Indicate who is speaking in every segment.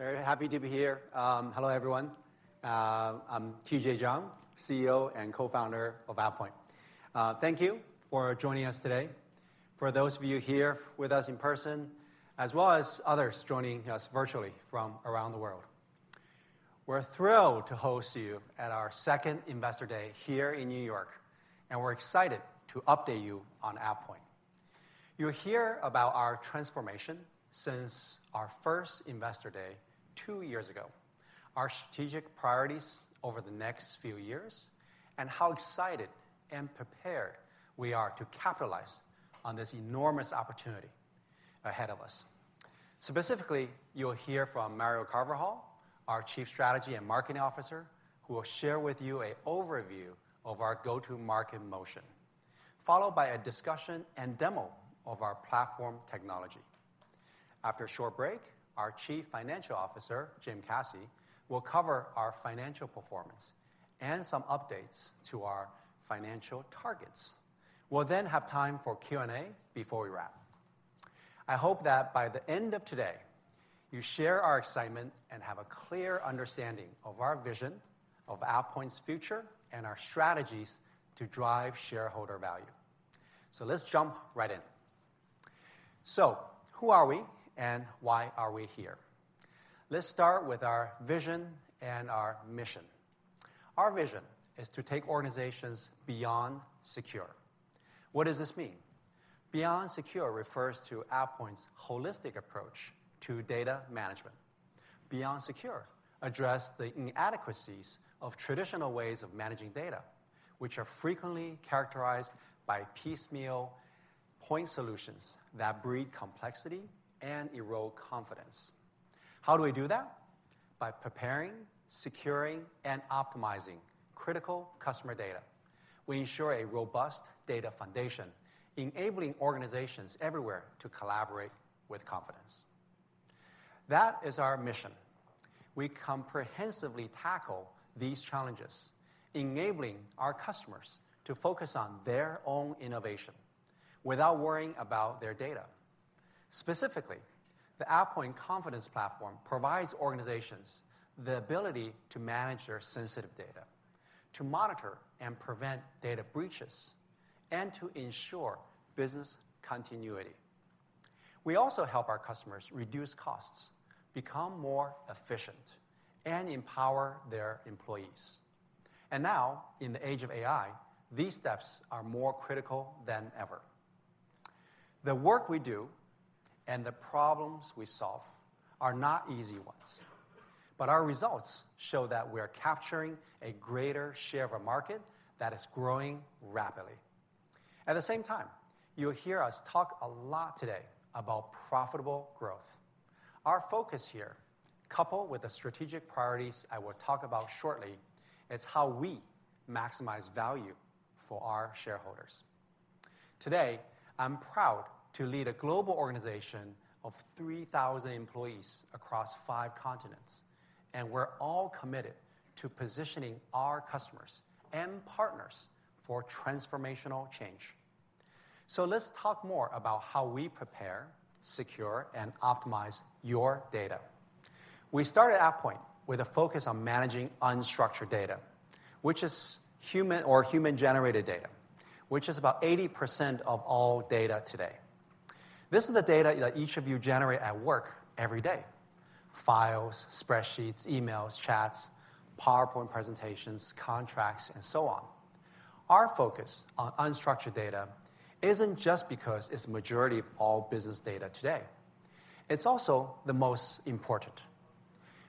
Speaker 1: Very happy to be here. Hello, everyone. I'm TJ Jiang, CEO and Co-founder of AvePoint. Thank you for joining us today. For those of you here with us in person, as well as others joining us virtually from around the world, we're thrilled to host you at our second Investor Day here in New York, and we're excited to update you on AvePoint. You'll hear about our transformation since our first Investor Day two years ago, our strategic priorities over the next few years, and how excited and prepared we are to capitalize on this enormous opportunity ahead of us. Specifically, you'll hear from Mario Carvajal, our Chief Strategy and Marketing Officer, who will share with you an overview of our go-to-market motion, followed by a discussion and demo of our platform technology. After a short break, our Chief Financial Officer, Jim Caci, will cover our financial performance and some updates to our financial targets. We'll then have time for Q&A before we wrap. I hope that by the end of today, you share our excitement and have a clear understanding of our vision of AvePoint's future and our strategies to drive shareholder value. So let's jump right in. So who are we and why are we here? Let's start with our vision and our mission. Our vision is to take organizations beyond secure. What does this mean? Beyond Secure refers to AvePoint's holistic approach to data management. Beyond Secure addresses the inadequacies of traditional ways of managing data, which are frequently characterized by piecemeal point solutions that breed complexity and erode confidence. How do we do that? By preparing, securing, and optimizing critical customer data. We ensure a robust data foundation, enabling organizations everywhere to collaborate with confidence. That is our mission. We comprehensively tackle these challenges, enabling our customers to focus on their own innovation without worrying about their data. Specifically, the AvePoint Confidence Platform provides organizations the ability to manage their sensitive data, to monitor and prevent data breaches, and to ensure business continuity. We also help our customers reduce costs, become more efficient, and empower their employees. And now, in the age of AI, these steps are more critical than ever. The work we do and the problems we solve are not easy ones, but our results show that we are capturing a greater share of a market that is growing rapidly. At the same time, you'll hear us talk a lot today about profitable growth. Our focus here, coupled with the strategic priorities I will talk about shortly, is how we maximize value for our shareholders. Today, I'm proud to lead a global organization of 3,000 employees across five continents, and we're all committed to positioning our customers and partners for transformational change. So let's talk more about how we prepare, secure, and optimize your data. We started AvePoint with a focus on managing unstructured data, which is human or human-generated data, which is about 80% of all data today. This is the data that each of you generates at work every day: files, spreadsheets, emails, chats, PowerPoint presentations, contracts, and so on. Our focus on unstructured data isn't just because it's the majority of all business data today. It's also the most important.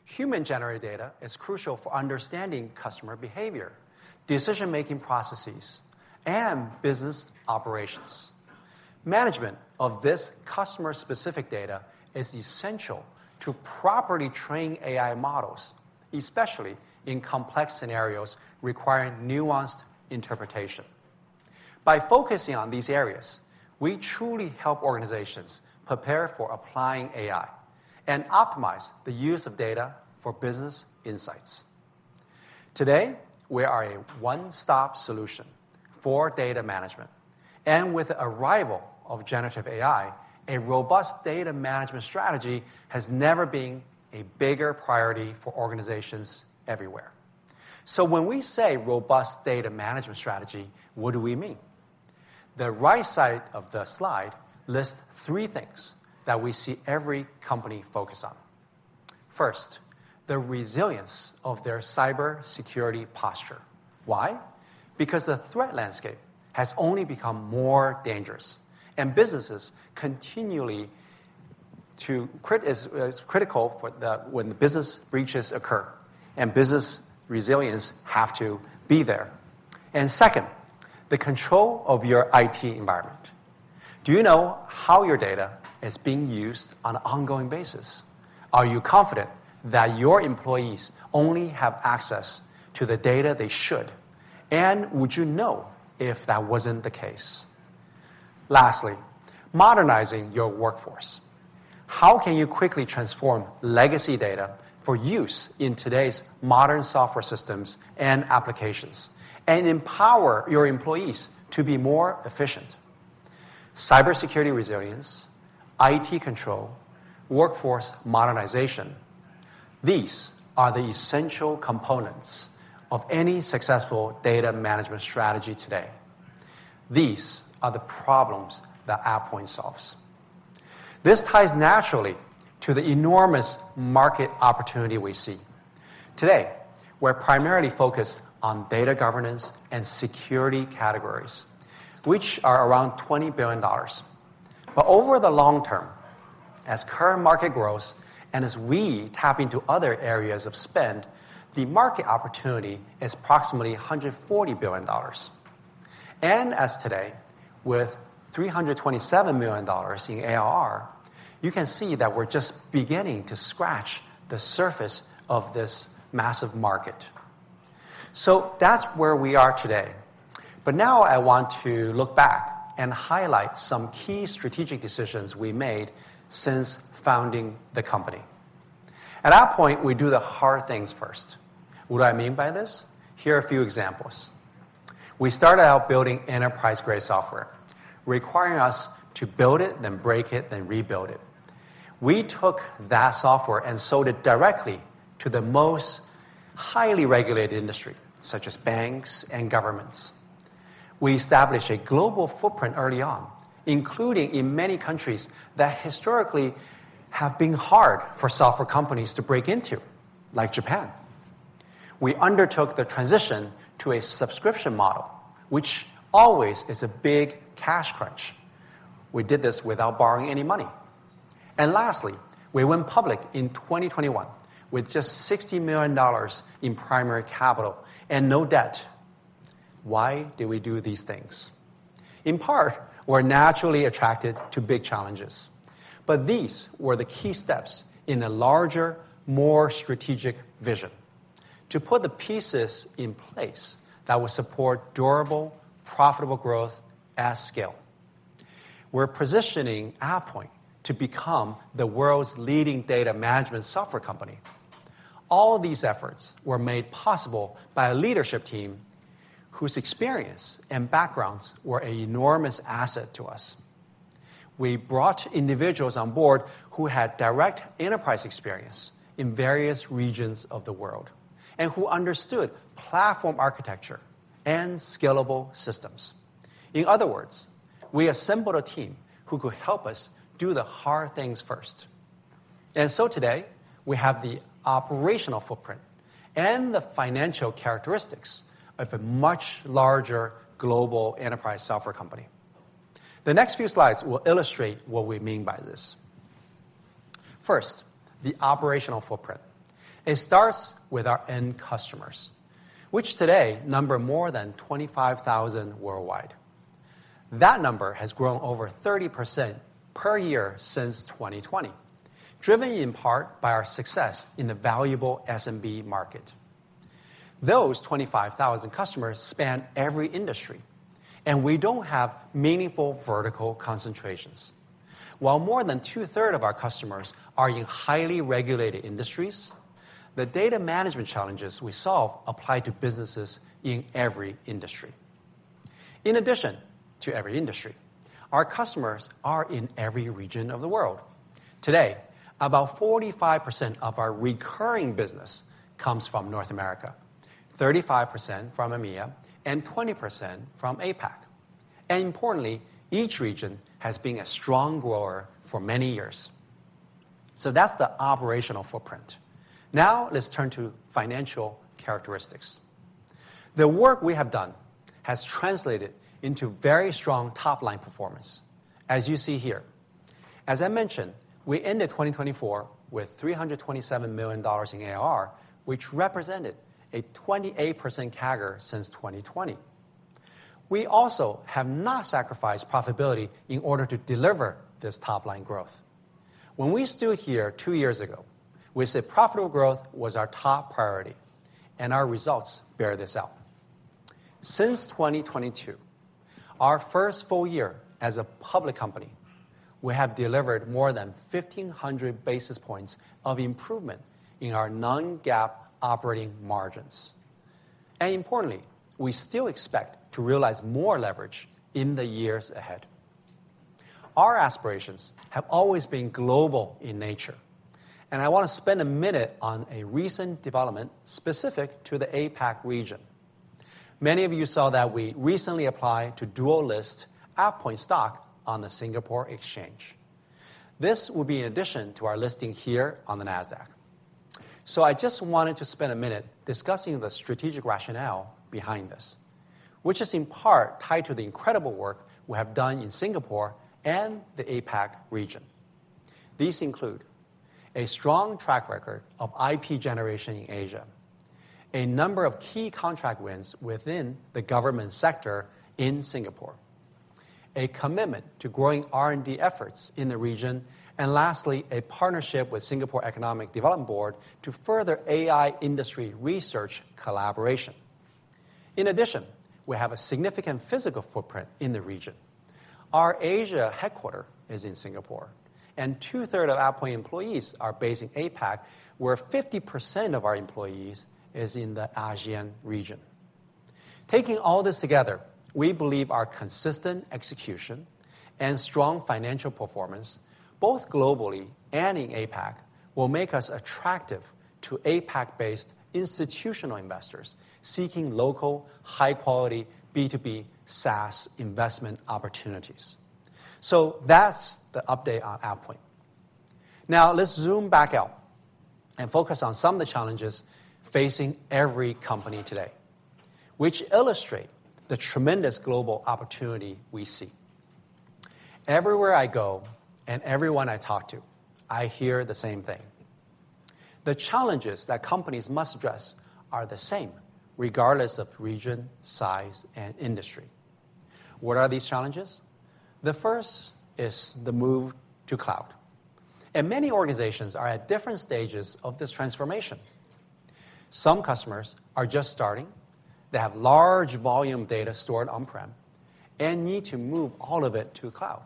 Speaker 1: Human-generated data is crucial for understanding customer behavior, decision-making processes, and business operations. Management of this customer-specific data is essential to properly train AI models, especially in complex scenarios requiring nuanced interpretation. By focusing on these areas, we truly help organizations prepare for applying AI and optimize the use of data for business insights. Today, we are a one-stop solution for data management. And with the arrival of generative AI, a robust data management strategy has never been a bigger priority for organizations everywhere. So when we say robust data management strategy, what do we mean? The right side of the slide lists three things that we see every company focus on. First, the resilience of their cybersecurity posture. Why? Because the threat landscape has only become more dangerous, and businesses continually. It's critical when business breaches occur, and business resilience has to be there. And second, the control of your IT environment. Do you know how your data is being used on an ongoing basis? Are you confident that your employees only have access to the data they should? And would you know if that wasn't the case? Lastly, modernizing your workforce. How can you quickly transform legacy data for use in today's modern software systems and applications and empower your employees to be more efficient? Cybersecurity resilience, IT control, workforce modernization. These are the essential components of any successful data management strategy today. These are the problems that AvePoint solves. This ties naturally to the enormous market opportunity we see. Today, we're primarily focused on data governance and security categories, which are around $20 billion. But over the long term, as current market grows and as we tap into other areas of spend, the market opportunity is approximately $140 billion. As of today, with $327 million in ARR, you can see that we're just beginning to scratch the surface of this massive market. So that's where we are today. But now I want to look back and highlight some key strategic decisions we made since founding the company. At AvePoint, we do the hard things first. What do I mean by this? Here are a few examples. We started out building enterprise-grade software, requiring us to build it, then break it, then rebuild it. We took that software and sold it directly to the most highly regulated industry, such as banks and governments. We established a global footprint early on, including in many countries that historically have been hard for software companies to break into, like Japan. We undertook the transition to a subscription model, which always is a big cash crunch. We did this without borrowing any money. And lastly, we went public in 2021 with just $60 million in primary capital and no debt. Why did we do these things? In part, we're naturally attracted to big challenges. But these were the key steps in a larger, more strategic vision to put the pieces in place that will support durable, profitable growth at scale. We're positioning AvePoint to become the world's leading data management software company. All these efforts were made possible by a leadership team whose experience and backgrounds were an enormous asset to us. We brought individuals on board who had direct enterprise experience in various regions of the world and who understood platform architecture and scalable systems. In other words, we assembled a team who could help us do the hard things first. And so today, we have the operational footprint and the financial characteristics of a much larger global enterprise software company. The next few slides will illustrate what we mean by this. First, the operational footprint. It starts with our end customers, which today number more than 25,000 worldwide. That number has grown over 30% per year since 2020, driven in part by our success in the valuable SMB market. Those 25,000 customers span every industry, and we don't have meaningful vertical concentrations. While more than 2/3 of our customers are in highly regulated industries, the data management challenges we solve apply to businesses in every industry. In addition to every industry, our customers are in every region of the world. Today, about 45% of our recurring business comes from North America, 35% from EMEA, and 20% from APAC, and importantly, each region has been a strong grower for many years, so that's the operational footprint. Now let's turn to financial characteristics. The work we have done has translated into very strong top-line performance, as you see here. As I mentioned, we ended 2024 with $327 million in ARR, which represented a 28% CAGR since 2020. We also have not sacrificed profitability in order to deliver this top-line growth. When we stood here two years ago, we said profitable growth was our top priority, and our results bear this out. Since 2022, our first full year as a public company, we have delivered more than 1,500 basis points of improvement in our non-GAAP operating margins, and importantly, we still expect to realize more leverage in the years ahead. Our aspirations have always been global in nature, and I want to spend a minute on a recent development specific to the APAC region. Many of you saw that we recently applied to dual-list AvePoint stock on the Singapore Exchange. This will be in addition to our listing here on the Nasdaq, so I just wanted to spend a minute discussing the strategic rationale behind this, which is in part tied to the incredible work we have done in Singapore and the APAC region. These include a strong track record of IP generation in Asia, a number of key contract wins within the government sector in Singapore, a commitment to growing R&D efforts in the region, and lastly, a partnership with the Singapore Economic Development Board to further AI industry research collaboration. In addition, we have a significant physical footprint in the region. Our Asia headquarters is in Singapore, and 2/3 of AvePoint employees are based in APAC, where 50% of our employees is in the ASEAN region. Taking all this together, we believe our consistent execution and strong financial performance, both globally and in APAC, will make us attractive to APAC-based institutional investors seeking local, high-quality B2B SaaS investment opportunities. So that's the update on AvePoint. Now let's zoom back out and focus on some of the challenges facing every company today, which illustrate the tremendous global opportunity we see. Everywhere I go and everyone I talk to, I hear the same thing. The challenges that companies must address are the same regardless of region, size, and industry. What are these challenges? The first is the move to cloud. And many organizations are at different stages of this transformation. Some customers are just starting. They have large volume data stored on-prem and need to move all of it to cloud.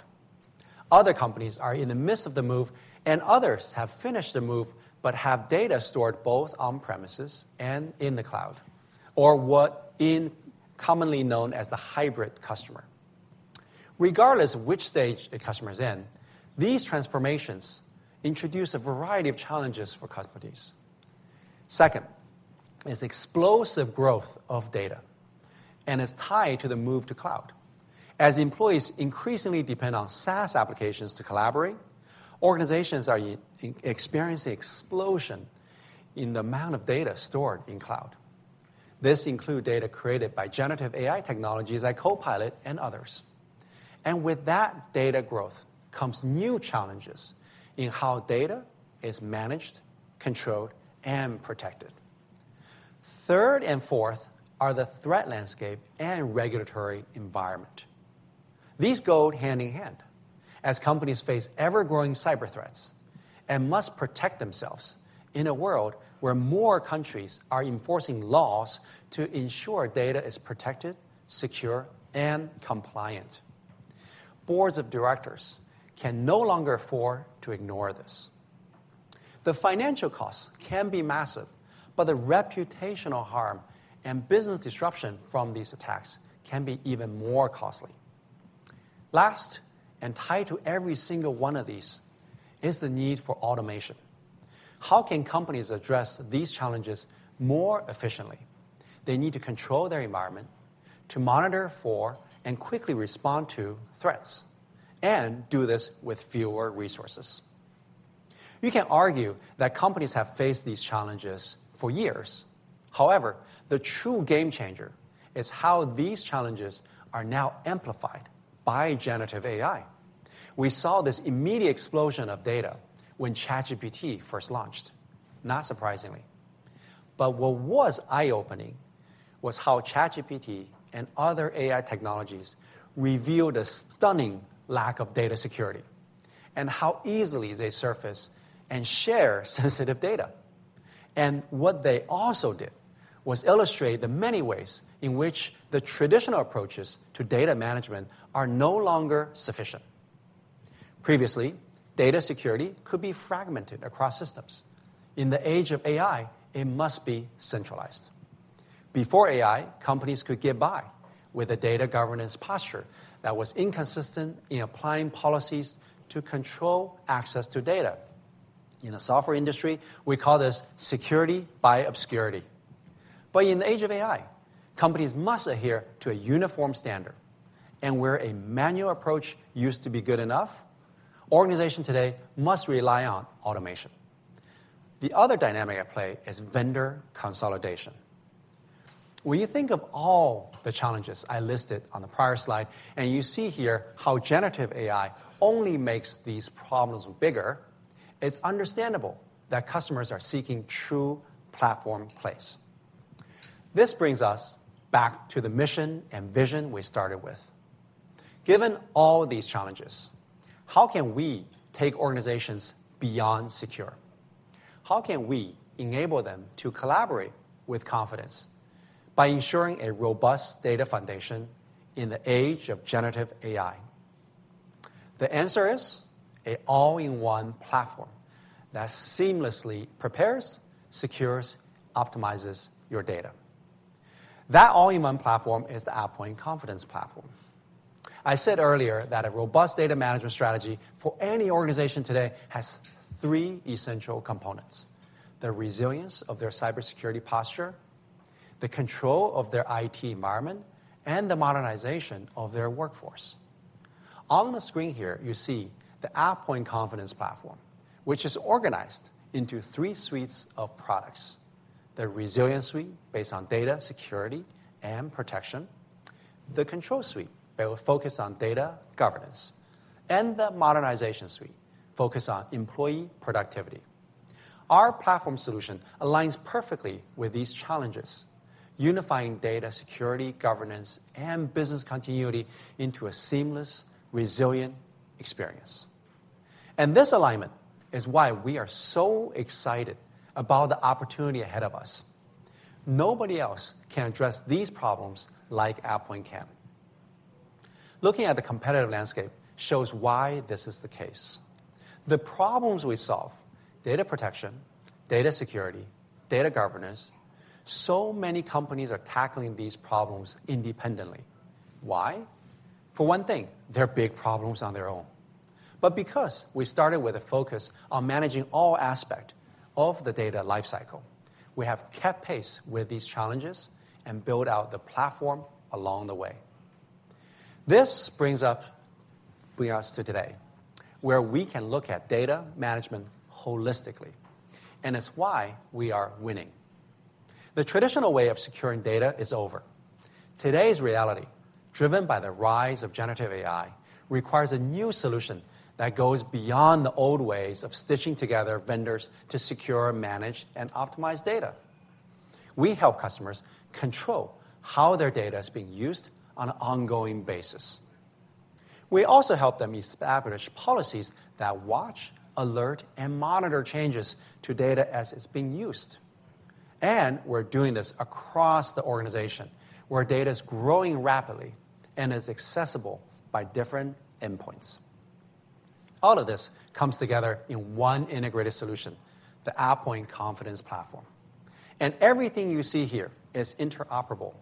Speaker 1: Other companies are in the midst of the move, and others have finished the move but have data stored both on-premises and in the cloud, or what is commonly known as the hybrid customer. Regardless of which stage the customer is in, these transformations introduce a variety of challenges for companies. Second is explosive growth of data, and it's tied to the move to cloud. As employees increasingly depend on SaaS applications to collaborate, organizations are experiencing an explosion in the amount of data stored in cloud. This includes data created by generative AI technologies like Copilot and others, and with that data growth comes new challenges in how data is managed, controlled, and protected. Third and fourth are the threat landscape and regulatory environment. These go hand in hand as companies face ever-growing cyber threats and must protect themselves in a world where more countries are enforcing laws to ensure data is protected, secure, and compliant. Boards of directors can no longer afford to ignore this. The financial costs can be massive, but the reputational harm and business disruption from these attacks can be even more costly. Last, and tied to every single one of these, is the need for automation. How can companies address these challenges more efficiently? They need to control their environment, to monitor for and quickly respond to threats, and do this with fewer resources. You can argue that companies have faced these challenges for years. However, the true game changer is how these challenges are now amplified by generative AI. We saw this immediate explosion of data when ChatGPT first launched, not surprisingly. But what was eye-opening was how ChatGPT and other AI technologies revealed a stunning lack of data security and how easily they surface and share sensitive data. And what they also did was illustrate the many ways in which the traditional approaches to data management are no longer sufficient. Previously, data security could be fragmented across systems. In the age of AI, it must be centralized. Before AI, companies could get by with a data governance posture that was inconsistent in applying policies to control access to data. In the software industry, we call this security by obscurity. But in the age of AI, companies must adhere to a uniform standard. And where a manual approach used to be good enough, organizations today must rely on automation. The other dynamic at play is vendor consolidation. When you think of all the challenges I listed on the prior slide, and you see here how generative AI only makes these problems bigger, it's understandable that customers are seeking true platform plays. This brings us back to the mission and vision we started with. Given all these challenges, how can we take organizations beyond secure? How can we enable them to collaborate with confidence by ensuring a robust data foundation in the age of generative AI? The answer is an all-in-one platform that seamlessly prepares, secures, and optimizes your data. That all-in-one platform is the AvePoint Confidence Platform. I said earlier that a robust data management strategy for any organization today has three essential components: the resilience of their cybersecurity posture, the control of their IT environment, and the modernization of their workforce. On the screen here, you see the AvePoint Confidence Platform, which is organized into three suites of products: the Resilience Suite based on data security and protection, the Control Suite that will focus on data governance, and the Modernization Suite focused on employee productivity. Our platform solution aligns perfectly with these challenges, unifying data security, governance, and business continuity into a seamless, resilient experience. And this alignment is why we are so excited about the opportunity ahead of us. Nobody else can address these problems like AvePoint can. Looking at the competitive landscape shows why this is the case. The problems we solve: data protection, data security, data governance. So many companies are tackling these problems independently. Why? For one thing, they're big problems on their own. But because we started with a focus on managing all aspects of the data lifecycle, we have kept pace with these challenges and built out the platform along the way. This brings us to today, where we can look at data management holistically. And it's why we are winning. The traditional way of securing data is over. Today's reality, driven by the rise of generative AI, requires a new solution that goes beyond the old ways of stitching together vendors to secure, manage, and optimize data. We help customers control how their data is being used on an ongoing basis. We also help them establish policies that watch, alert, and monitor changes to data as it's being used. And we're doing this across the organization, where data is growing rapidly and is accessible by different endpoints. All of this comes together in one integrated solution, the AvePoint Confidence Platform. And everything you see here is interoperable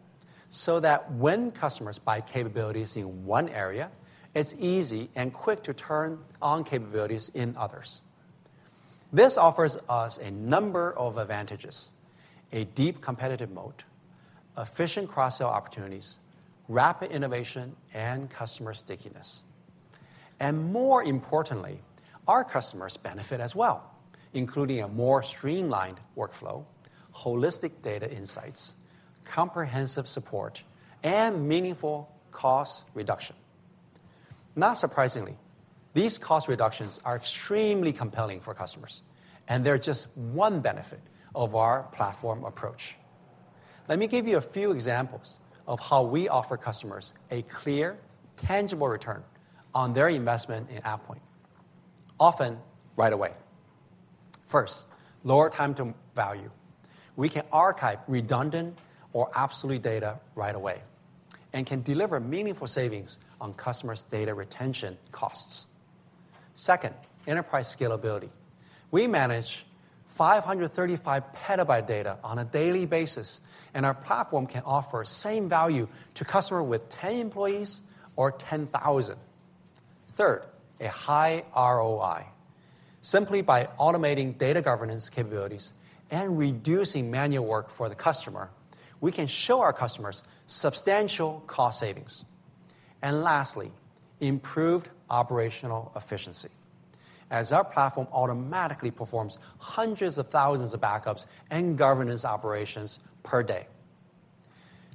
Speaker 1: so that when customers buy capabilities in one area, it's easy and quick to turn on capabilities in others. This offers us a number of advantages: a deep competitive moat, efficient cross-sale opportunities, rapid innovation, and customer stickiness. And more importantly, our customers benefit as well, including a more streamlined workflow, holistic data insights, comprehensive support, and meaningful cost reduction. Not surprisingly, these cost reductions are extremely compelling for customers, and they're just one benefit of our platform approach. Let me give you a few examples of how we offer customers a clear, tangible return on their investment in AvePoint, often right away. First, lower time to value. We can archive redundant or obsolete data right away and can deliver meaningful savings on customers' data retention costs. Second, enterprise scalability. We manage 535 PB of data on a daily basis, and our platform can offer the same value to a customer with 10 employees or 10,000. Third, a high ROI. Simply by automating data governance capabilities and reducing manual work for the customer, we can show our customers substantial cost savings. Lastly, improved operational efficiency, as our platform automatically performs hundreds of thousands of backups and governance operations per day.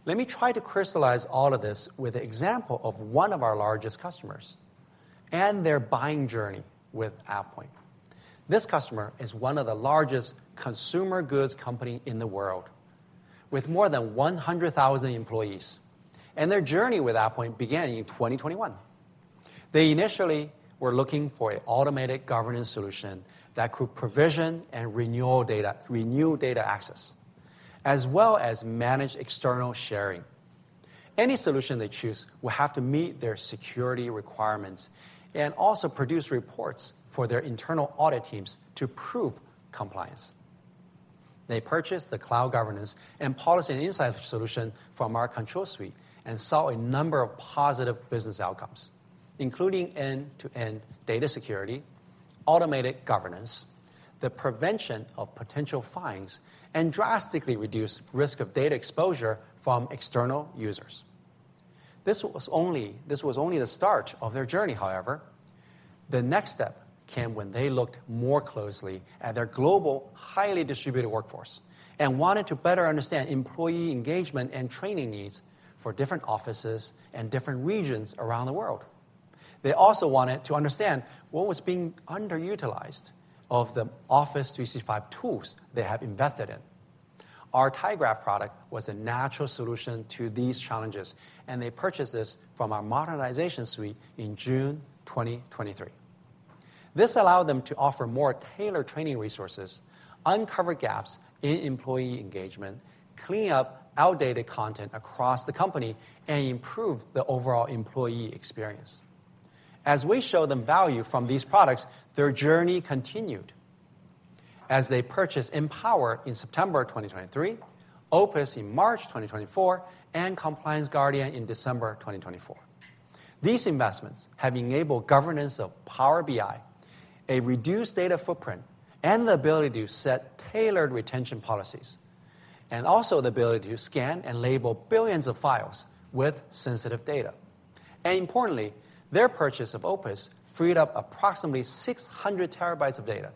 Speaker 1: Let me try to crystallize all of this with an example of one of our largest customers and their buying journey with AvePoint. This customer is one of the largest consumer goods companies in the world, with more than 100,000 employees, and their journey with AvePoint began in 2021. They initially were looking for an automated governance solution that could provision and renew data access, as well as manage external sharing. Any solution they choose will have to meet their security requirements and also produce reports for their internal audit teams to prove compliance. They purchased the Cloud Governance and Policies & Insights solution from our Control Suite and saw a number of positive business outcomes, including end-to-end data security, automated governance, the prevention of potential fines, and drastically reduced risk of data exposure from external users. This was only the start of their journey, however. The next step came when they looked more closely at their global, highly distributed workforce and wanted to better understand employee engagement and training needs for different offices and different regions around the world. They also wanted to understand what was being underutilized of the Office 365 tools they have invested in. Our tyGraph product was a natural solution to these challenges, and they purchased this from our Modernization Suite in June 2023. This allowed them to offer more tailored training resources, uncover gaps in employee engagement, clean up outdated content across the company, and improve the overall employee experience. As we showed them value from these products, their journey continued. As they purchased EnPower in September 2023, Opus in March 2024, and Compliance Guardian in December 2024, these investments have enabled governance of Power BI, a reduced data footprint, and the ability to set tailored retention policies, and also the ability to scan and label billions of files with sensitive data. And importantly, their purchase of Opus freed up approximately 600 TB of data,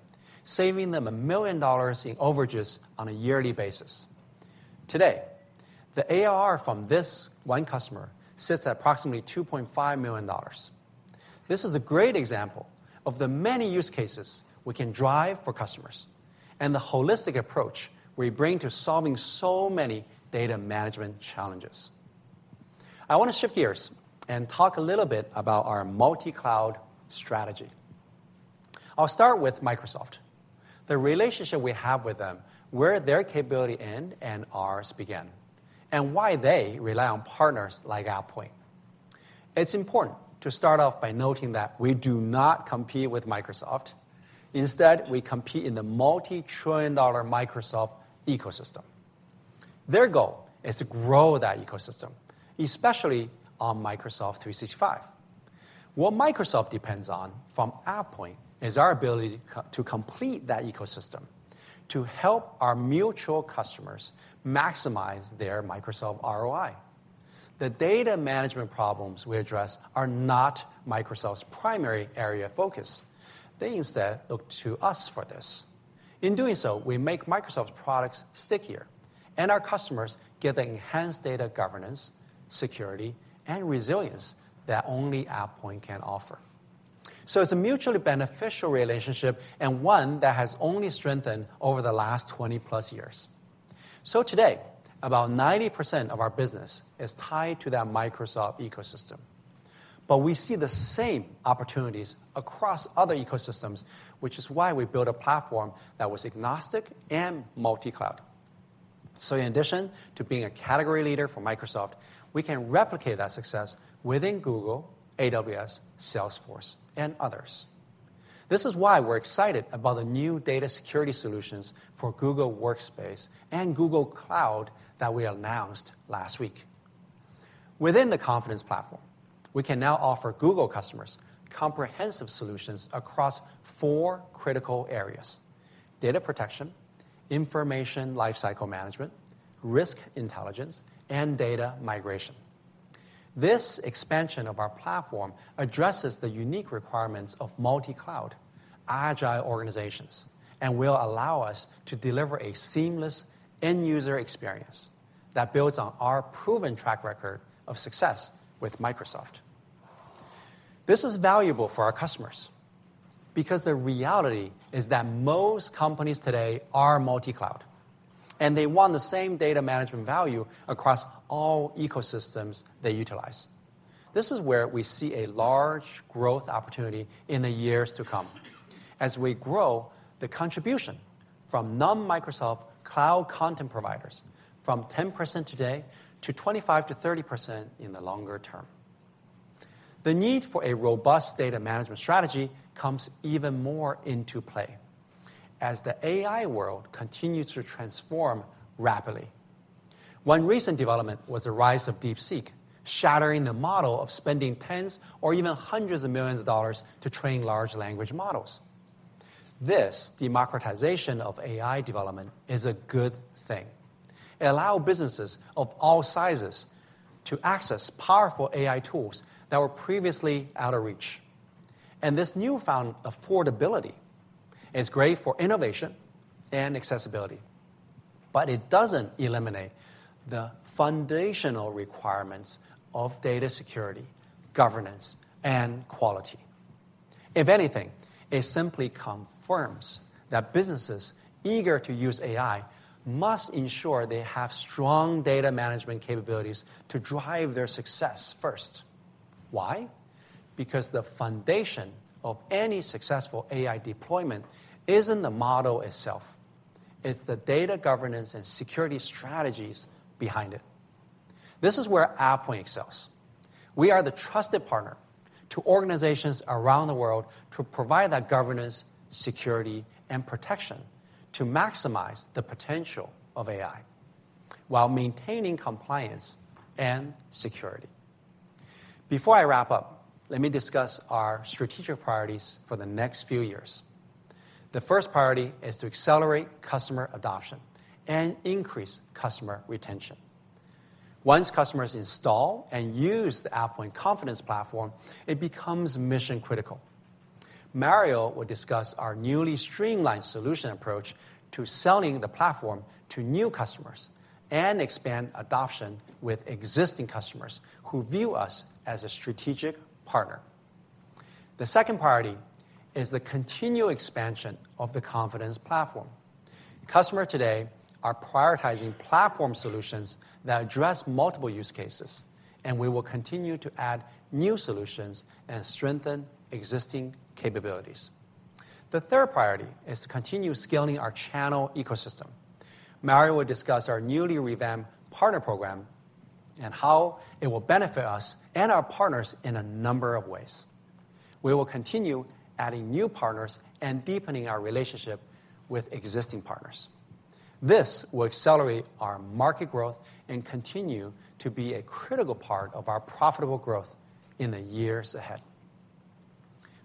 Speaker 1: saving them $1 million in overages on a yearly basis. Today, the ARR from this one customer sits at approximately $2.5 million. This is a great example of the many use cases we can drive for customers and the holistic approach we bring to solving so many data management challenges. I want to shift gears and talk a little bit about our multi-cloud strategy. I'll start with Microsoft, the relationship we have with them, where their capability ends and ours began, and why they rely on partners like AvePoint. It's important to start off by noting that we do not compete with Microsoft. Instead, we compete in the multi-trillion-dollar Microsoft ecosystem. Their goal is to grow that ecosystem, especially on Microsoft 365. What Microsoft depends on from AvePoint is our ability to complete that ecosystem to help our mutual customers maximize their Microsoft ROI. The data management problems we address are not Microsoft's primary area of focus. They instead look to us for this. In doing so, we make Microsoft's products stickier, and our customers get the enhanced data governance, security, and resilience that only AvePoint can offer. So it's a mutually beneficial relationship and one that has only strengthened over the last 20+ years. So today, about 90% of our business is tied to that Microsoft ecosystem. But we see the same opportunities across other ecosystems, which is why we built a platform that was agnostic and multi-cloud. So in addition to being a category leader for Microsoft, we can replicate that success within Google, AWS, Salesforce, and others. This is why we're excited about the new data security solutions for Google Workspace and Google Cloud that we announced last week. Within the Confidence Platform, we can now offer Google customers comprehensive solutions across four critical areas: data protection, information lifecycle management, risk intelligence, and data migration. This expansion of our platform addresses the unique requirements of multi-cloud, agile organizations, and will allow us to deliver a seamless end-user experience that builds on our proven track record of success with Microsoft. This is valuable for our customers because the reality is that most companies today are multi-cloud, and they want the same data management value across all ecosystems they utilize. This is where we see a large growth opportunity in the years to come. As we grow, the contribution from non-Microsoft cloud content providers is from 10% today to 25%-30% in the longer term. The need for a robust data management strategy comes even more into play as the AI world continues to transform rapidly. One recent development was the rise of DeepSeek, shattering the model of spending tens or even hundreds of millions of dollars to train large language models. This democratization of AI development is a good thing. It allows businesses of all sizes to access powerful AI tools that were previously out of reach, and this newfound affordability is great for innovation and accessibility, but it doesn't eliminate the foundational requirements of data security, governance, and quality. If anything, it simply confirms that businesses eager to use AI must ensure they have strong data management capabilities to drive their success first. Why? Because the foundation of any successful AI deployment isn't the model itself. It's the data governance and security strategies behind it. This is where AvePoint excels. We are the trusted partner to organizations around the world to provide that governance, security, and protection to maximize the potential of AI while maintaining compliance and security. Before I wrap up, let me discuss our strategic priorities for the next few years. The first priority is to accelerate customer adoption and increase customer retention. Once customers install and use the AvePoint Confidence Platform, it becomes mission-critical. Mario will discuss our newly streamlined solution approach to selling the platform to new customers and expand adoption with existing customers who view us as a strategic partner. The second priority is the continual expansion of the Confidence Platform. Customers today are prioritizing platform solutions that address multiple use cases, and we will continue to add new solutions and strengthen existing capabilities. The third priority is to continue scaling our channel ecosystem. Mario will discuss our newly revamped partner program and how it will benefit us and our partners in a number of ways. We will continue adding new partners and deepening our relationship with existing partners. This will accelerate our market growth and continue to be a critical part of our profitable growth in the years ahead.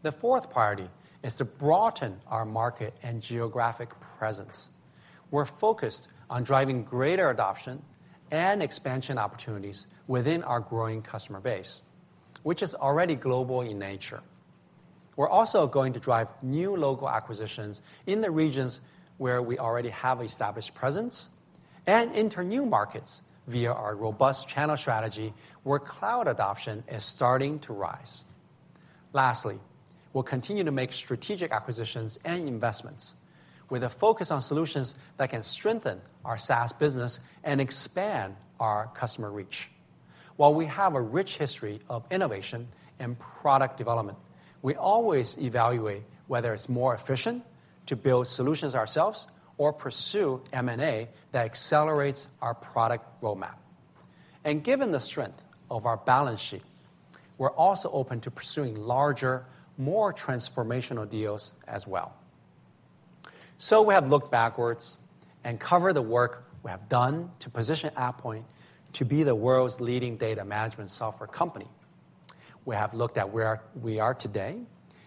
Speaker 1: The fourth priority is to broaden our market and geographic presence. We're focused on driving greater adoption and expansion opportunities within our growing customer base, which is already global in nature. We're also going to drive new local acquisitions in the regions where we already have an established presence and enter new markets via our robust channel strategy where cloud adoption is starting to rise. Lastly, we'll continue to make strategic acquisitions and investments with a focus on solutions that can strengthen our SaaS business and expand our customer reach. While we have a rich history of innovation and product development, we always evaluate whether it's more efficient to build solutions ourselves or pursue M&A that accelerates our product roadmap. And given the strength of our balance sheet, we're also open to pursuing larger, more transformational deals as well. So we have looked backwards and covered the work we have done to position AvePoint to be the world's leading data management software company. We have looked at where we are today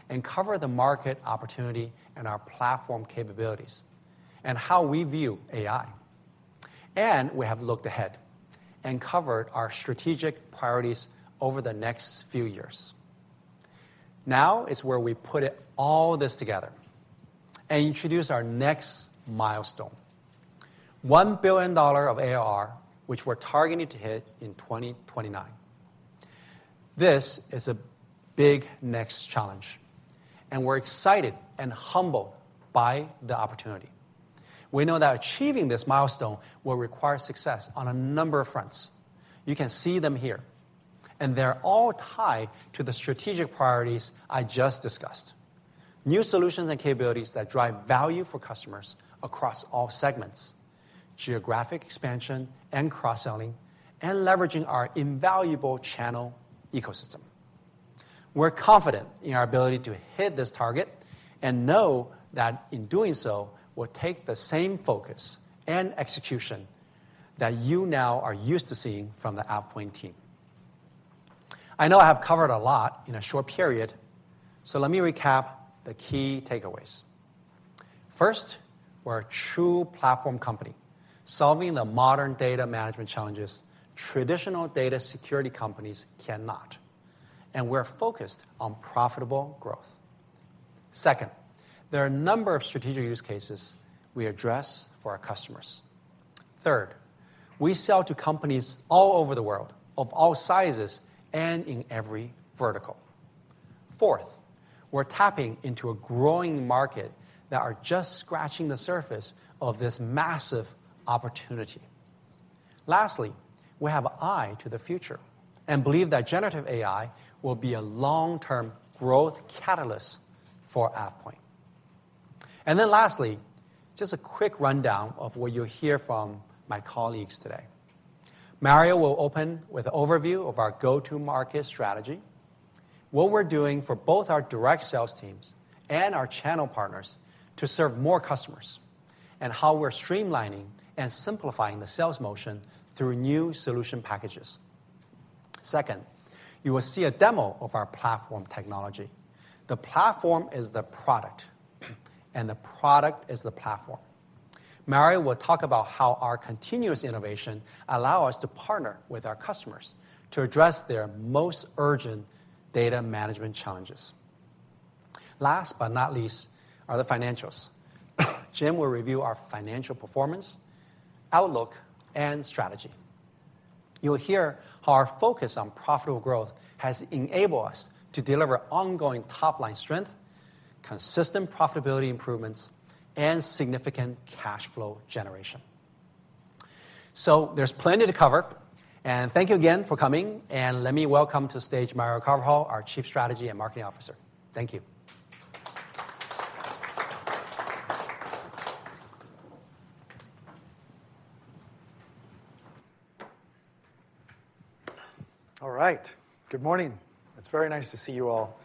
Speaker 1: and covered the market opportunity and our platform capabilities and how we view AI. And we have looked ahead and covered our strategic priorities over the next few years. Now is where we put all this together and introduce our next milestone: $1 billion of ARR, which we're targeting to hit in 2029. This is a big next challenge, and we're excited and humbled by the opportunity. We know that achieving this milestone will require success on a number of fronts. You can see them here, and they're all tied to the strategic priorities I just discussed: new solutions and capabilities that drive value for customers across all segments, geographic expansion and cross-selling, and leveraging our invaluable channel ecosystem. We're confident in our ability to hit this target and know that in doing so, we'll take the same focus and execution that you now are used to seeing from the AvePoint team. I know I have covered a lot in a short period, so let me recap the key takeaways. First, we're a true platform company solving the modern data management challenges traditional data security companies cannot, and we're focused on profitable growth. Second, there are a number of strategic use cases we address for our customers. Third, we sell to companies all over the world of all sizes and in every vertical. Fourth, we're tapping into a growing market that is just scratching the surface of this massive opportunity. Lastly, we have an eye to the future and believe that generative AI will be a long-term growth catalyst for AvePoint, and then lastly, just a quick rundown of what you'll hear from my colleagues today. Mario will open with an overview of our go-to-market strategy, what we're doing for both our direct sales teams and our channel partners to serve more customers, and how we're streamlining and simplifying the sales motion through new solution packages. Second, you will see a demo of our platform technology. The platform is the product, and the product is the platform. Mario will talk about how our continuous innovation allows us to partner with our customers to address their most urgent data management challenges. Last but not least are the financials. Jim will review our financial performance, outlook, and strategy. You'll hear how our focus on profitable growth has enabled us to deliver ongoing top-line strength, consistent profitability improvements, and significant cash flow generation. So there's plenty to cover, and thank you again for coming. And let me welcome to the stage Mario Carvajal, our Chief Strategy and Marketing Officer. Thank you.
Speaker 2: All right. Good morning. It's very nice to see you all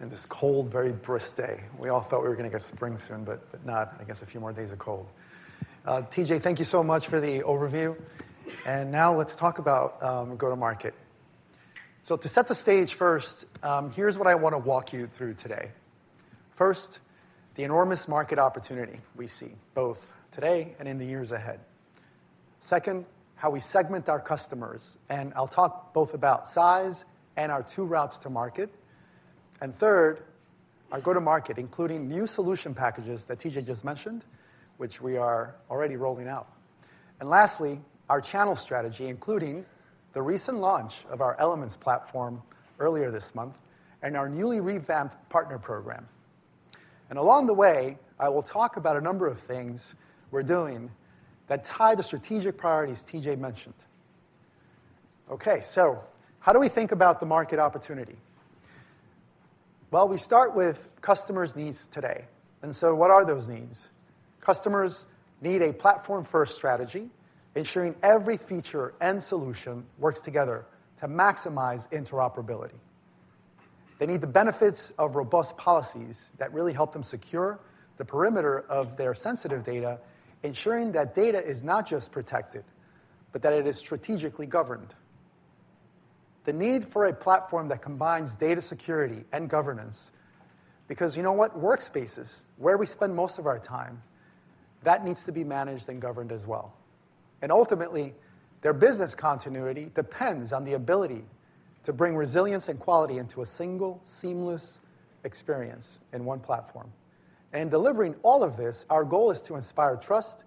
Speaker 2: in this cold, very brisk day. We all thought we were going to get spring soon, but not. I guess a few more days of cold. TJ, thank you so much for the overview. And now let's talk about go-to-market. So to set the stage first, here's what I want to walk you through today. First, the enormous market opportunity we see both today and in the years ahead. Second, how we segment our customers. And I'll talk both about size and our two routes to market. And third, our go-to-market, including new solution packages that TJ just mentioned, which we are already rolling out. And lastly, our channel strategy, including the recent launch of our Elements Platform earlier this month and our newly revamped partner program. And along the way, I will talk about a number of things we're doing that tie the strategic priorities TJ mentioned. Okay, so how do we think about the market opportunity? Well, we start with customers' needs today. And so what are those needs? Customers need a platform-first strategy, ensuring every feature and solution works together to maximize interoperability. They need the benefits of robust policies that really help them secure the perimeter of their sensitive data, ensuring that data is not just protected, but that it is strategically governed. The need for a platform that combines data security and governance, because you know what? Workspaces, where we spend most of our time, that needs to be managed and governed as well, and ultimately, their business continuity depends on the ability to bring resilience and quality into a single, seamless experience in one platform. And in delivering all of this, our goal is to inspire trust,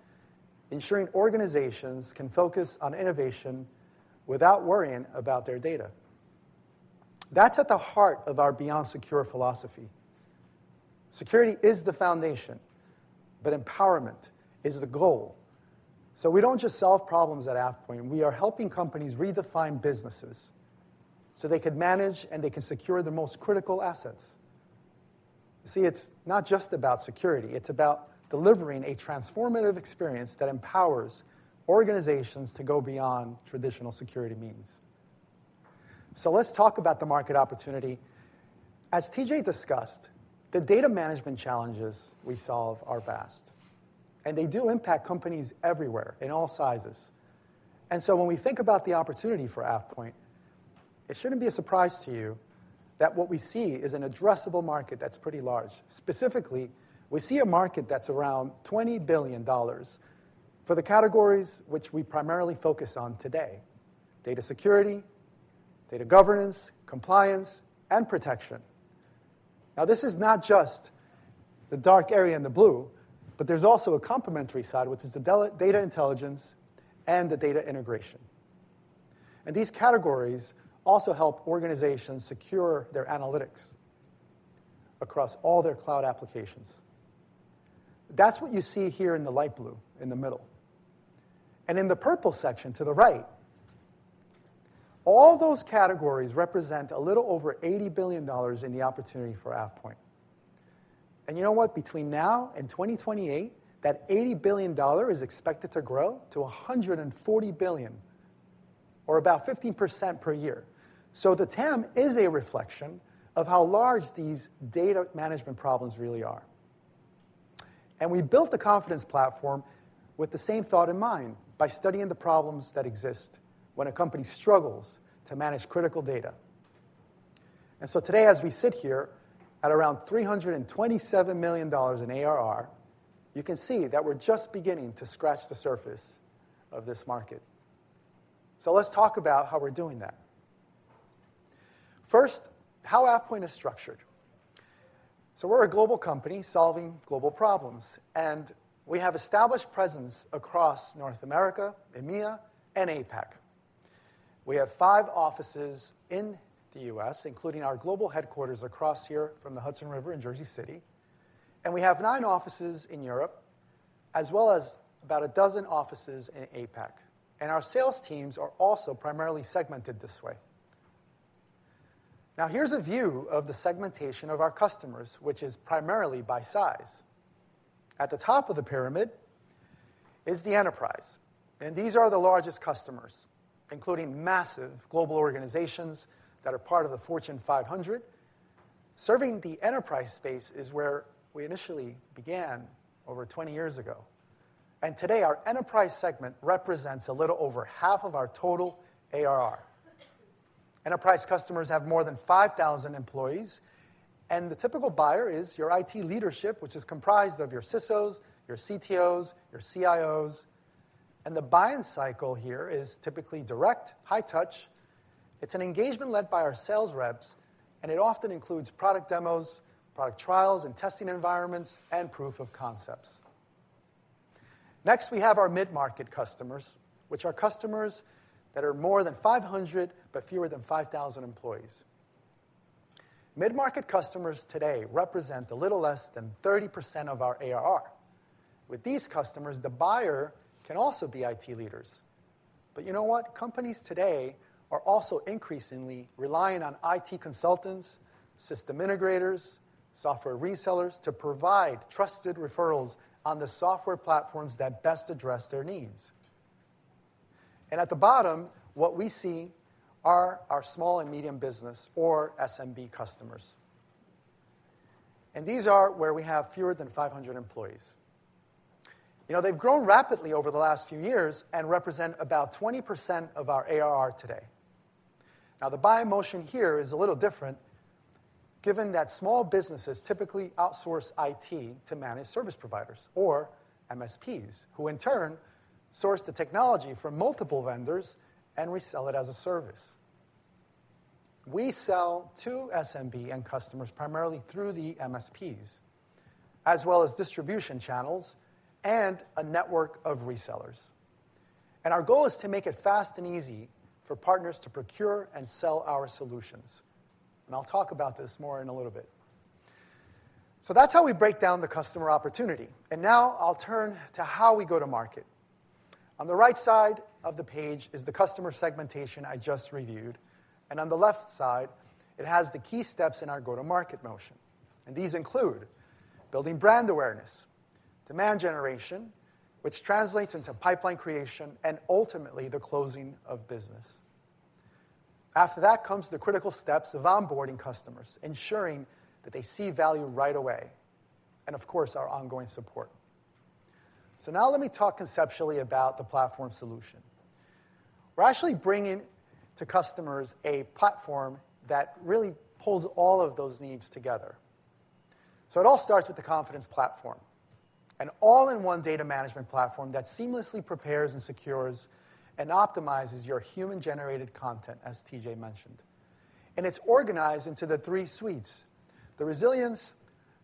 Speaker 2: ensuring organizations can focus on innovation without worrying about their data. That's at the heart of our Beyond Secure philosophy. Security is the foundation, but empowerment is the goal, so we don't just solve problems at AvePoint. We are helping companies redefine businesses so they can manage and they can secure the most critical assets. You see, it's not just about security. It's about delivering a transformative experience that empowers organizations to go beyond traditional security means, so let's talk about the market opportunity. As TJ discussed, the data management challenges we solve are vast, and they do impact companies everywhere in all sizes, and so when we think about the opportunity for AvePoint, it shouldn't be a surprise to you that what we see is an addressable market that's pretty large. Specifically, we see a market that's around $20 billion for the categories which we primarily focus on today: data security, data governance, compliance, and protection. Now, this is not just the dark area in the blue, but there's also a complementary side, which is the data intelligence and the data integration, and these categories also help organizations secure their analytics across all their cloud applications. That's what you see here in the light blue in the middle, and in the purple section to the right, all those categories represent a little over $80 billion in the opportunity for AvePoint. You know what? Between now and 2028, that $80 billion is expected to grow to $140 billion, or about 50% per year. So the TAM is a reflection of how large these data management problems really are. And we built the Confidence Platform with the same thought in mind, by studying the problems that exist when a company struggles to manage critical data. And so today, as we sit here at around $327 million in ARR, you can see that we're just beginning to scratch the surface of this market. So let's talk about how we're doing that. First, how AvePoint is structured. So we're a global company solving global problems, and we have established presence across North America, EMEA, and APAC. We have five offices in the U.S., including our global headquarters across here from the Hudson River in Jersey City. We have nine offices in Europe, as well as about a dozen offices in APAC. Our sales teams are also primarily segmented this way. Now, here's a view of the segmentation of our customers, which is primarily by size. At the top of the pyramid is the enterprise. These are the largest customers, including massive global organizations that are part of the Fortune 500. Serving the enterprise space is where we initially began over 20 years ago. Today, our enterprise segment represents a little over half of our total ARR. Enterprise customers have more than 5,000 employees, and the typical buyer is your IT leadership, which is comprised of your CISOs, your CTOs, your CIOs. The buying cycle here is typically direct, high touch. It's an engagement led by our sales reps, and it often includes product demos, product trials and testing environments, and proof of concepts. Next, we have our mid-market customers, which are customers that are more than 500, but fewer than 5,000 employees. Mid-market customers today represent a little less than 30% of our ARR. With these customers, the buyer can also be IT leaders. But you know what? Companies today are also increasingly relying on IT consultants, system integrators, software resellers to provide trusted referrals on the software platforms that best address their needs. And at the bottom, what we see are our small and medium business, or SMB, customers. And these are where we have fewer than 500 employees. They've grown rapidly over the last few years and represent about 20% of our ARR today. Now, the buying motion here is a little different, given that small businesses typically outsource IT to managed service providers, or MSPs, who in turn source the technology from multiple vendors and resell it as a service. We sell to SMB and customers primarily through the MSPs, as well as distribution channels and a network of resellers. And our goal is to make it fast and easy for partners to procure and sell our solutions. And I'll talk about this more in a little bit. So that's how we break down the customer opportunity. And now I'll turn to how we go to market. On the right side of the page is the customer segmentation I just reviewed. And on the left side, it has the key steps in our go-to-market motion. And these include building brand awareness, demand generation, which translates into pipeline creation, and ultimately the closing of business. After that comes the critical steps of onboarding customers, ensuring that they see value right away, and of course, our ongoing support. So now let me talk conceptually about the platform solution. We're actually bringing to customers a platform that really pulls all of those needs together. So it all starts with the Confidence Platform, an all-in-one data management platform that seamlessly prepares and secures and optimizes your human-generated content, as TJ mentioned. And it's organized into the three suites: the Resilience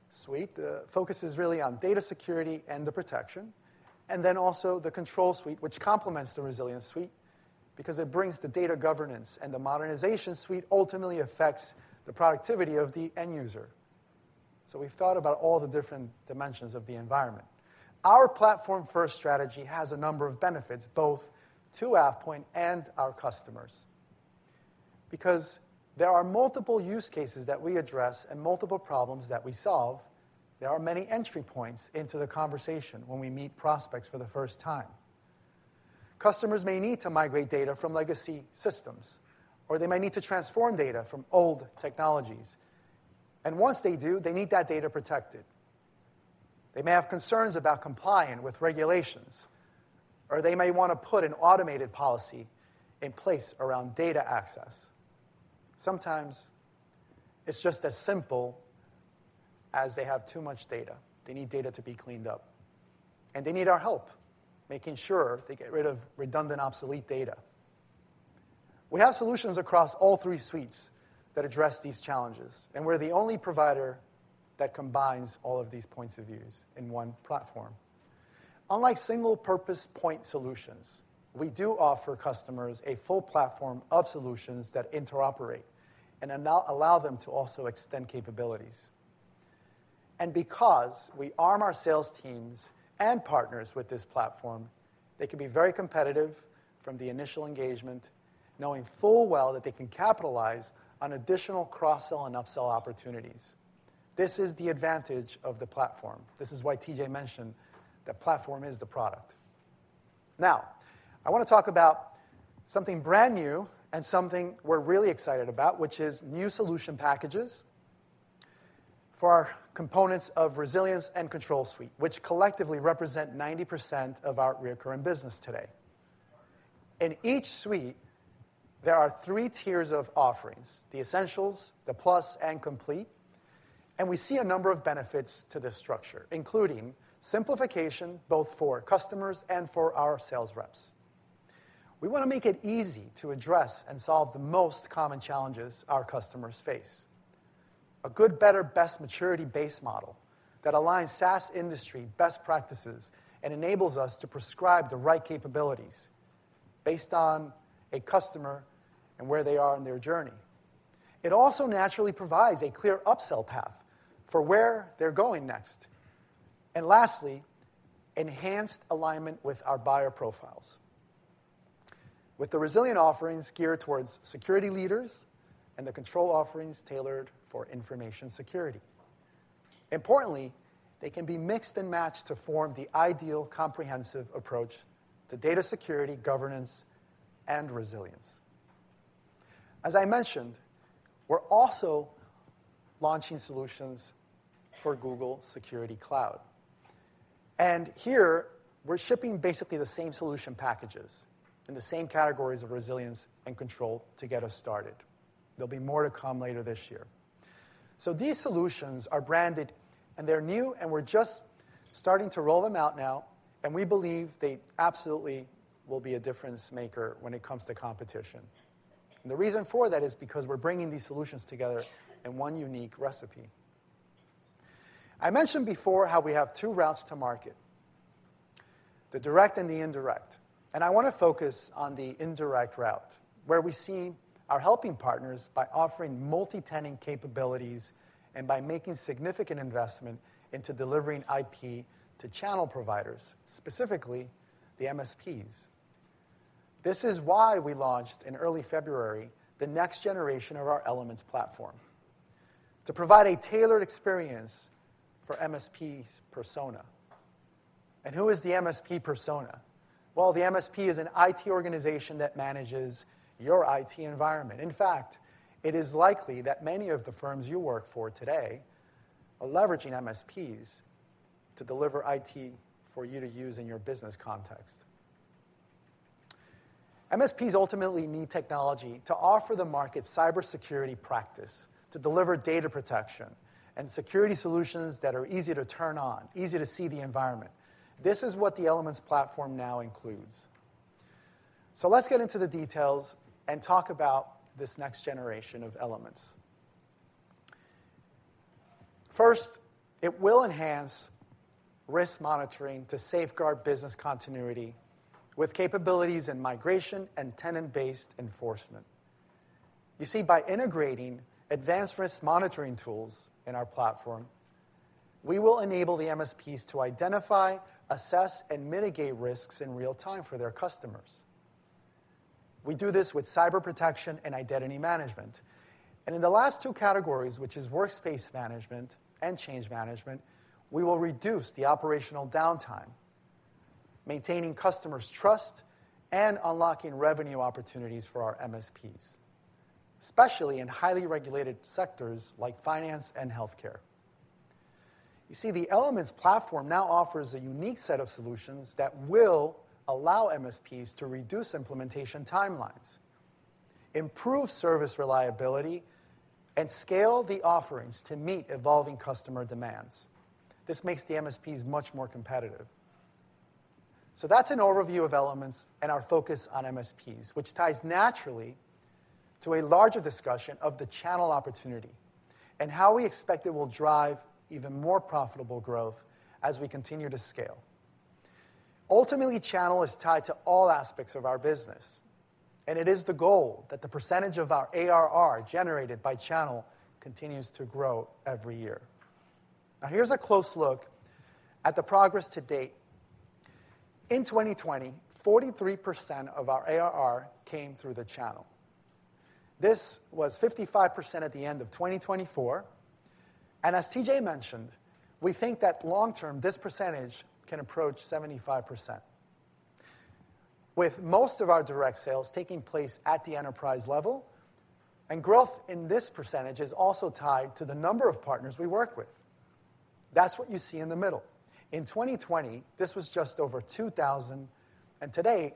Speaker 2: Suite, that focuses really on data security and the protection, and then also the Control Suite, which complements the Resilience Suite because it brings the data governance, and the Modernization Suite ultimately affects the productivity of the end user. So we've thought about all the different dimensions of the environment. Our platform-first strategy has a number of benefits, both to AvePoint and our customers. Because there are multiple use cases that we address and multiple problems that we solve, there are many entry points into the conversation when we meet prospects for the first time. Customers may need to migrate data from legacy systems, or they might need to transform data from old technologies. And once they do, they need that data protected. They may have concerns about complying with regulations, or they may want to put an automated policy in place around data access. Sometimes it's just as simple as they have too much data. They need data to be cleaned up. And they need our help, making sure they get rid of redundant, obsolete data. We have solutions across all three suites that address these challenges. We're the only provider that combines all of these points of view in one platform. Unlike single-purpose point solutions, we do offer customers a full platform of solutions that interoperate and allow them to also extend capabilities. And because we arm our sales teams and partners with this platform, they can be very competitive from the initial engagement, knowing full well that they can capitalize on additional cross-sell and upsell opportunities. This is the advantage of the platform. This is why TJ mentioned that platform is the product. Now, I want to talk about something brand new and something we're really excited about, which is new solution packages for our components of Resilience and Control Suite, which collectively represent 90% of our recurring business today. In each suite, there are three tiers of offerings: the Essentials, the Plus, and Complete. We see a number of benefits to this structure, including simplification both for customers and for our sales reps. We want to make it easy to address and solve the most common challenges our customers face: a good, better, best maturity-based model that aligns SaaS industry best practices and enables us to prescribe the right capabilities based on a customer and where they are in their journey. It also naturally provides a clear upsell path for where they're going next. Lastly, enhanced alignment with our buyer profiles, with the Resilience offerings geared towards security leaders and the Control offerings tailored for information security. Importantly, they can be mixed and matched to form the ideal comprehensive approach to data security, governance, and resilience. As I mentioned, we're also launching solutions for Google Security Cloud. Here, we're shipping basically the same solution packages in the same categories of Resilience and Control to get us started. There'll be more to come later this year. So these solutions are branded, and they're new, and we're just starting to roll them out now. And we believe they absolutely will be a difference maker when it comes to competition. And the reason for that is because we're bringing these solutions together in one unique recipe. I mentioned before how we have two routes to market: the direct and the indirect. And I want to focus on the indirect route, where we see us helping partners by offering multi-tenant capabilities and by making significant investment into delivering IP to channel providers, specifically the MSPs. This is why we launched in early February the next generation of our Elements Platform, to provide a tailored experience for MSPs' persona. Who is the MSP persona? The MSP is an IT organization that manages your IT environment. In fact, it is likely that many of the firms you work for today are leveraging MSPs to deliver IT for you to use in your business context. MSPs ultimately need technology to offer the market cybersecurity practice, to deliver data protection and security solutions that are easy to turn on, easy to see the environment. This is what the Elements Platform now includes. Let's get into the details and talk about this next generation of Elements. First, it will enhance risk monitoring to safeguard business continuity with capabilities in migration and tenant-based enforcement. You see, by integrating advanced risk monitoring tools in our platform, we will enable the MSPs to identify, assess, and mitigate risks in real time for their customers. We do this with cyber protection and identity management. In the last two categories, which are workspace management and change management, we will reduce the operational downtime, maintaining customers' trust and unlocking revenue opportunities for our MSPs, especially in highly regulated sectors like finance and healthcare. You see, the Elements Platform now offers a unique set of solutions that will allow MSPs to reduce implementation timelines, improve service reliability, and scale the offerings to meet evolving customer demands. This makes the MSPs much more competitive. That's an overview of Elements and our focus on MSPs, which ties naturally to a larger discussion of the channel opportunity and how we expect it will drive even more profitable growth as we continue to scale. Ultimately, channel is tied to all aspects of our business. It is the goal that the percentage of our ARR generated by channel continues to grow every year. Now, here's a close look at the progress to date. In 2020, 43% of our ARR came through the channel. This was 55% at the end of 2024, and as TJ mentioned, we think that long-term, this percentage can approach 75%, with most of our direct sales taking place at the enterprise level, and growth in this percentage is also tied to the number of partners we work with. That's what you see in the middle. In 2020, this was just over 2,000, and today,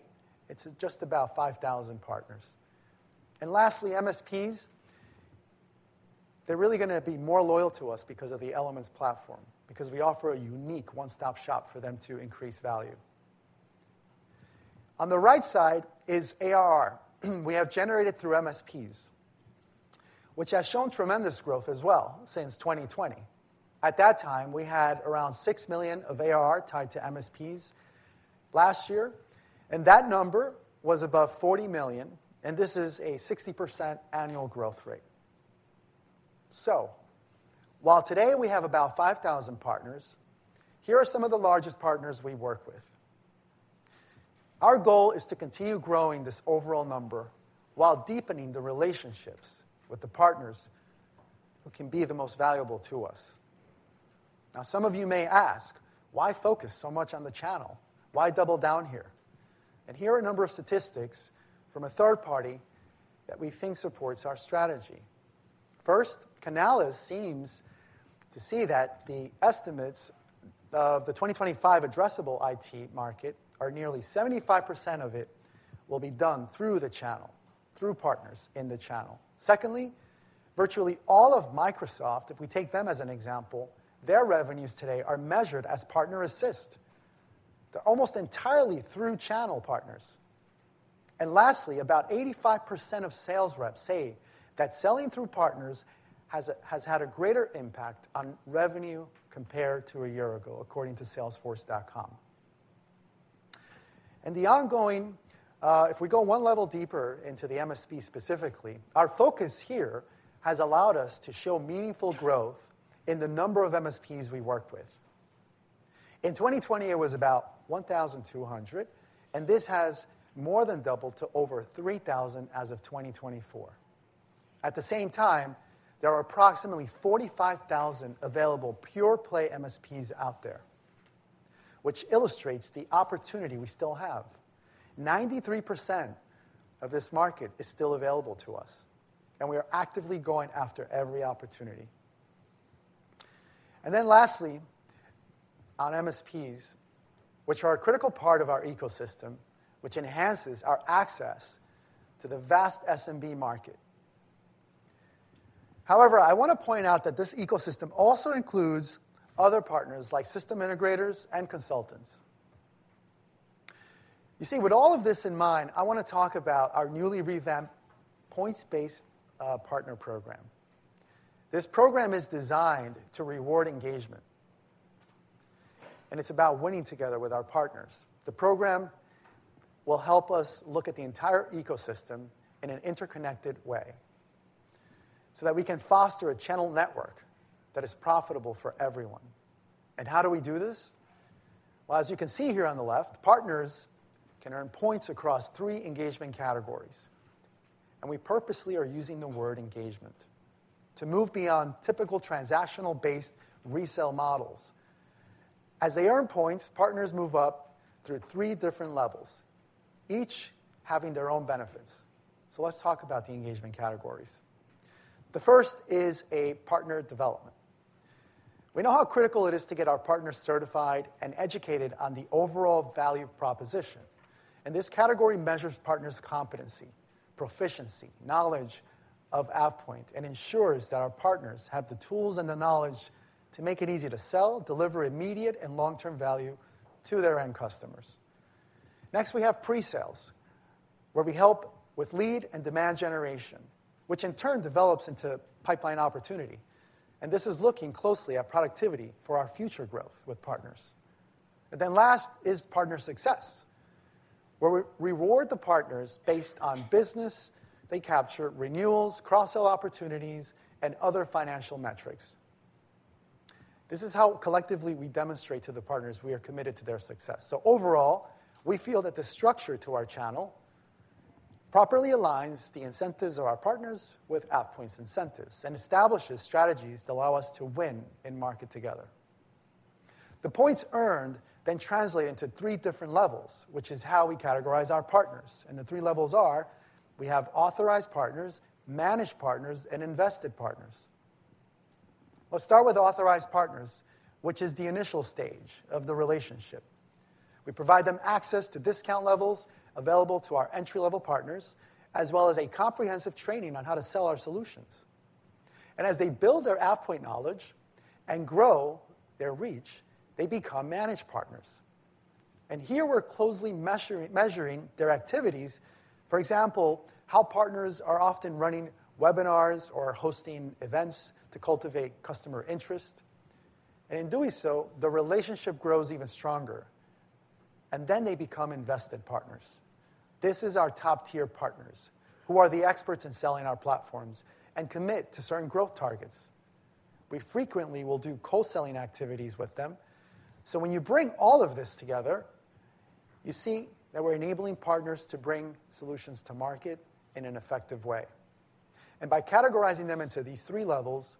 Speaker 2: it's just about 5,000 partners, and lastly, MSPs, they're really going to be more loyal to us because of the Elements Platform, because we offer a unique one-stop shop for them to increase value. On the right side is ARR we have generated through MSPs, which has shown tremendous growth as well since 2020. At that time, we had around 6 million of ARR tied to MSPs last year, and that number was about 40 million. And this is a 60% annual growth rate, so while today we have about 5,000 partners, here are some of the largest partners we work with. Our goal is to continue growing this overall number while deepening the relationships with the partners who can be the most valuable to us. Now, some of you may ask, why focus so much on the channel? Why double down here, and here are a number of statistics from a third party that we think supports our strategy. First, Canalys seems to see that the estimates of the 2025 addressable IT market are nearly 75% of it will be done through the channel, through partners in the channel. Secondly, virtually all of Microsoft, if we take them as an example, their revenues today are measured as partner assist. They're almost entirely through channel partners. And lastly, about 85% of sales reps say that selling through partners has had a greater impact on revenue compared to a year ago, according to Salesforce. And if we go one level deeper into the MSP specifically, our focus here has allowed us to show meaningful growth in the number of MSPs we work with. In 2020, it was about 1,200. And this has more than doubled to over 3,000 as of 2024. At the same time, there are approximately 45,000 available pure-play MSPs out there, which illustrates the opportunity we still have. 93% of this market is still available to us. And we are actively going after every opportunity. And then lastly, on MSPs, which are a critical part of our ecosystem, which enhances our access to the vast SMB market. However, I want to point out that this ecosystem also includes other partners like system integrators and consultants. You see, with all of this in mind, I want to talk about our newly revamped Points-Based Partner Program. This program is designed to reward engagement. And it's about winning together with our partners. The program will help us look at the entire ecosystem in an interconnected way so that we can foster a channel network that is profitable for everyone. And how do we do this? Well, as you can see here on the left, partners can earn points across three engagement categories. And we purposely are using the word engagement to move beyond typical transactional-based resale models. As they earn points, partners move up through three different levels, each having their own benefits. So let's talk about the engagement categories. The first is a Partner Development. We know how critical it is to get our partners certified and educated on the overall value proposition. And this category measures partners' competency, proficiency, knowledge of AvePoint, and ensures that our partners have the tools and the knowledge to make it easy to sell, deliver immediate and long-term value to their end customers. Next, we have Pre-Sales, where we help with lead and demand generation, which in turn develops into pipeline opportunity. And this is looking closely at productivity for our future growth with partners. And then last is Partner Success, where we reward the partners based on business they capture, renewals, cross-sell opportunities, and other financial metrics. This is how collectively we demonstrate to the partners we are committed to their success. So overall, we feel that the structure to our channel properly aligns the incentives of our partners with AvePoint's incentives and establishes strategies to allow us to win in market together. The points earned then translate into three different levels, which is how we categorize our partners. And the three levels are: we have Authorized Partners, Managed Partners, and Invested Partners. Let's start with Authorized Partners, which is the initial stage of the relationship. We provide them access to discount levels available to our entry-level partners, as well as comprehensive training on how to sell our solutions. And as they build their AvePoint knowledge and grow their reach, they become Managed Partners. And here, we're closely measuring their activities. For example, how partners are often running webinars or hosting events to cultivate customer interest. In doing so, the relationship grows even stronger and then they become Invested Partners. This is our top-tier partners who are the experts in selling our platforms and commit to certain growth targets. We frequently will do co-selling activities with them, so when you bring all of this together, you see that we're enabling partners to bring solutions to market in an effective way, and by categorizing them into these three levels,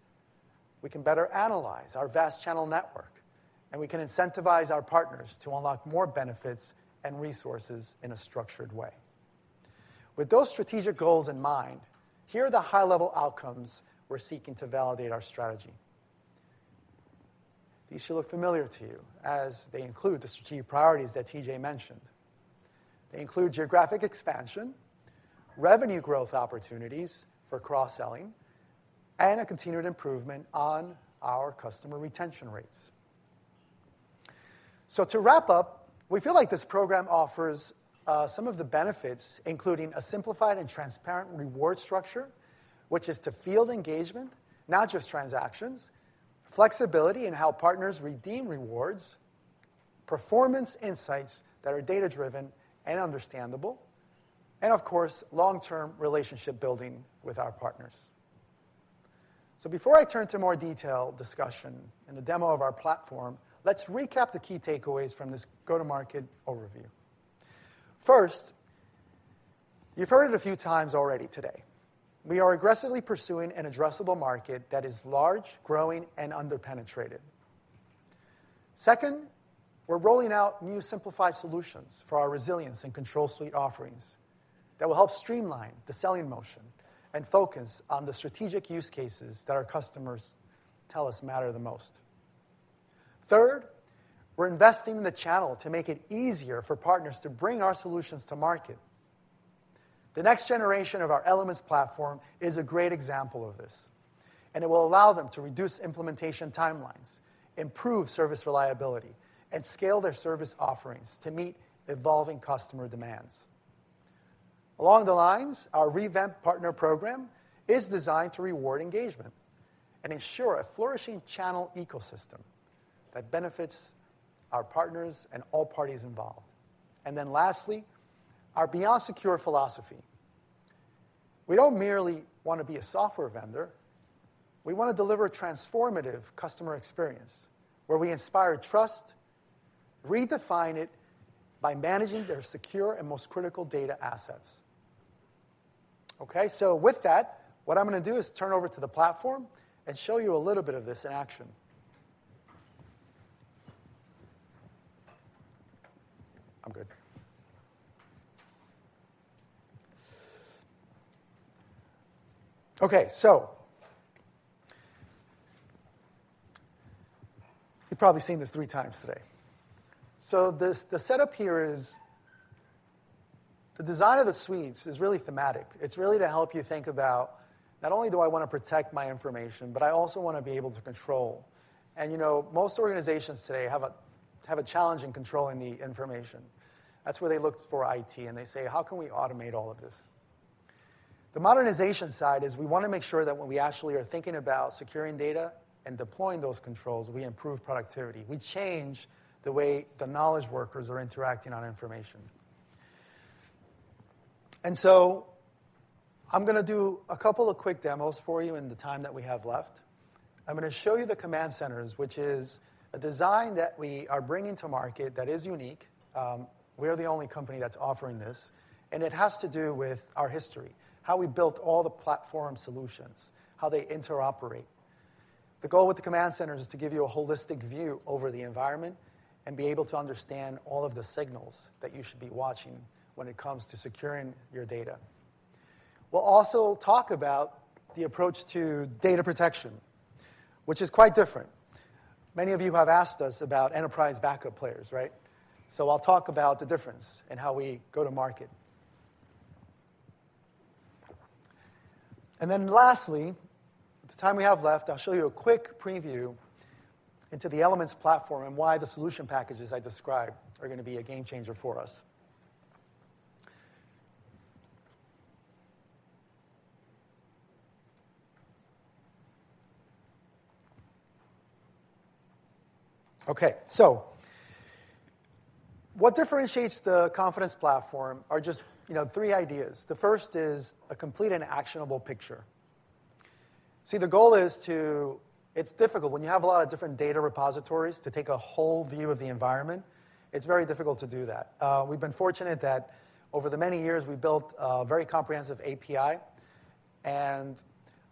Speaker 2: we can better analyze our vast channel network, and we can incentivize our partners to unlock more benefits and resources in a structured way. With those strategic goals in mind, here are the high-level outcomes we're seeking to validate our strategy. These should look familiar to you, as they include the strategic priorities that TJ mentioned. They include geographic expansion, revenue growth opportunities for cross-selling, and a continued improvement on our customer retention rates. So to wrap up, we feel like this program offers some of the benefits, including a simplified and transparent reward structure, which is tied to field engagement, not just transactions, flexibility in how partners redeem rewards, performance insights that are data-driven and understandable, and of course, long-term relationship building with our partners. So before I turn to more detailed discussion in the demo of our platform, let's recap the key takeaways from this go-to-market overview. First, you've heard it a few times already today. We are aggressively pursuing an addressable market that is large, growing, and underpenetrated. Second, we're rolling out new simplified solutions for our Resilience and Control Suite offerings that will help streamline the selling motion and focus on the strategic use cases that our customers tell us matter the most. Third, we're investing in the channel to make it easier for partners to bring our solutions to market. The next generation of our Elements Platform is a great example of this. It will allow them to reduce implementation timelines, improve service reliability, and scale their service offerings to meet evolving customer demands. Along those lines, our revamped partner program is designed to reward engagement and ensure a flourishing channel ecosystem that benefits our partners and all parties involved. Then lastly, our Beyond Secure philosophy. We don't merely want to be a software vendor. We want to deliver a transformative customer experience where we inspire trust, redefine it by managing their secure and most critical data assets. Okay, so with that, what I'm going to do is turn over to the platform and show you a little bit of this in action. I'm good. Okay, so you've probably seen this three times today. The setup here is the design of the suites is really thematic. It's really to help you think about not only do I want to protect my information, but I also want to be able to control, and most organizations today have a challenge in controlling the information. That's where they look for IT, and they say, how can we automate all of this? The modernization side is we want to make sure that when we actually are thinking about securing data and deploying those controls, we improve productivity. We change the way the knowledge workers are interacting on information, and so I'm going to do a couple of quick demos for you in the time that we have left. I'm going to show you the command centers, which is a design that we are bringing to market that is unique. We are the only company that's offering this. And it has to do with our history, how we built all the platform solutions, how they interoperate. The goal with the command centers is to give you a holistic view over the environment and be able to understand all of the signals that you should be watching when it comes to securing your data. We'll also talk about the approach to data protection, which is quite different. Many of you have asked us about enterprise backup players, right? So I'll talk about the difference and how we go to market. And then lastly, the time we have left, I'll show you a quick preview into the Elements Platform and why the solution packages I described are going to be a game changer for us. Okay, so what differentiates the Confidence Platform are just three ideas. The first is a complete and actionable picture. See, the goal is to, it's difficult when you have a lot of different data repositories to take a whole view of the environment. It's very difficult to do that. We've been fortunate that over the many years, we built a very comprehensive API and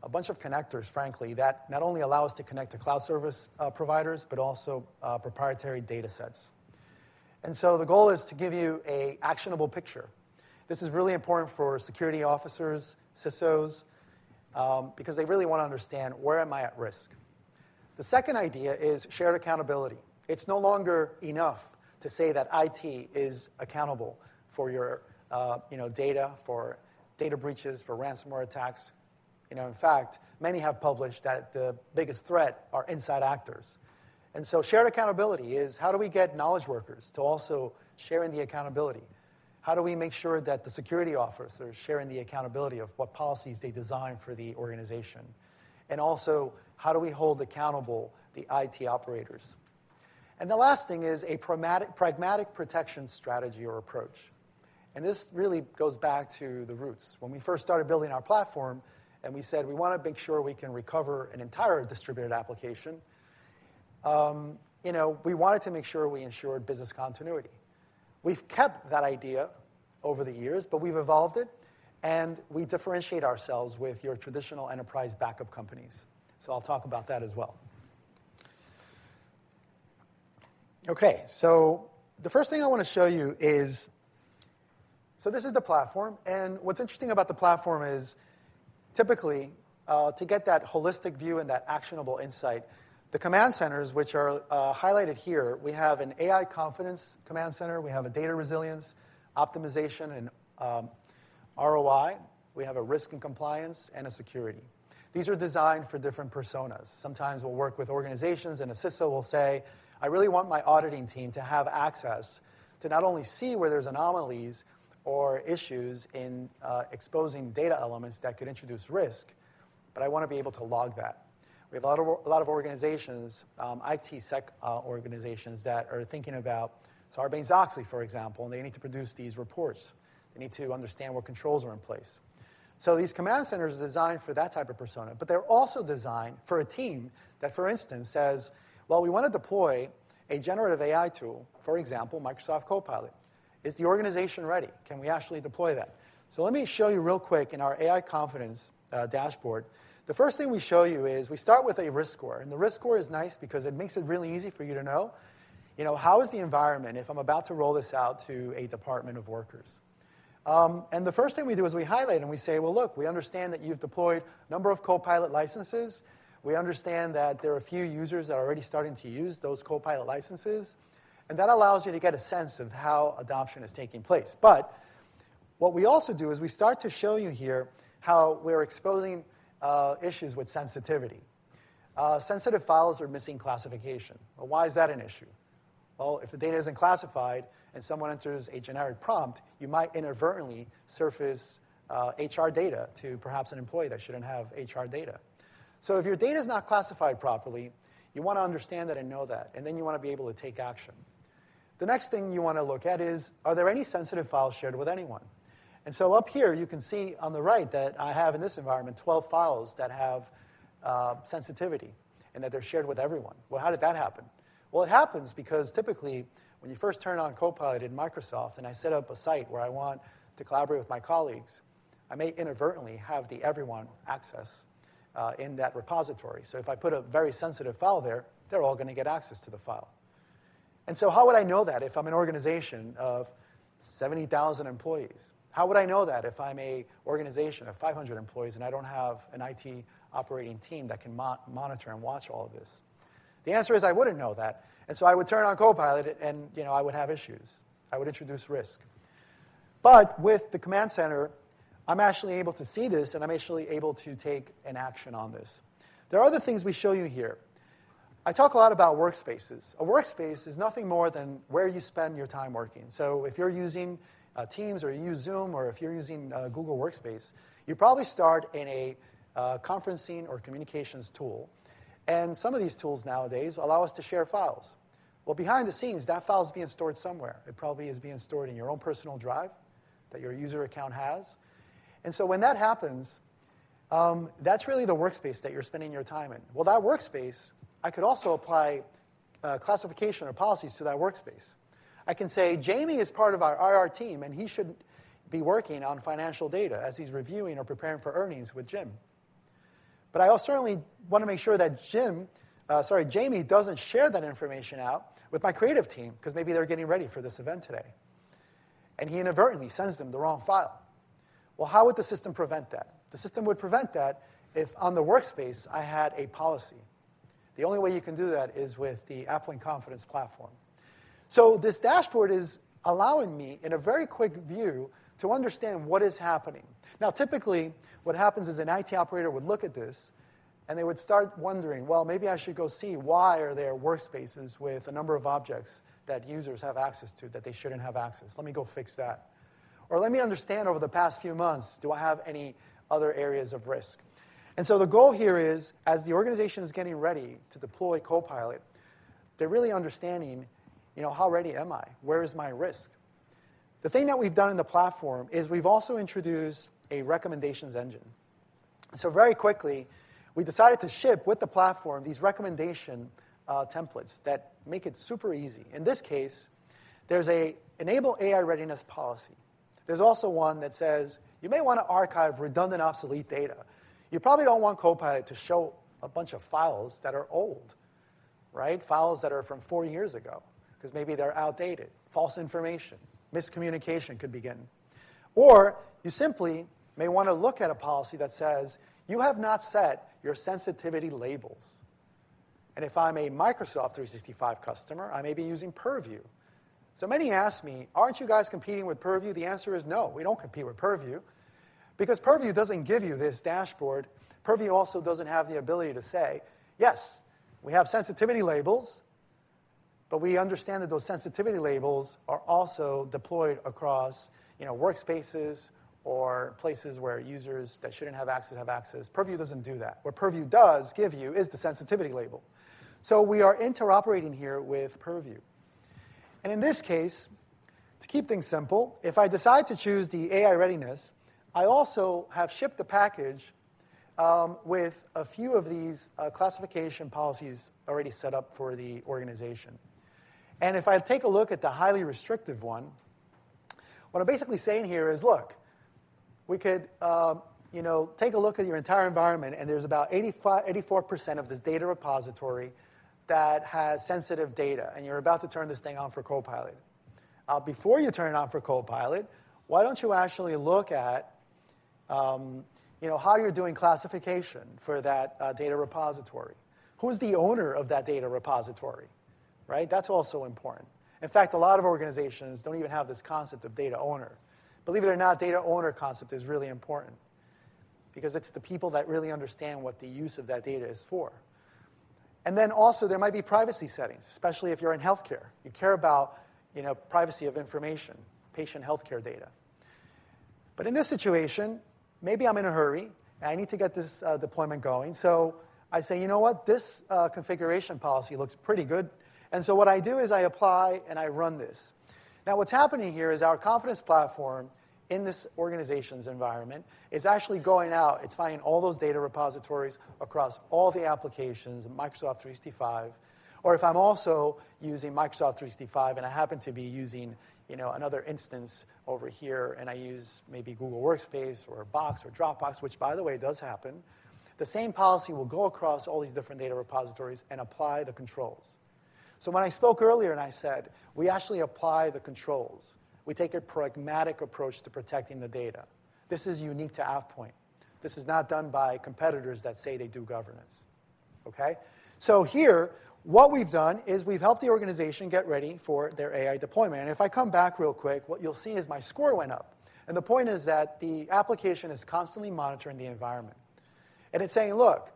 Speaker 2: a bunch of connectors, frankly, that not only allow us to connect to cloud service providers, but also proprietary data sets, and so the goal is to give you an actionable picture. This is really important for security officers, CISOs, because they really want to understand, where am I at risk? The second idea is shared accountability. It's no longer enough to say that IT is accountable for your data, for data breaches, for ransomware attacks. In fact, many have published that the biggest threat are inside actors, and so shared accountability is how do we get knowledge workers to also share in the accountability? How do we make sure that the security officers are sharing the accountability of what policies they design for the organization? And also, how do we hold accountable the IT operators? And the last thing is a pragmatic protection strategy or approach, and this really goes back to the roots. When we first started building our platform and we said, we want to make sure we can recover an entire distributed application, we wanted to make sure we ensured business continuity. We've kept that idea over the years, but we've evolved it, and we differentiate ourselves with your traditional enterprise backup companies, so I'll talk about that as well. Okay, so the first thing I want to show you is, so this is the platform. What's interesting about the platform is typically, to get that holistic view and that actionable insight, the command centers, which are highlighted here, we have an AI Confidence Command Center. We have a Data Resilience, Optimization, and ROI. We have a Risk and Compliance, and Security. These are designed for different personas. Sometimes we'll work with organizations. A CISO will say, I really want my auditing team to have access to not only see where there's anomalies or issues in exposing data elements that could introduce risk, but I want to be able to log that. We have a lot of organizations, IT sec organizations that are thinking about, Sarbanes-Oxley, for example. They need to produce these reports. They need to understand what controls are in place. These command centers are designed for that type of persona. But they're also designed for a team that, for instance, says, well, we want to deploy a generative AI tool, for example, Microsoft Copilot. Is the organization ready? Can we actually deploy that? So let me show you real quick in our AI Confidence dashboard. The first thing we show you is we start with a risk score. And the risk score is nice because it makes it really easy for you to know, how is the environment if I'm about to roll this out to a department of workers? And the first thing we do is we highlight it. And we say, well, look, we understand that you've deployed a number of Copilot licenses. We understand that there are a few users that are already starting to use those Copilot licenses. And that allows you to get a sense of how adoption is taking place. What we also do is we start to show you here how we're exposing issues with sensitivity. Sensitive files are missing classification. Why is that an issue? If the data isn't classified and someone enters a generic prompt, you might inadvertently surface HR data to perhaps an employee that shouldn't have HR data. If your data is not classified properly, you want to understand that and know that. Then you want to be able to take action. The next thing you want to look at is, are there any sensitive files shared with anyone? Up here, you can see on the right that I have, in this environment, 12 files that have sensitivity and that they're shared with everyone. How did that happen? It happens because typically, when you first turn on Copilot in Microsoft and I set up a site where I want to collaborate with my colleagues, I may inadvertently have the everyone access in that repository. So if I put a very sensitive file there, they're all going to get access to the file. And so how would I know that if I'm an organization of 70,000 employees? How would I know that if I'm an organization of 500 employees and I don't have an IT operating team that can monitor and watch all of this? The answer is I wouldn't know that. And so I would turn on Copilot and I would have issues. I would introduce risk. But with the command center, I'm actually able to see this. And I'm actually able to take an action on this. There are other things we show you here. I talk a lot about workspaces. A workspace is nothing more than where you spend your time working, so if you're using Teams or you use Zoom or if you're using Google Workspace, you probably start in a conferencing or communications tool, and some of these tools nowadays allow us to share files, well, behind the scenes, that file is being stored somewhere, it probably is being stored in your own personal drive that your user account has, and so when that happens, that's really the workspace that you're spending your time in, well, that workspace, I could also apply classification or policies to that workspace. I can say, Jamie is part of our IR team, and he should be working on financial data as he's reviewing or preparing for earnings with Jim. But I certainly want to make sure that Jim--sorry, Jamie--doesn't share that information out with my creative team because maybe they're getting ready for this event today. And he inadvertently sends them the wrong file. Well, how would the system prevent that? The system would prevent that if on the workspace I had a policy. The only way you can do that is with the AvePoint Confidence Platform. So this dashboard is allowing me, in a very quick view, to understand what is happening. Now, typically, what happens is an IT operator would look at this. And they would start wondering, well, maybe I should go see why are there workspaces with a number of objects that users have access to that they shouldn't have access. Let me go fix that. Or let me understand over the past few months, do I have any other areas of risk? And so the goal here is, as the organization is getting ready to deploy Copilot, they're really understanding how ready am I? Where is my risk? The thing that we've done in the platform is we've also introduced a recommendations engine. So very quickly, we decided to ship with the platform these recommendation templates that make it super easy. In this case, there's an enable AI readiness policy. There's also one that says you may want to archive redundant obsolete data. You probably don't want Copilot to show a bunch of files that are old, right? Files that are from four years ago because maybe they're outdated. False information, miscommunication could be getting. Or you simply may want to look at a policy that says you have not set your sensitivity labels. And if I'm a Microsoft 365 customer, I may be using Purview. So many ask me, aren't you guys competing with Purview? The answer is no. We don't compete with Purview because Purview doesn't give you this dashboard. Purview also doesn't have the ability to say, yes, we have sensitivity labels. But we understand that those sensitivity labels are also deployed across workspaces or places where users that shouldn't have access have access. Purview doesn't do that. What Purview does give you is the sensitivity label. So we are interoperating here with Purview. And in this case, to keep things simple, if I decide to choose the AI readiness, I also have shipped the package with a few of these classification policies already set up for the organization. And if I take a look at the highly restrictive one, what I'm basically saying here is, look, we could take a look at your entire environment. And there's about 84% of this data repository that has sensitive data. And you're about to turn this thing on for Copilot. Before you turn it on for Copilot, why don't you actually look at how you're doing classification for that data repository? Who's the owner of that data repository? Right? That's also important. In fact, a lot of organizations don't even have this concept of data owner. Believe it or not, the data owner concept is really important because it's the people that really understand what the use of that data is for. And then also, there might be privacy settings, especially if you're in health care. You care about privacy of information, patient health care data. But in this situation, maybe I'm in a hurry. And I need to get this deployment going. So I say, you know what? This configuration policy looks pretty good. And so what I do is I apply and I run this. Now, what's happening here is our Confidence Platform in this organization's environment is actually going out. It's finding all those data repositories across all the applications of Microsoft 365. Or if I'm also using Microsoft 365 and I happen to be using another instance over here and I use maybe Google Workspace or Box or Dropbox, which, by the way, does happen, the same policy will go across all these different data repositories and apply the controls. So when I spoke earlier and I said, we actually apply the controls, we take a pragmatic approach to protecting the data. This is unique to AvePoint. This is not done by competitors that say they do governance. OK? So here, what we've done is we've helped the organization get ready for their AI deployment. And if I come back real quick, what you'll see is my score went up. And the point is that the application is constantly monitoring the environment. And it's saying, look,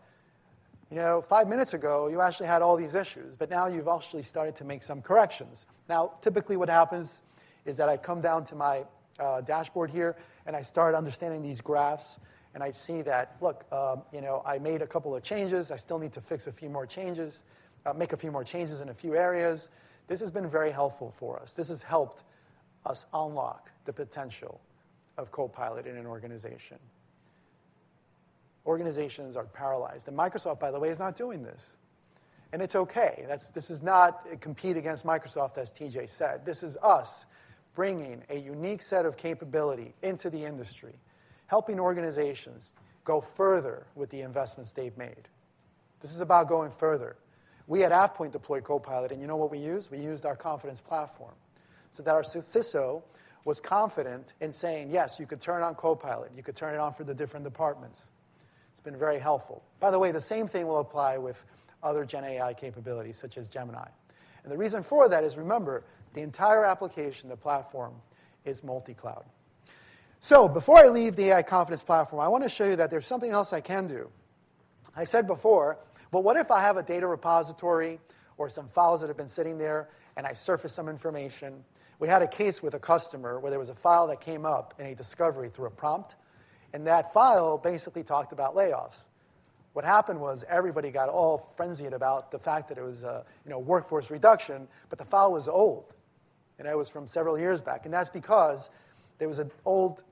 Speaker 2: five minutes ago, you actually had all these issues. But now you've actually started to make some corrections. Now, typically, what happens is that I come down to my dashboard here. And I start understanding these graphs. And I see that, look, I made a couple of changes. I still need to fix a few more changes, make a few more changes in a few areas. This has been very helpful for us. This has helped us unlock the potential of Copilot in an organization. Organizations are paralyzed. And Microsoft, by the way, is not doing this. And it's OK. This is not to compete against Microsoft, as TJ said. This is us bringing a unique set of capability into the industry, helping organizations go further with the investments they've made. This is about going further. We at AvePoint deployed Copilot, and you know what we used? We used our Confidence Platform so that our CISO was confident in saying, yes, you could turn on Copilot. You could turn it on for the different departments. It's been very helpful. By the way, the same thing will apply with other Gen AI capabilities, such as Gemini, and the reason for that is, remember, the entire application, the platform, is multi-cloud, so before I leave the AI Confidence Platform, I want to show you that there's something else I can do. I said before, well, what if I have a data repository or some files that have been sitting there and I surface some information? We had a case with a customer where there was a file that came up in a discovery through a prompt, and that file basically talked about layoffs. What happened was everybody got all frenzied about the fact that it was a workforce reduction, but the file was old, and it was from several years back, and that's because there was an old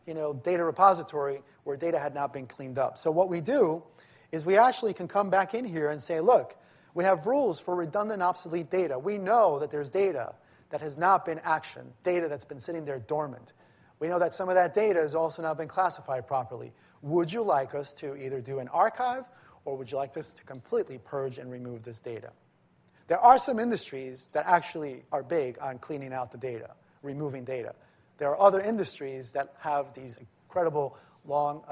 Speaker 2: data repository where data had not been cleaned up, so what we do is we actually can come back in here and say, look, we have rules for redundant, obsolete data. We know that there's data that has not been actioned, data that's been sitting there dormant. We know that some of that data has also not been classified properly. Would you like us to either do an archive, or would you like us to completely purge and remove this data? There are some industries that actually are big on cleaning out the data, removing data. There are other industries that have these incredible long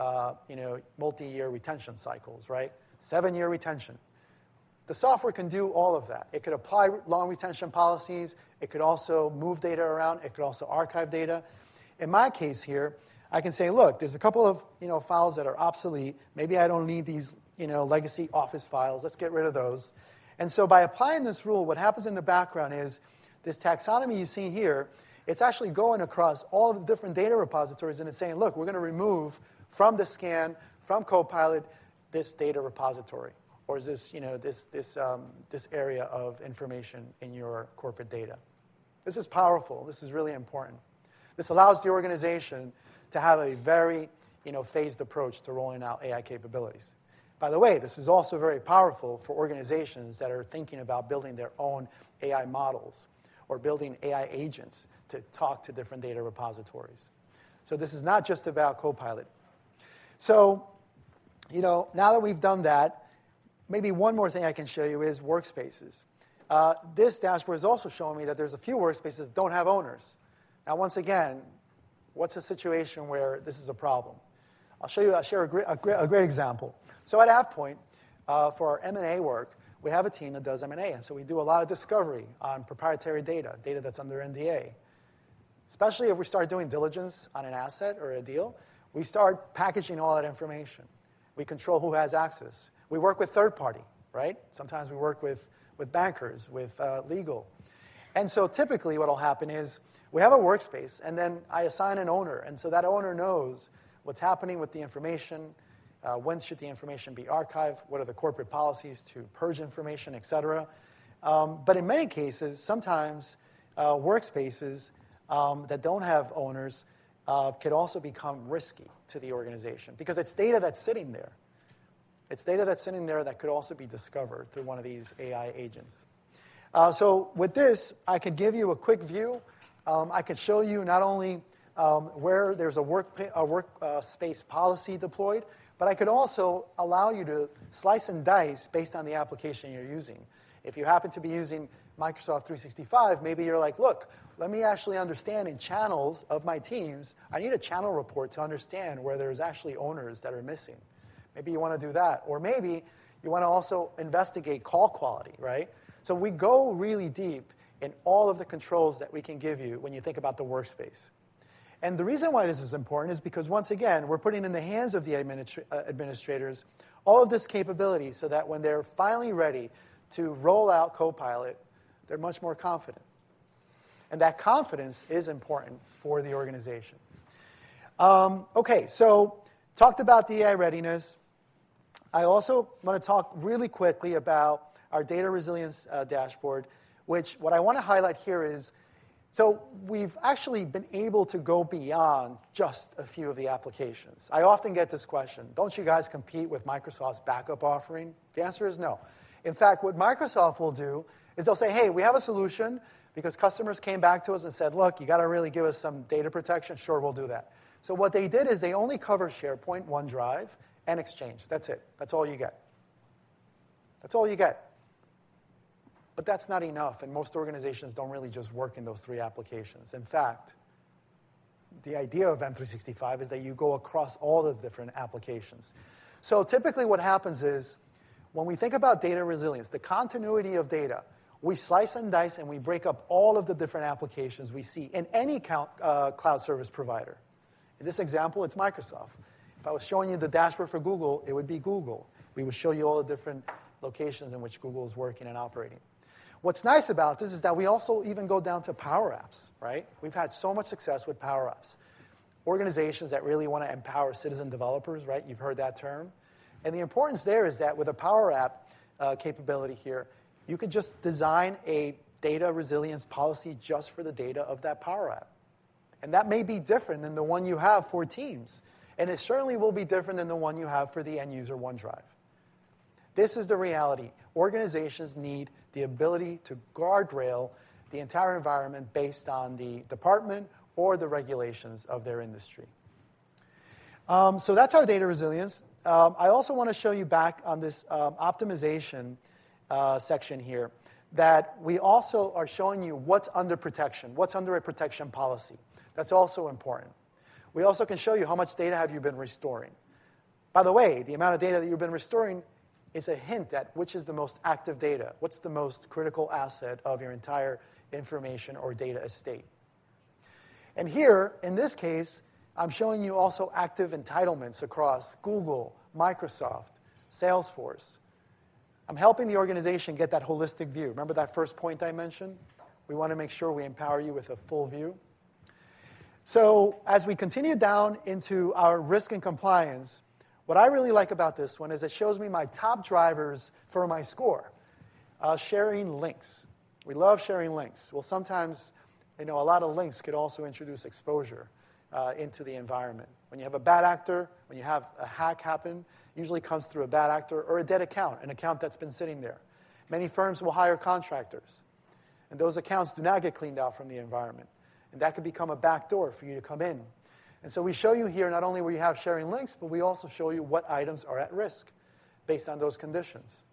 Speaker 2: multi-year retention cycles, right? Seven-year retention. The software can do all of that. It could apply long retention policies. It could also move data around. It could also archive data. In my case here, I can say, look, there's a couple of files that are obsolete. Maybe I don't need these legacy Office files. Let's get rid of those, and so by applying this rule, what happens in the background is this taxonomy you see here, it's actually going across all of the different data repositories, and it's saying, look, we're going to remove from the scan, from Copilot, this data repository or this area of information in your corporate data. This is powerful. This is really important. This allows the organization to have a very phased approach to rolling out AI capabilities. By the way, this is also very powerful for organizations that are thinking about building their own AI models or building AI agents to talk to different data repositories. So this is not just about Copilot. So now that we've done that, maybe one more thing I can show you is workspaces. This dashboard is also showing me that there's a few workspaces that don't have owners. Now, once again, what's a situation where this is a problem? I'll show you. I'll share a great example. So at AvePoint, for our M&A work, we have a team that does M&A. And so we do a lot of discovery on proprietary data, data that's under NDA. Especially if we start doing diligence on an asset or a deal, we start packaging all that information. We control who has access. We work with third party, right? Sometimes we work with bankers, with legal. And so typically, what will happen is we have a workspace. And then I assign an owner. And so that owner knows what's happening with the information, when should the information be archived, what are the corporate policies to purge information, et cetera. But in many cases, sometimes workspaces that don't have owners could also become risky to the organization because it's data that's sitting there. It's data that's sitting there that could also be discovered through one of these AI agents. So with this, I could give you a quick view. I could show you not only where there's a workspace policy deployed, but I could also allow you to slice and dice based on the application you're using. If you happen to be using Microsoft 365, maybe you're like, look, let me actually understand in channels of my Teams. I need a channel report to understand where there's actually owners that are missing. Maybe you want to do that. Or maybe you want to also investigate call quality, right? So we go really deep in all of the controls that we can give you when you think about the workspace. And the reason why this is important is because, once again, we're putting in the hands of the administrators all of this capability so that when they're finally ready to roll out Copilot, they're much more confident. And that confidence is important for the organization. OK, so talked about the AI readiness. I also want to talk really quickly about our Data Resilience dashboard, which, what I want to highlight here, is so we've actually been able to go beyond just a few of the applications. I often get this question. Don't you guys compete with Microsoft's backup offering? The answer is no. In fact, what Microsoft will do is they'll say, hey, we have a solution because customers came back to us and said, look, you've got to really give us some data protection. Sure, we'll do that. So what they did is they only cover SharePoint, OneDrive, and Exchange. That's it. That's all you get. That's all you get. But that's not enough, and most organizations don't really just work in those three applications. In fact, the idea of M365 is that you go across all the different applications. Typically, what happens is when we think about data resilience, the continuity of data, we slice and dice. And we break up all of the different applications we see in any cloud service provider. In this example, it's Microsoft. If I was showing you the dashboard for Google, it would be Google. We would show you all the different locations in which Google is working and operating. What's nice about this is that we also even go down to Power Apps, right? We've had so much success with Power Apps. Organizations that really want to empower citizen developers, right? You've heard that term. And the importance there is that with a Power App capability here, you could just design a data resilience policy just for the data of that Power App. And that may be different than the one you have for Teams. It certainly will be different than the one you have for the end user, OneDrive. This is the reality. Organizations need the ability to guardrail the entire environment based on the department or the regulations of their industry. That's our data resilience. I also want to show you back on this optimization section here that we also are showing you what's under protection, what's under a protection policy. That's also important. We also can show you how much data have you been restoring. By the way, the amount of data that you've been restoring is a hint at which is the most active data, what's the most critical asset of your entire information or data estate. Here, in this case, I'm showing you also active entitlements across Google, Microsoft, Salesforce. I'm helping the organization get that holistic view. Remember that first point I mentioned? We want to make sure we empower you with a full view. So as we continue down into our Risk and Compliance, what I really like about this one is it shows me my top drivers for my score, sharing links. We love sharing links. Well, sometimes a lot of links could also introduce exposure into the environment. When you have a bad actor, when you have a hack happen, it usually comes through a bad actor or a dead account, an account that's been sitting there. Many firms will hire contractors. And those accounts do not get cleaned out from the environment. And that could become a backdoor for you to come in. And so we show you here not only where you have sharing links, but we also show you what items are at risk based on those conditions.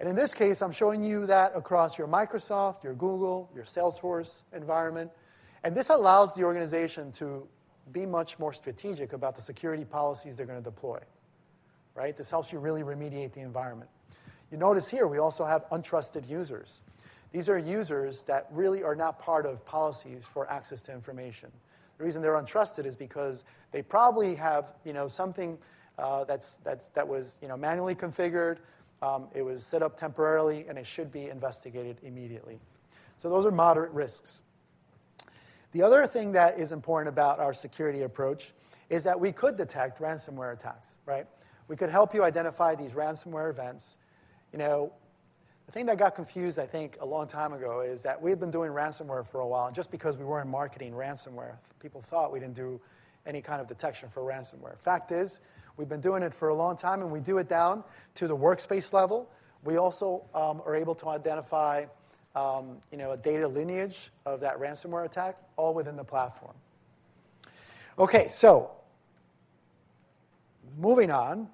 Speaker 2: In this case, I'm showing you that across your Microsoft, your Google, your Salesforce environment. This allows the organization to be much more strategic about the security policies they're going to deploy, right? This helps you really remediate the environment. You notice here we also have untrusted users. These are users that really are not part of policies for access to information. The reason they're untrusted is because they probably have something that was manually configured. It was set up temporarily. It should be investigated immediately. Those are moderate risks. The other thing that is important about our security approach is that we could detect ransomware attacks, right? We could help you identify these ransomware events. The thing that got confused, I think, a long time ago is that we've been doing ransomware for a while. Just because we weren't marketing ransomware, people thought we didn't do any kind of detection for ransomware. Fact is, we've been doing it for a long time. We do it down to the workspace level. We also are able to identify a data lineage of that ransomware attack all within the platform. OK, moving on.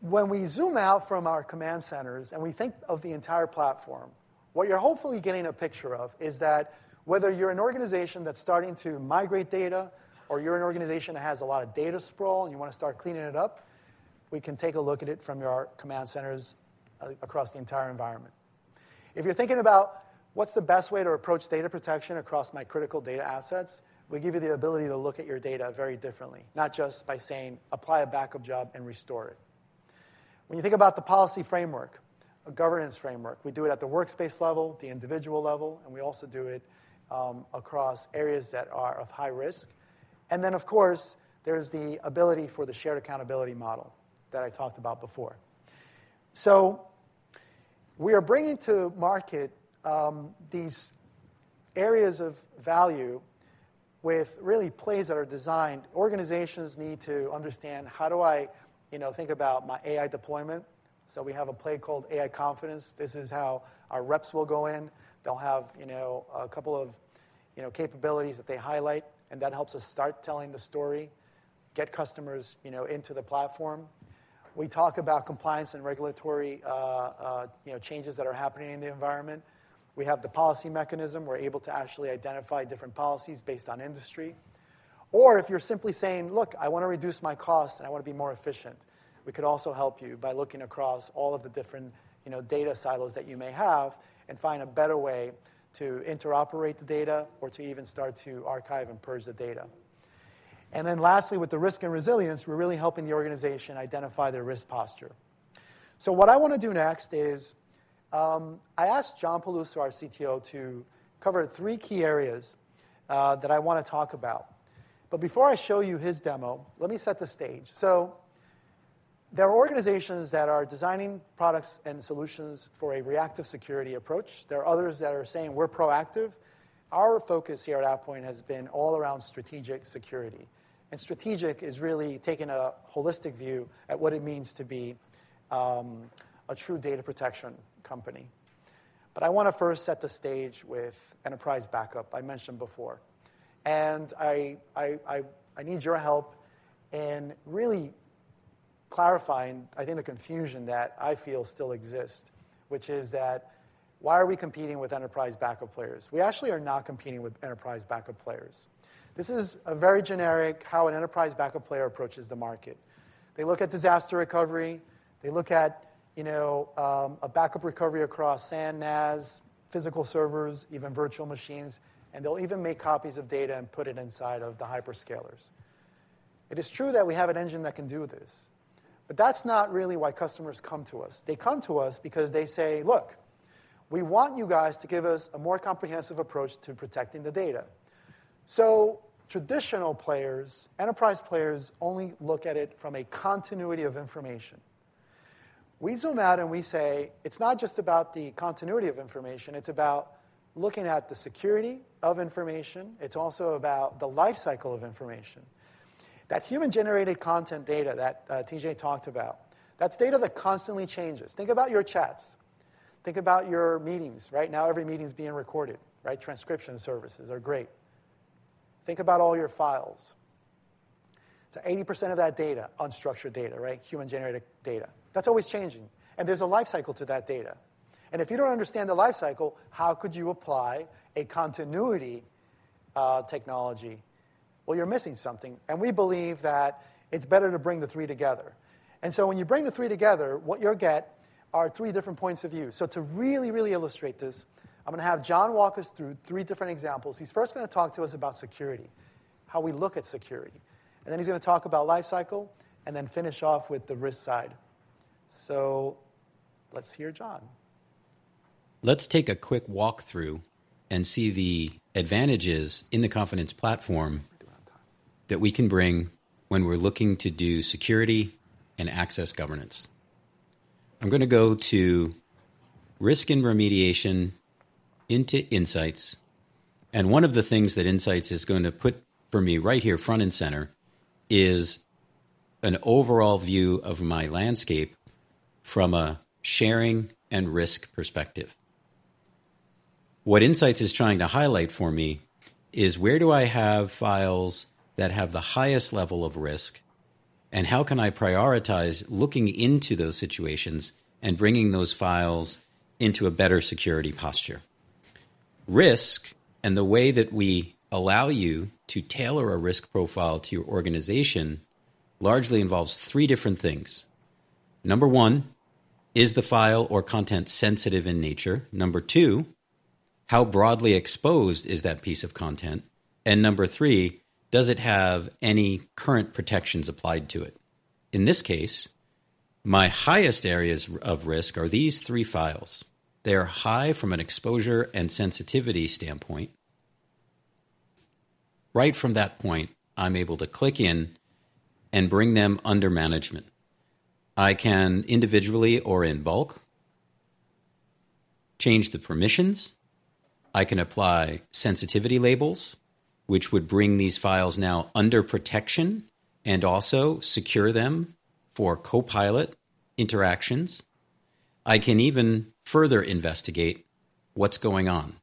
Speaker 2: When we zoom out from our command centers and we think of the entire platform, what you're hopefully getting a picture of is that whether you're an organization that's starting to migrate data or you're an organization that has a lot of data sprawl and you want to start cleaning it up, we can take a look at it from your command centers across the entire environment. If you're thinking about what's the best way to approach data protection across my critical data assets, we give you the ability to look at your data very differently, not just by saying, apply a backup job and restore it. When you think about the policy framework, a governance framework, we do it at the workspace level, the individual level, and we also do it across areas that are of high risk, and then, of course, there is the ability for the shared accountability model that I talked about before, so we are bringing to market these areas of value with really plays that are designed, organizations need to understand how do I think about my AI deployment, so we have a play called AI Confidence. This is how our reps will go in. They'll have a couple of capabilities that they highlight. That helps us start telling the story, get customers into the platform. We talk about compliance and regulatory changes that are happening in the environment. We have the policy mechanism. We're able to actually identify different policies based on industry. Or if you're simply saying, look, I want to reduce my costs and I want to be more efficient, we could also help you by looking across all of the different data silos that you may have and find a better way to interoperate the data or to even start to archive and purge the data. And then lastly, with the risk and resilience, we're really helping the organization identify their risk posture. What I want to do next is I asked John Peluso, our CTO, to cover three key areas that I want to talk about. But before I show you his demo, let me set the stage. So there are organizations that are designing products and solutions for a reactive security approach. There are others that are saying we're proactive. Our focus here at AvePoint has been all around strategic security. And strategic is really taking a holistic view at what it means to be a true data protection company. But I want to first set the stage with enterprise backup I mentioned before. And I need your help in really clarifying, I think, the confusion that I feel still exists, which is that why are we competing with enterprise backup players? We actually are not competing with enterprise backup players. This is a very generic how an enterprise backup player approaches the market. They look at disaster recovery. They look at a backup recovery across SAN/NAS, physical servers, even virtual machines. They'll even make copies of data and put it inside of the hyperscalers. It is true that we have an engine that can do this. But that's not really why customers come to us. They come to us because they say, look, we want you guys to give us a more comprehensive approach to protecting the data. So traditional players, enterprise players, only look at it from a continuity of information. We zoom out and we say it's not just about the continuity of information. It's about looking at the security of information. It's also about the lifecycle of information. That human-generated content data that TJ talked about, that's data that constantly changes. Think about your chats. Think about your meetings. Right now, every meeting is being recorded, right? Transcription services are great. Think about all your files. It's 80% of that data, unstructured data, right? Human-generated data. That's always changing. And there's a lifecycle to that data. And if you don't understand the lifecycle, how could you apply a continuity technology? Well, you're missing something. And we believe that it's better to bring the three together. And so when you bring the three together, what you'll get are three different points of view. So to really, really illustrate this, I'm going to have John walk us through three different examples. He's first going to talk to us about security, how we look at security. And then he's going to talk about lifecycle and then finish off with the risk side. So let's hear John.
Speaker 3: Let's take a quick walkthrough and see the advantages in the Confidence Platform that we can bring when we're looking to do security and access governance. I'm going to go to Risk and Remediation into Insights, and one of the things that Insights is going to put for me right here, front and center, is an overall view of my landscape from a sharing and risk perspective. What Insights is trying to highlight for me is where do I have files that have the highest level of risk, and how can I prioritize looking into those situations and bringing those files into a better security posture? Risk and the way that we allow you to tailor a risk profile to your organization largely involves three different things. Number one, is the file or content sensitive in nature? Number two, how broadly exposed is that piece of content? And number three, does it have any current protections applied to it? In this case, my highest areas of risk are these three files. They are high from an exposure and sensitivity standpoint. Right from that point, I'm able to click in and bring them under management. I can individually or in bulk change the permissions. I can apply sensitivity labels, which would bring these files now under protection and also secure them for Copilot interactions. I can even further investigate what's going on.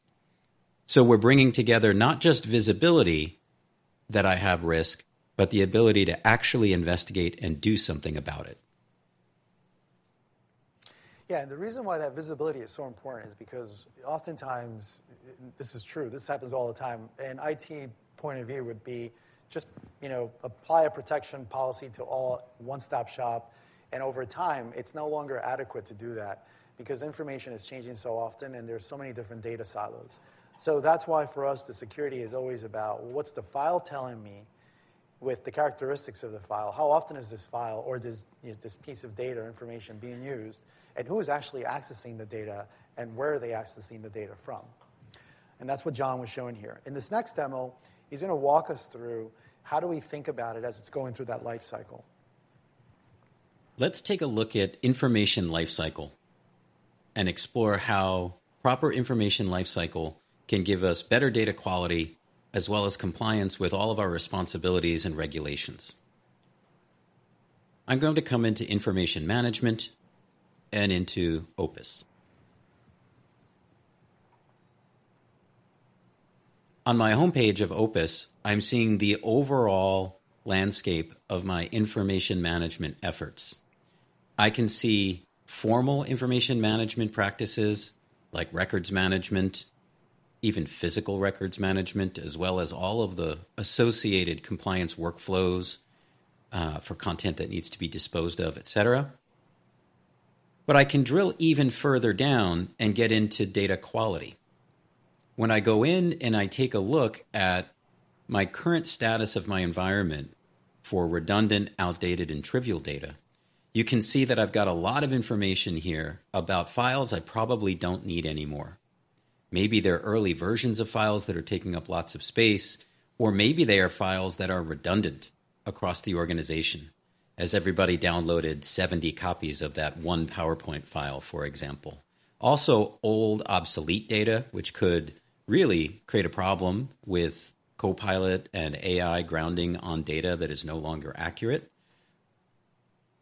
Speaker 3: So we're bringing together not just visibility that I have risk, but the ability to actually investigate and do something about it.
Speaker 2: Yeah, and the reason why that visibility is so important is because oftentimes this is true. This happens all the time. An IT point of view would be just apply a protection policy to all one-stop shop. And over time, it's no longer adequate to do that because information is changing so often. And there are so many different data silos. So that's why for us, the security is always about what's the file telling me with the characteristics of the file? How often is this file or this piece of data or information being used? And who is actually accessing the data? And where are they accessing the data from? And that's what John was showing here. In this next demo, he's going to walk us through how do we think about it as it's going through that lifecycle.
Speaker 3: Let's take a look at information lifecycle and explore how proper information lifecycle can give us better data quality as well as compliance with all of our responsibilities and regulations. I'm going to come into Information Management and into Opus. On my home page of Opus, I'm seeing the overall landscape of my information management efforts. I can see formal information management practices like records management, even physical records management, as well as all of the associated compliance workflows for content that needs to be disposed of, et cetera. But I can drill even further down and get into data quality. When I go in and I take a look at my current status of my environment for redundant, outdated, and trivial data, you can see that I've got a lot of information here about files I probably don't need anymore. Maybe they're early versions of files that are taking up lots of space, or maybe they are files that are redundant across the organization, as everybody downloaded 70 copies of that one PowerPoint file, for example. Also, old obsolete data, which could really create a problem with Copilot and AI grounding on data that is no longer accurate,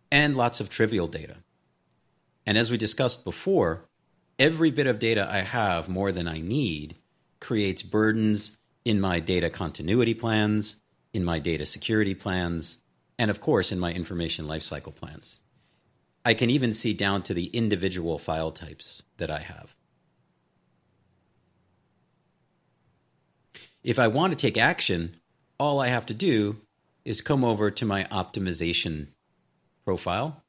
Speaker 3: and lots of trivial data, and as we discussed before, every bit of data I have more than I need creates burdens in my data continuity plans, in my data security plans, and of course, in my information lifecycle plans. I can even see down to the individual file types that I have. If I want to take action, all I have to do is come over to my Optimization Profile,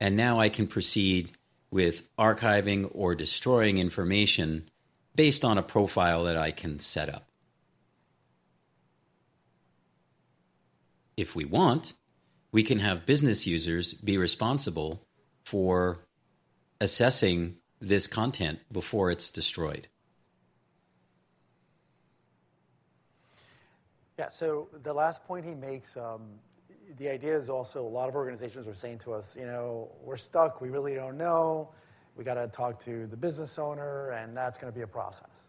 Speaker 3: and now I can proceed with archiving or destroying information based on a profile that I can set up. If we want, we can have business users be responsible for assessing this content before it's destroyed.
Speaker 2: Yeah, so the last point he makes, the idea is also a lot of organizations were saying to us, you know, we're stuck. We really don't know. We've got to talk to the business owner. And that's going to be a process.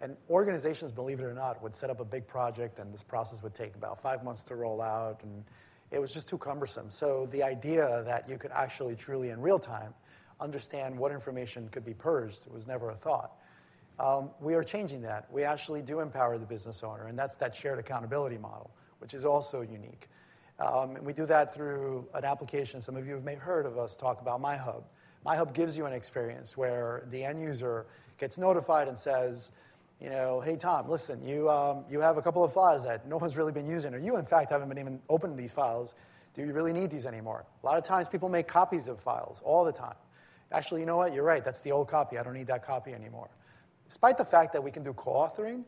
Speaker 2: And organizations, believe it or not, would set up a big project. And this process would take about five months to roll out. And it was just too cumbersome. So the idea that you could actually truly, in real time, understand what information could be purged was never a thought. We are changing that. We actually do empower the business owner. And that's that shared accountability model, which is also unique. And we do that through an application. Some of you may have heard of us talk about MyHub. MyHub gives you an experience where the end user gets notified and says, "you know, hey, Tom, listen, you have a couple of files that no one's really been using. Or you, in fact, haven't been even opening these files. Do you really need these anymore?" A lot of times, people make copies of files all the time. Actually, you know what? You're right. That's the old copy. I don't need that copy anymore. Despite the fact that we can do co-authoring,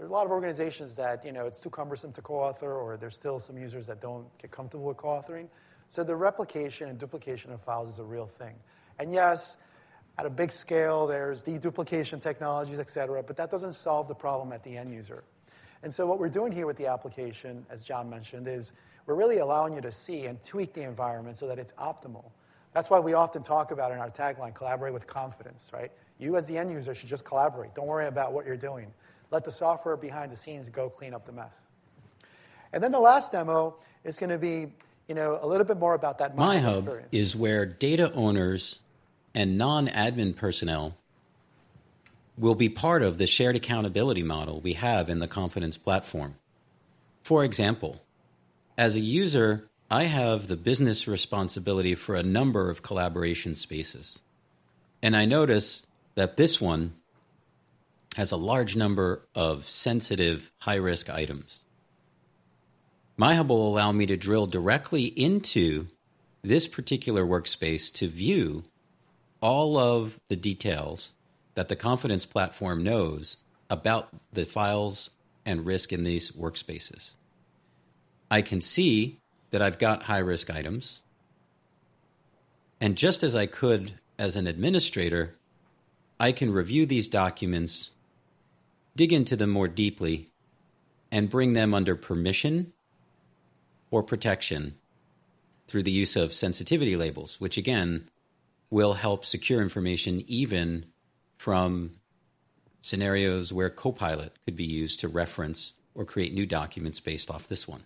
Speaker 2: there are a lot of organizations that it's too cumbersome to co-author. Or there's still some users that don't get comfortable with co-authoring. So the replication and duplication of files is a real thing. And yes, at a big scale, there's deduplication technologies, et cetera. But that doesn't solve the problem at the end user. So what we're doing here with the application, as John mentioned, is we're really allowing you to see and tweak the environment so that it's optimal. That's why we often talk about in our tagline, collaborate with confidence, right? You, as the end user, should just collaborate. Don't worry about what you're doing. Let the software behind the scenes go clean up the mess. And then the last demo is going to be a little bit more about that.
Speaker 3: MyHub is where data owners and non-admin personnel will be part of the shared accountability model we have in the Confidence Platform. For example, as a user, I have the business responsibility for a number of collaboration spaces, and I notice that this one has a large number of sensitive, high-risk items. MyHub will allow me to drill directly into this particular workspace to view all of the details that the Confidence Platform knows about the files and risk in these workspaces. I can see that I've got high-risk items, and just as I could as an administrator, I can review these documents, dig into them more deeply, and bring them under permission or protection through the use of sensitivity labels, which, again, will help secure information even from scenarios where Copilot could be used to reference or create new documents based off this one.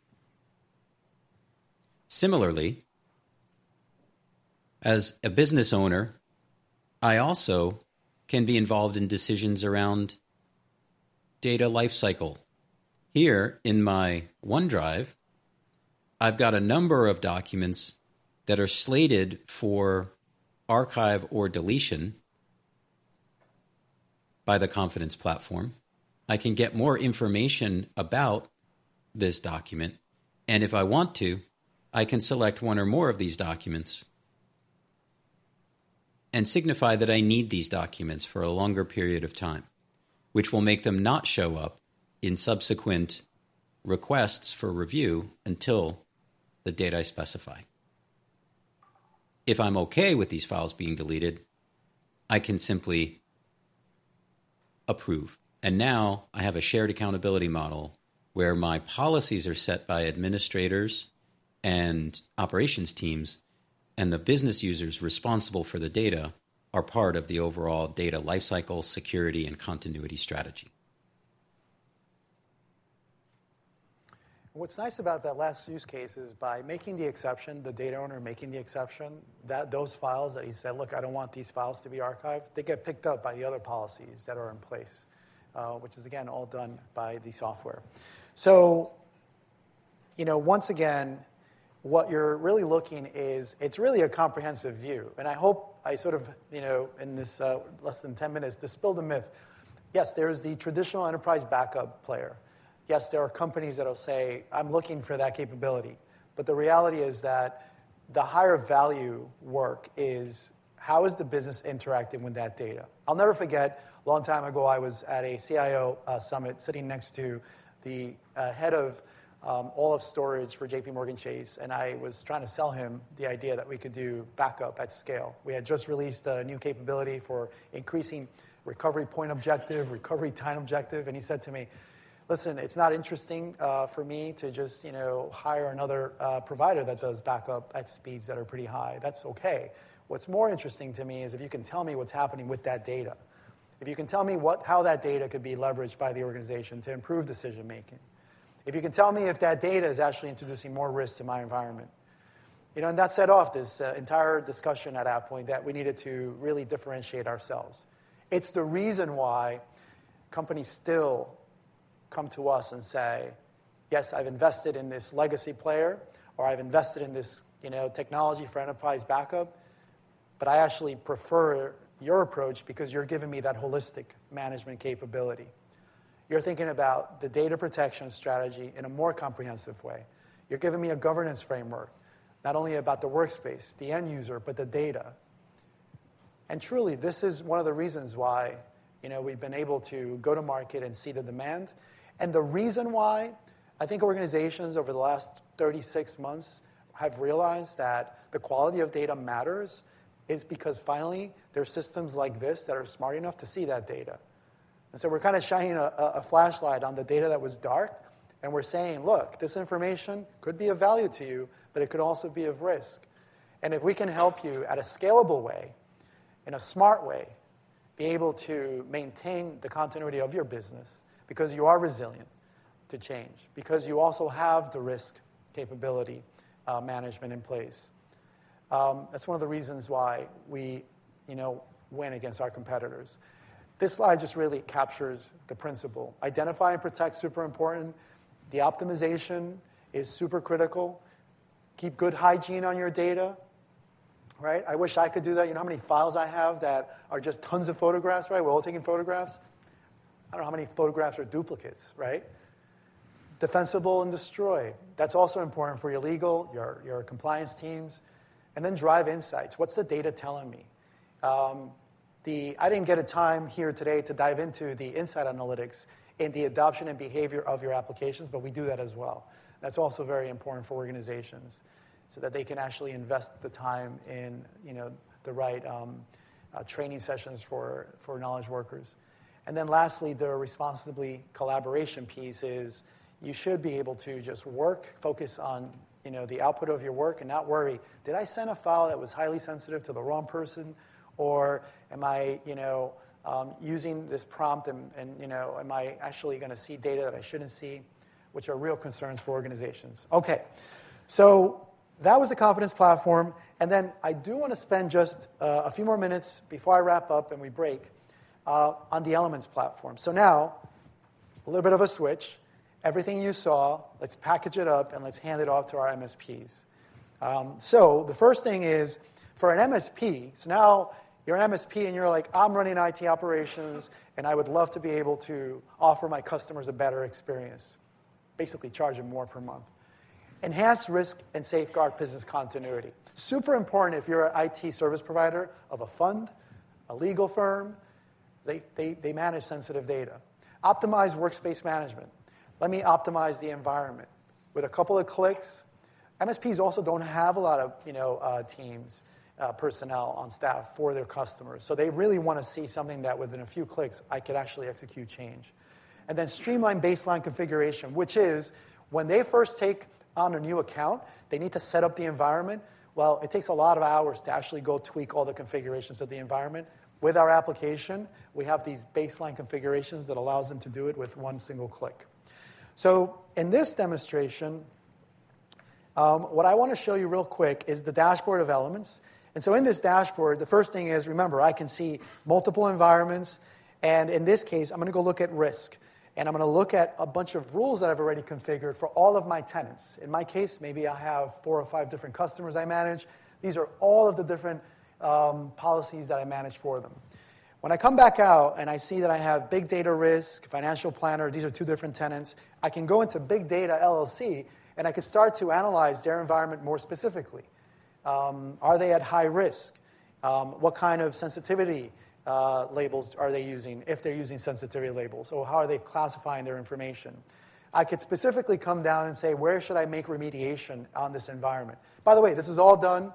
Speaker 3: Similarly, as a business owner, I also can be involved in decisions around data lifecycle. Here in my OneDrive, I've got a number of documents that are slated for archive or deletion by the Confidence Platform. I can get more information about this document. And if I want to, I can select one or more of these documents and signify that I need these documents for a longer period of time, which will make them not show up in subsequent requests for review until the date I specify. If I'm OK with these files being deleted, I can simply approve. And now I have a shared accountability model where my policies are set by administrators and operations teams. And the business users responsible for the data are part of the overall data lifecycle, security, and continuity strategy.
Speaker 2: What's nice about that last use case is by making the exception, the data owner making the exception, that those files that he said, look, I don't want these files to be archived, they get picked up by the other policies that are in place, which is, again, all done by the software, so once again, what you're really looking is it's really a comprehensive view, and I hope I sort of, in this less than 10 minutes, dispel the myth. Yes, there is the traditional enterprise backup player. Yes, there are companies that will say, I'm looking for that capability, but the reality is that the higher value work is how is the business interacting with that data. I'll never forget, a long time ago, I was at a CIO summit sitting next to the head of all of storage for JPMorgan Chase. And I was trying to sell him the idea that we could do backup at scale. We had just released a new capability for increasing recovery point objective, recovery time objective. And he said to me, listen, it's not interesting for me to just hire another provider that does backup at speeds that are pretty high. That's OK. What's more interesting to me is if you can tell me what's happening with that data, if you can tell me how that data could be leveraged by the organization to improve decision-making, if you can tell me if that data is actually introducing more risk to my environment. And that set off this entire discussion at AvePoint that we needed to really differentiate ourselves. It's the reason why companies still come to us and say, yes, I've invested in this legacy player, or I've invested in this technology for enterprise backup. But I actually prefer your approach because you're giving me that holistic management capability. You're thinking about the data protection strategy in a more comprehensive way. You're giving me a governance framework, not only about the workspace, the end user, but the data. And truly, this is one of the reasons why we've been able to go to market and see the demand. And the reason why I think organizations over the last 36 months have realized that the quality of data matters is because finally, there are systems like this that are smart enough to see that data. And so we're kind of shining a flashlight on the data that was dark. And we're saying, look, this information could be of value to you. But it could also be of risk. If we can help you in a scalable way, in a smart way, be able to maintain the continuity of your business because you are resilient to change, because you also have the risk capability management in place, that's one of the reasons why we win against our competitors. This slide just really captures the principle. Identify and protect is super important. The optimization is super critical. Keep good hygiene on your data. I wish I could do that. You know how many files I have that are just tons of photographs, right? We're all taking photographs. I don't know how many photographs are duplicates, right? Defensible and destroy. That's also important for your legal, your compliance teams. And then drive insights. What's the data telling me? I didn't get a time here today to dive into the insights analytics and the adoption and behavior of your applications. But we do that as well. That's also very important for organizations so that they can actually invest the time in the right training sessions for knowledge workers. And then lastly, the responsible collaboration piece is you should be able to just work, focus on the output of your work, and not worry, did I send a file that was highly sensitive to the wrong person? Or am I using this prompt? And am I actually going to see data that I shouldn't see, which are real concerns for organizations? OK, so that was the Confidence Platform. And then I do want to spend just a few more minutes before I wrap up and we break on the Elements Platform. So now, a little bit of a switch. Everything you saw, let's package it up. And let's hand it off to our MSPs. So the first thing is for an MSP, so now you're an MSP. And you're like, I'm running IT operations. And I would love to be able to offer my customers a better experience, basically charge them more per month. Enhanced risk and safeguard business continuity. Super important if you're an IT service provider of a fund, a legal firm. They manage sensitive data. Optimize workspace management. Let me optimize the environment with a couple of clicks. MSPs also don't have a lot of teams, personnel, on staff for their customers. So they really want to see something that, within a few clicks, I could actually execute change. And then streamline baseline configuration, which is when they first take on a new account, they need to set up the environment. Well, it takes a lot of hours to actually go tweak all the configurations of the environment. With our application, we have these baseline configurations that allow them to do it with one single click. So in this demonstration, what I want to show you real quick is the dashboard of Elements. And so in this dashboard, the first thing is remember, I can see multiple environments. And in this case, I'm going to go look at risk. And I'm going to look at a bunch of rules that I've already configured for all of my tenants. In my case, maybe I have four or five different customers I manage. These are all of the different policies that I manage for them. When I come back out and I see that I have Big Data Risk, Financial Planner, these are two different tenants, I can go into Big Data LLC. And I could start to analyze their environment more specifically. Are they at high risk? What kind of sensitivity labels are they using if they're using sensitivity labels? Or how are they classifying their information? I could specifically come down and say, where should I make remediation on this environment? By the way, this is all done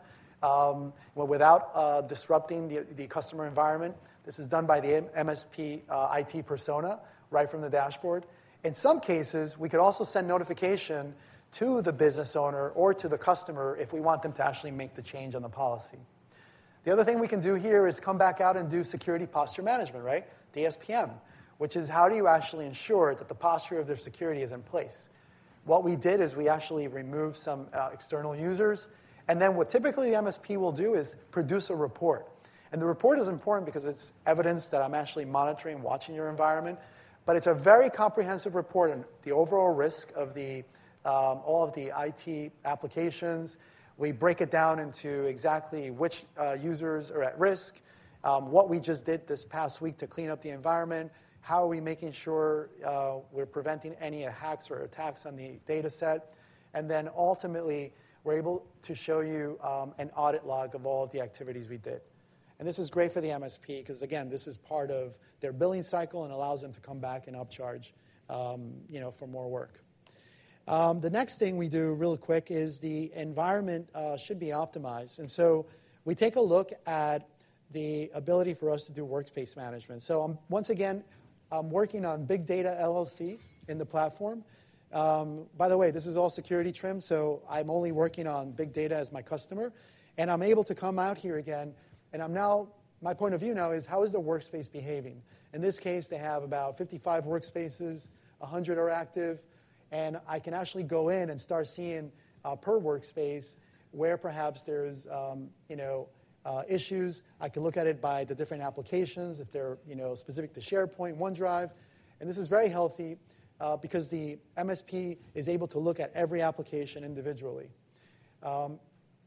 Speaker 2: without disrupting the customer environment. This is done by the MSP IT persona right from the dashboard. In some cases, we could also send notification to the business owner or to the customer if we want them to actually make the change on the policy. The other thing we can do here is come back out and do security posture management, right? DSPM, which is how do you actually ensure that the posture of their security is in place? What we did is we actually removed some external users, and then what typically the MSP will do is produce a report. And the report is important because it's evidence that I'm actually monitoring, watching your environment. But it's a very comprehensive report on the overall risk of all of the IT applications. We break it down into exactly which users are at risk, what we just did this past week to clean up the environment, how are we making sure we're preventing any hacks or attacks on the data set. And then ultimately, we're able to show you an audit log of all of the activities we did. And this is great for the MSP because, again, this is part of their billing cycle and allows them to come back and upcharge for more work. The next thing we do real quick is the environment should be optimized. And so we take a look at the ability for us to do workspace management. So once again, I'm working on Big Data LLC in the platform. By the way, this is all security trim. So I'm only working on Big Data as my customer. And I'm able to come out here again. And my point of view now is how is the workspace behaving? In this case, they have about 55 workspaces, 100 are active. And I can actually go in and start seeing per workspace where perhaps there's issues. I can look at it by the different applications if they're specific to SharePoint, OneDrive. And this is very healthy because the MSP is able to look at every application individually. The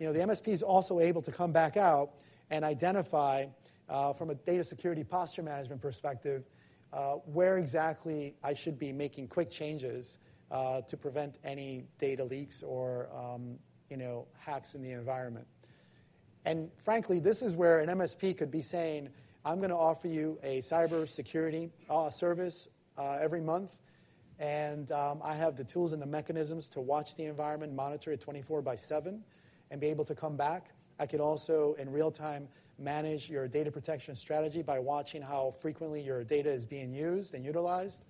Speaker 2: MSP is also able to come back out and identify from a data security posture management perspective where exactly I should be making quick changes to prevent any data leaks or hacks in the environment. And frankly, this is where an MSP could be saying, I'm going to offer you a cybersecurity service every month. And I have the tools and the mechanisms to watch the environment, monitor it 24/7, and be able to come back. I could also in real time manage your data protection strategy by watching how frequently your data is being used and utilized.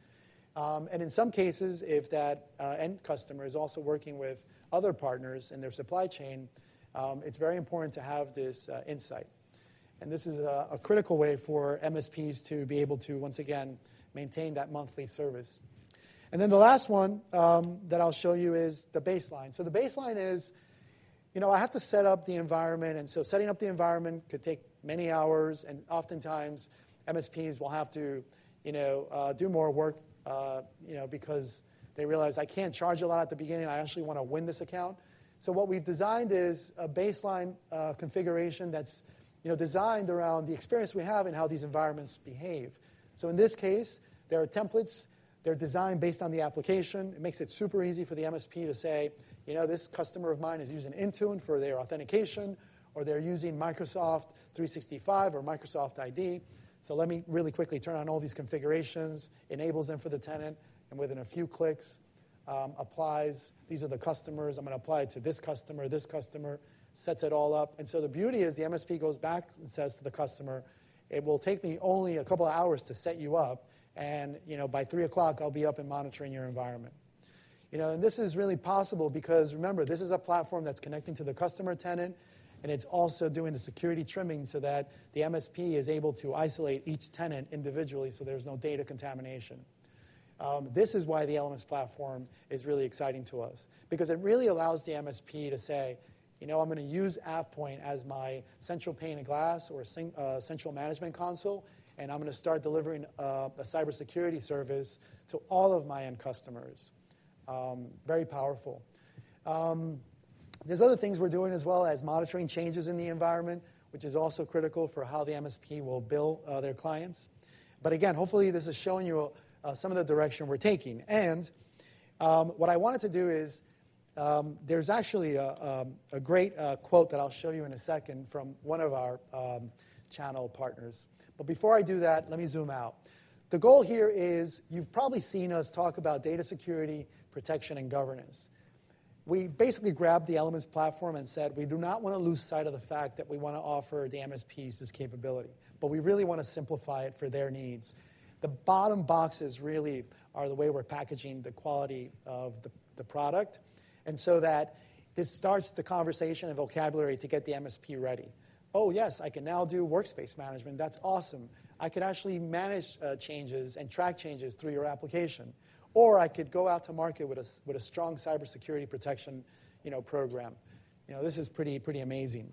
Speaker 2: And in some cases, if that end customer is also working with other partners in their supply chain, it's very important to have this insight. And this is a critical way for MSPs to be able to, once again, maintain that monthly service. And then the last one that I'll show you is the baseline. So the baseline is I have to set up the environment. And so setting up the environment could take many hours. Oftentimes, MSPs will have to do more work because they realize I can't charge a lot at the beginning. I actually want to win this account. What we've designed is a baseline configuration that's designed around the experience we have and how these environments behave. In this case, there are templates. They're designed based on the application. It makes it super easy for the MSP to say, this customer of mine is using Intune for their authentication. Or they're using Microsoft 365 or Microsoft ID. Let me really quickly turn on all these configurations, enable them for the tenant. Within a few clicks, applies. These are the customers. I'm going to apply it to this customer, this customer, sets it all up. The beauty is the MSP goes back and says to the customer, it will take me only a couple of hours to set you up. By 3:00 P.M., I'll be up and monitoring your environment. This is really possible because remember, this is a platform that's connecting to the customer tenant. It is also doing the security trimming so that the MSP is able to isolate each tenant individually so there's no data contamination. This is why the Elements Platform is really exciting to us because it really allows the MSP to say, you know I'm going to use AvePoint as my central pane of glass or central management console. I'm going to start delivering a cybersecurity service to all of my end customers. Very powerful. There's other things we're doing as well as monitoring changes in the environment, which is also critical for how the MSP will bill their clients. But again, hopefully, this is showing you some of the direction we're taking, and what I wanted to do is there's actually a great quote that I'll show you in a second from one of our channel partners, but before I do that, let me zoom out. The goal here is you've probably seen us talk about data security, protection, and governance. We basically grabbed the Elements Platform and said, we do not want to lose sight of the fact that we want to offer the MSPs this capability, but we really want to simplify it for their needs. The bottom boxes really are the way we're packaging the quality of the product and so that this starts the conversation and vocabulary to get the MSP ready. Oh, yes, I can now do workspace management. That's awesome. I could actually manage changes and track changes through your application. Or I could go out to market with a strong cybersecurity protection program. This is pretty amazing.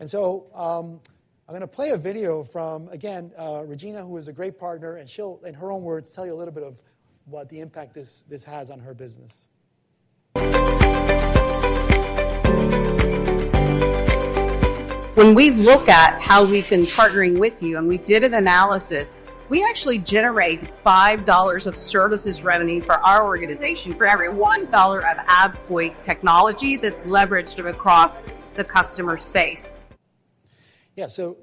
Speaker 2: And so I'm going to play a video from, again, Regina, who is a great partner. And she'll, in her own words, tell you a little bit of what the impact this has on her business. When we look at how we've been partnering with you and we did an analysis, we actually generate $5 of services revenue for our organization for every $1 of AvePoint technology that's leveraged across the customer space. Yeah, so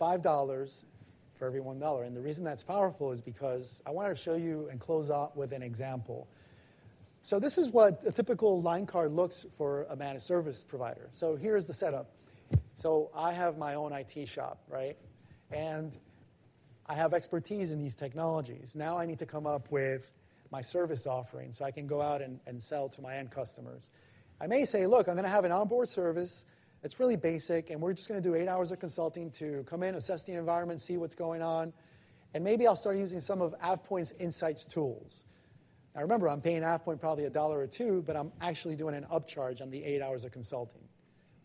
Speaker 2: $5 for every $1. And the reason that's powerful is because I wanted to show you and close out with an example. So this is what a typical line card looks like for a managed service provider. So here is the setup. So I have my own IT shop, right? And I have expertise in these technologies. Now I need to come up with my service offering so I can go out and sell to my end customers. I may say, look, I'm going to have an onboard service. It's really basic. And we're just going to do eight hours of consulting to come in, assess the environment, see what's going on. And maybe I'll start using some of AvePoint's insights tools. Now remember, I'm paying AvePoint probably $1 or $2. But I'm actually doing an upcharge on the eight hours of consulting.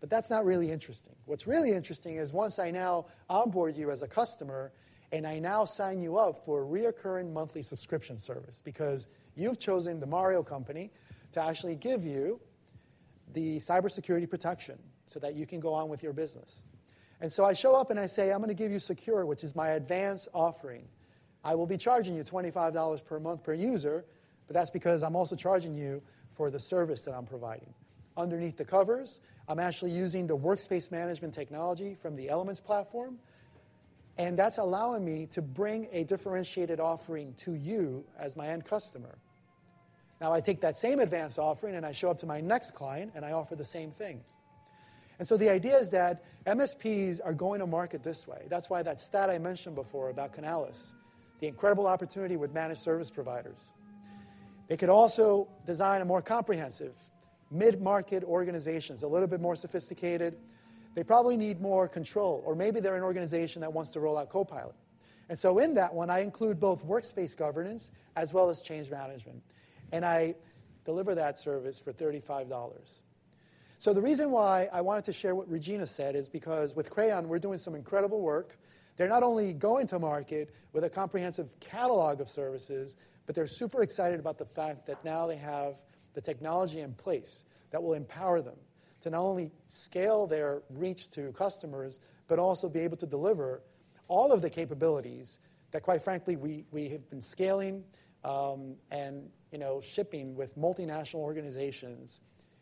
Speaker 2: But that's not really interesting. What's really interesting is once I now onboard you as a customer, and I now sign you up for a recurring monthly subscription service because you've chosen the Mario company to actually give you the cybersecurity protection so that you can go on with your business. And so I show up and I say, I'm going to give you Secure, which is my advanced offering. I will be charging you $25 per month per user. But that's because I'm also charging you for the service that I'm providing. Underneath the covers, I'm actually using the workspace management technology from the Elements Platform. And that's allowing me to bring a differentiated offering to you as my end customer. Now I take that same advanced offering. And I show up to my next client. And I offer the same thing. And so the idea is that MSPs are going to market this way. That's why that stat I mentioned before about Canalys, the incredible opportunity with managed service providers. They could also design a more comprehensive mid-market organization, a little bit more sophisticated. They probably need more control. Or maybe they're an organization that wants to roll out Copilot. And so in that one, I include both workspace governance as well as change management. And I deliver that service for $35. So the reason why I wanted to share what Regina said is because with Crayon, we're doing some incredible work. They're not only going to market with a comprehensive catalog of services, but they're super excited about the fact that now they have the technology in place that will empower them to not only scale their reach to customers but also be able to deliver all of the capabilities that, quite frankly, we have been scaling and shipping with multinational organizations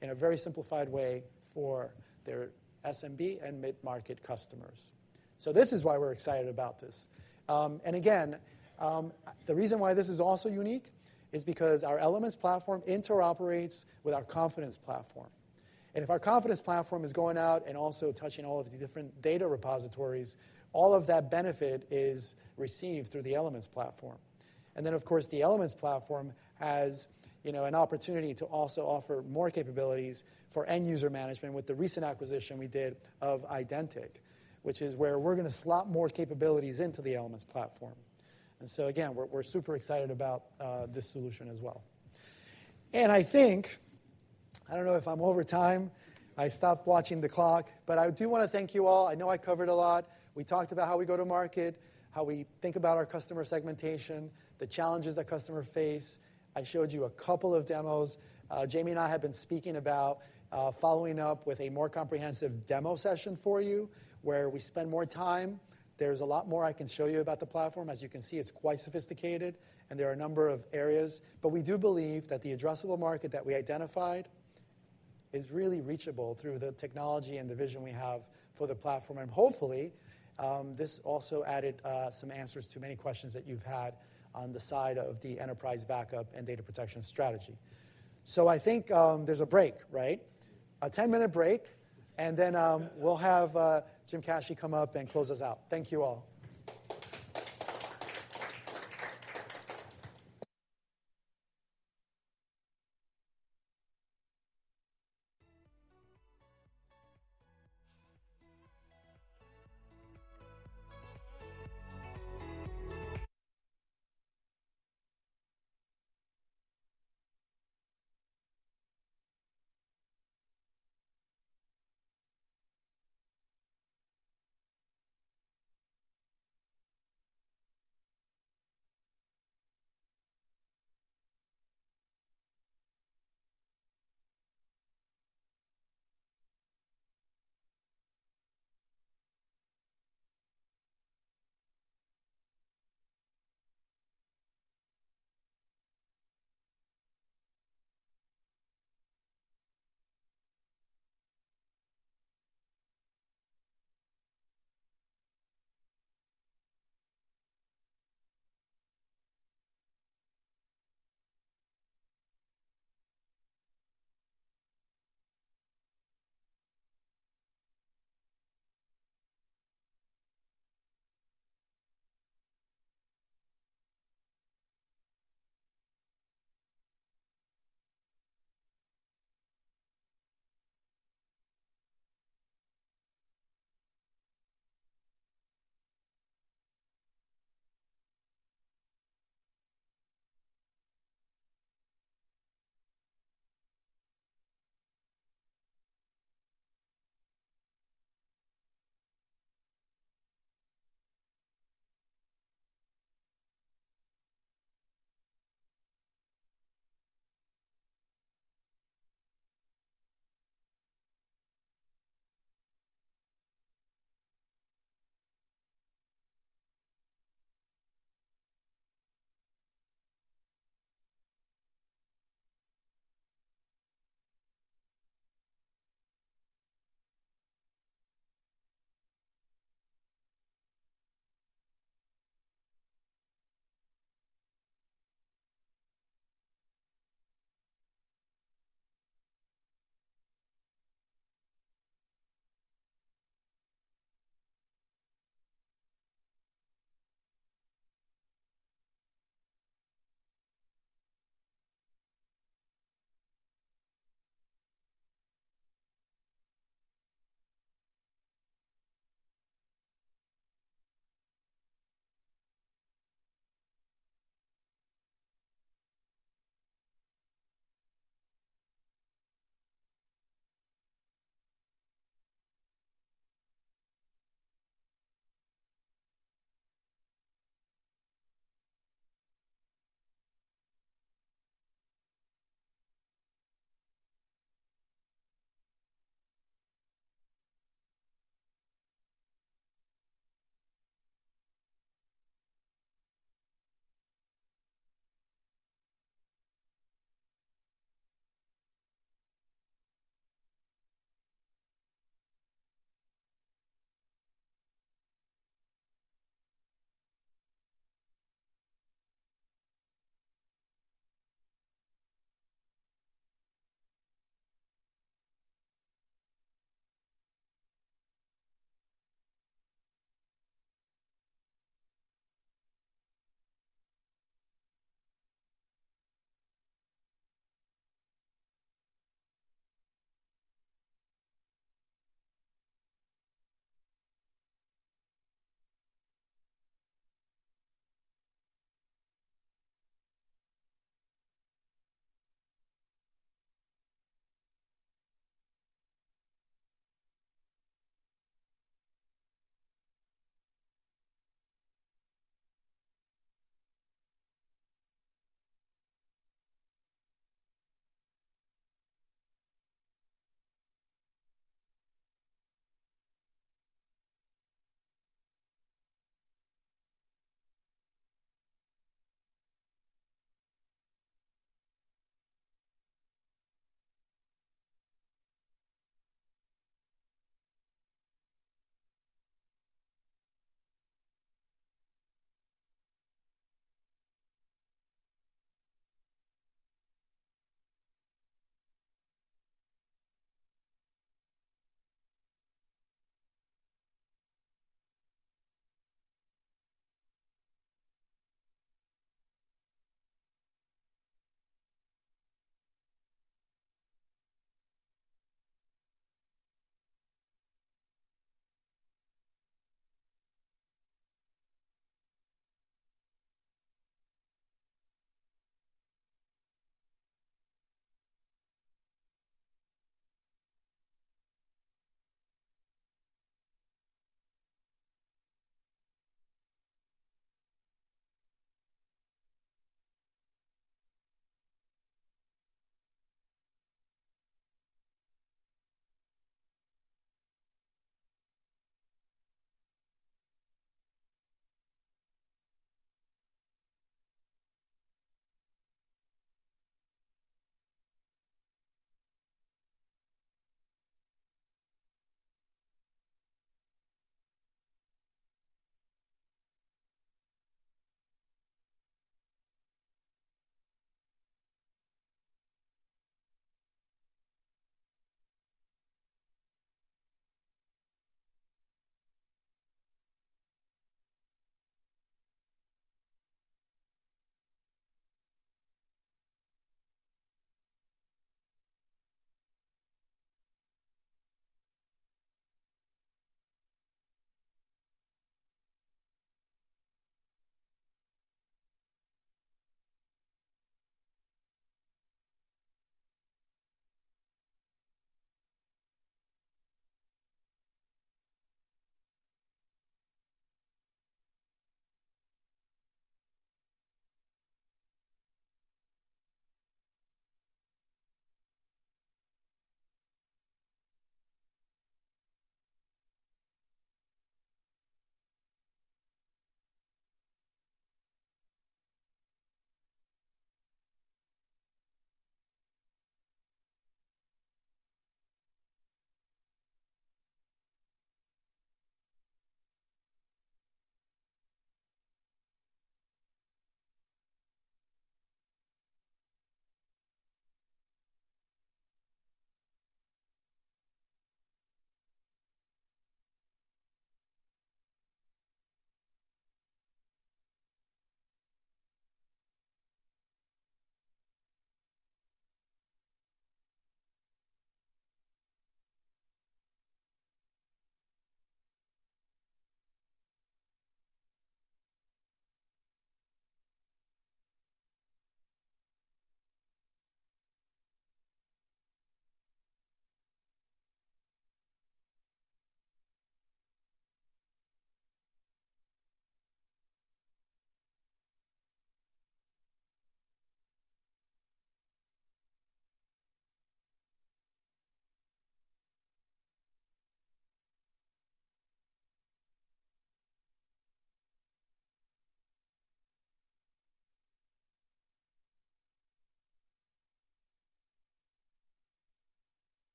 Speaker 2: in a very simplified way for their SMB and mid-market customers. So this is why we're excited about this. And again, the reason why this is also unique is because our Elements Platform interoperates with our Confidence Platform. And if our Confidence Platform is going out and also touching all of the different data repositories, all of that benefit is received through the Elements Platform. And then, of course, the Elements Platform has an opportunity to also offer more capabilities for end user management with the recent acquisition we did of Ydentic, which is where we're going to slot more capabilities into the Elements Platform. And so again, we're super excited about this solution as well. And I think I don't know if I'm over time. I stopped watching the clock. But I do want to thank you all. I know I covered a lot. We talked about how we go to market, how we think about our customer segmentation, the challenges that customers face. I showed you a couple of demos. Jamie and I have been speaking about following up with a more comprehensive demo session for you where we spend more time. There's a lot more I can show you about the platform. As you can see, it's quite sophisticated. There are a number of areas. But we do believe that the addressable market that we identified is really reachable through the technology and the vision we have for the platform. And hopefully, this also added some answers to many questions that you've had on the side of the enterprise backup and data protection strategy. So I think there's a break, right? A 10-minute break. And then we'll have Jim Caci come up and close us out. Thank you all.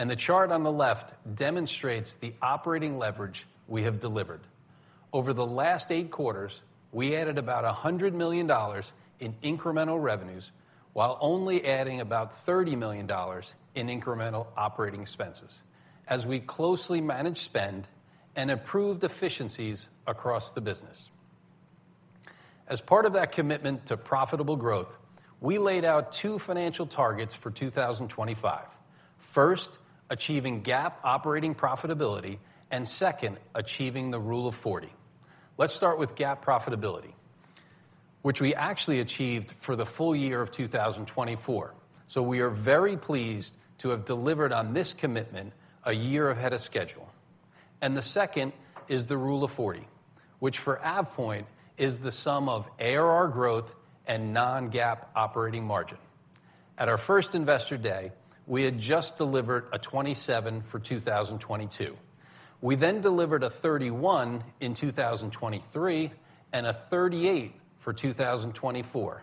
Speaker 4: And the chart on the left demonstrates the operating leverage we have delivered. Over the last eight quarters, we added about $100 million in incremental revenues while only adding about $30 million in incremental operating expenses as we closely managed spend and improved efficiencies across the business. As part of that commitment to profitable growth, we laid out two financial targets for 2025: first, achieving GAAP operating profitability, and second, achieving the Rule of 40. Let's start with GAAP profitability, which we actually achieved for the full year of 2024, so we are very pleased to have delivered on this commitment a year ahead of schedule, and the second is the Rule of 40, which for AvePoint is the sum of ARR growth and non-GAAP operating margin. At our first Investor Day, we had just delivered a 27 for 2022. We then delivered a 31 in 2023 and a 38 for 2024,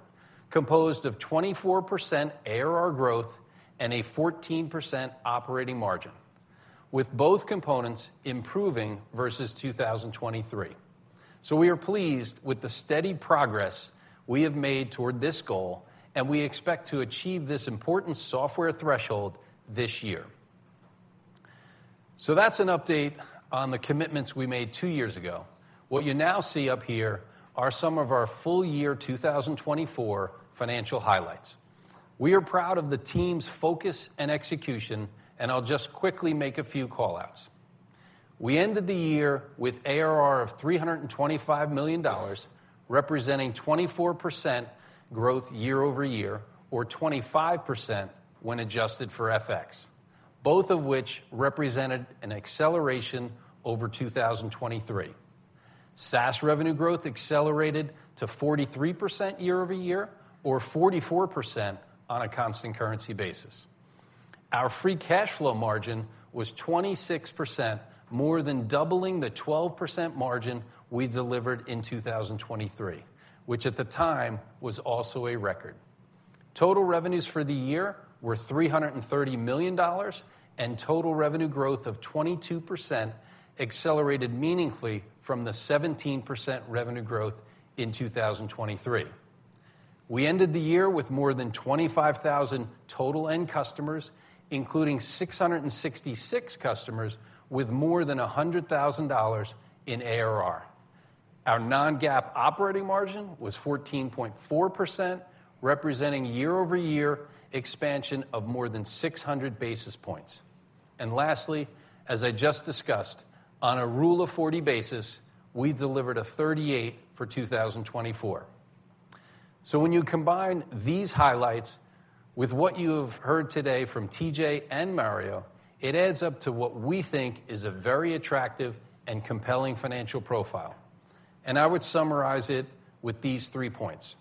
Speaker 4: composed of 24% ARR growth and a 14% operating margin, with both components improving versus 2023, so we are pleased with the steady progress we have made toward this goal, and we expect to achieve this important software threshold this year. That's an update on the commitments we made two years ago. What you now see up here are some of our full year 2024 financial highlights. We are proud of the team's focus and execution, and I'll just quickly make a few callouts. We ended the year with ARR of $325 million, representing 24% growth year-over-year, or 25% when adjusted for FX, both of which represented an acceleration over 2023. SaaS revenue growth accelerated to 43% year-over-year, or 44% on a constant currency basis. Our free cash flow margin was 26%, more than doubling the 12% margin we delivered in 2023, which at the time was also a record. Total revenues for the year were $330 million and total revenue growth of 22%, accelerated meaningfully from the 17% revenue growth in 2023. We ended the year with more than 25,000 total end customers, including 666 customers with more than $100,000 in ARR. Our Non-GAAP operating margin was 14.4%, representing year-over-year expansion of more than 600 basis points. And lastly, as I just discussed, on a Rule of 40 basis, we delivered a 38 for 2024. So when you combine these highlights with what you have heard today from TJ and Mario, it adds up to what we think is a very attractive and compelling financial profile. And I would summarize it with these three points.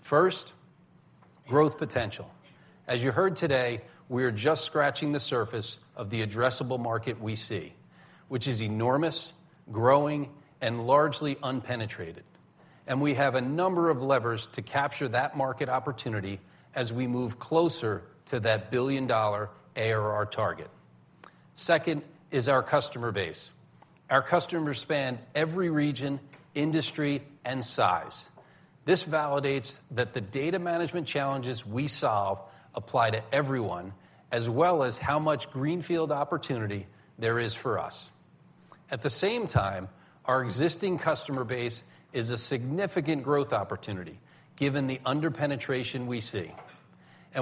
Speaker 4: First, growth potential. As you heard today, we are just scratching the surface of the addressable market we see, which is enormous, growing, and largely unpenetrated. And we have a number of levers to capture that market opportunity as we move closer to that $1 billion ARR target. Second is our customer base. Our customers span every region, industry, and size. This validates that the data management challenges we solve apply to everyone, as well as how much greenfield opportunity there is for us. At the same time, our existing customer base is a significant growth opportunity given the underpenetration we see.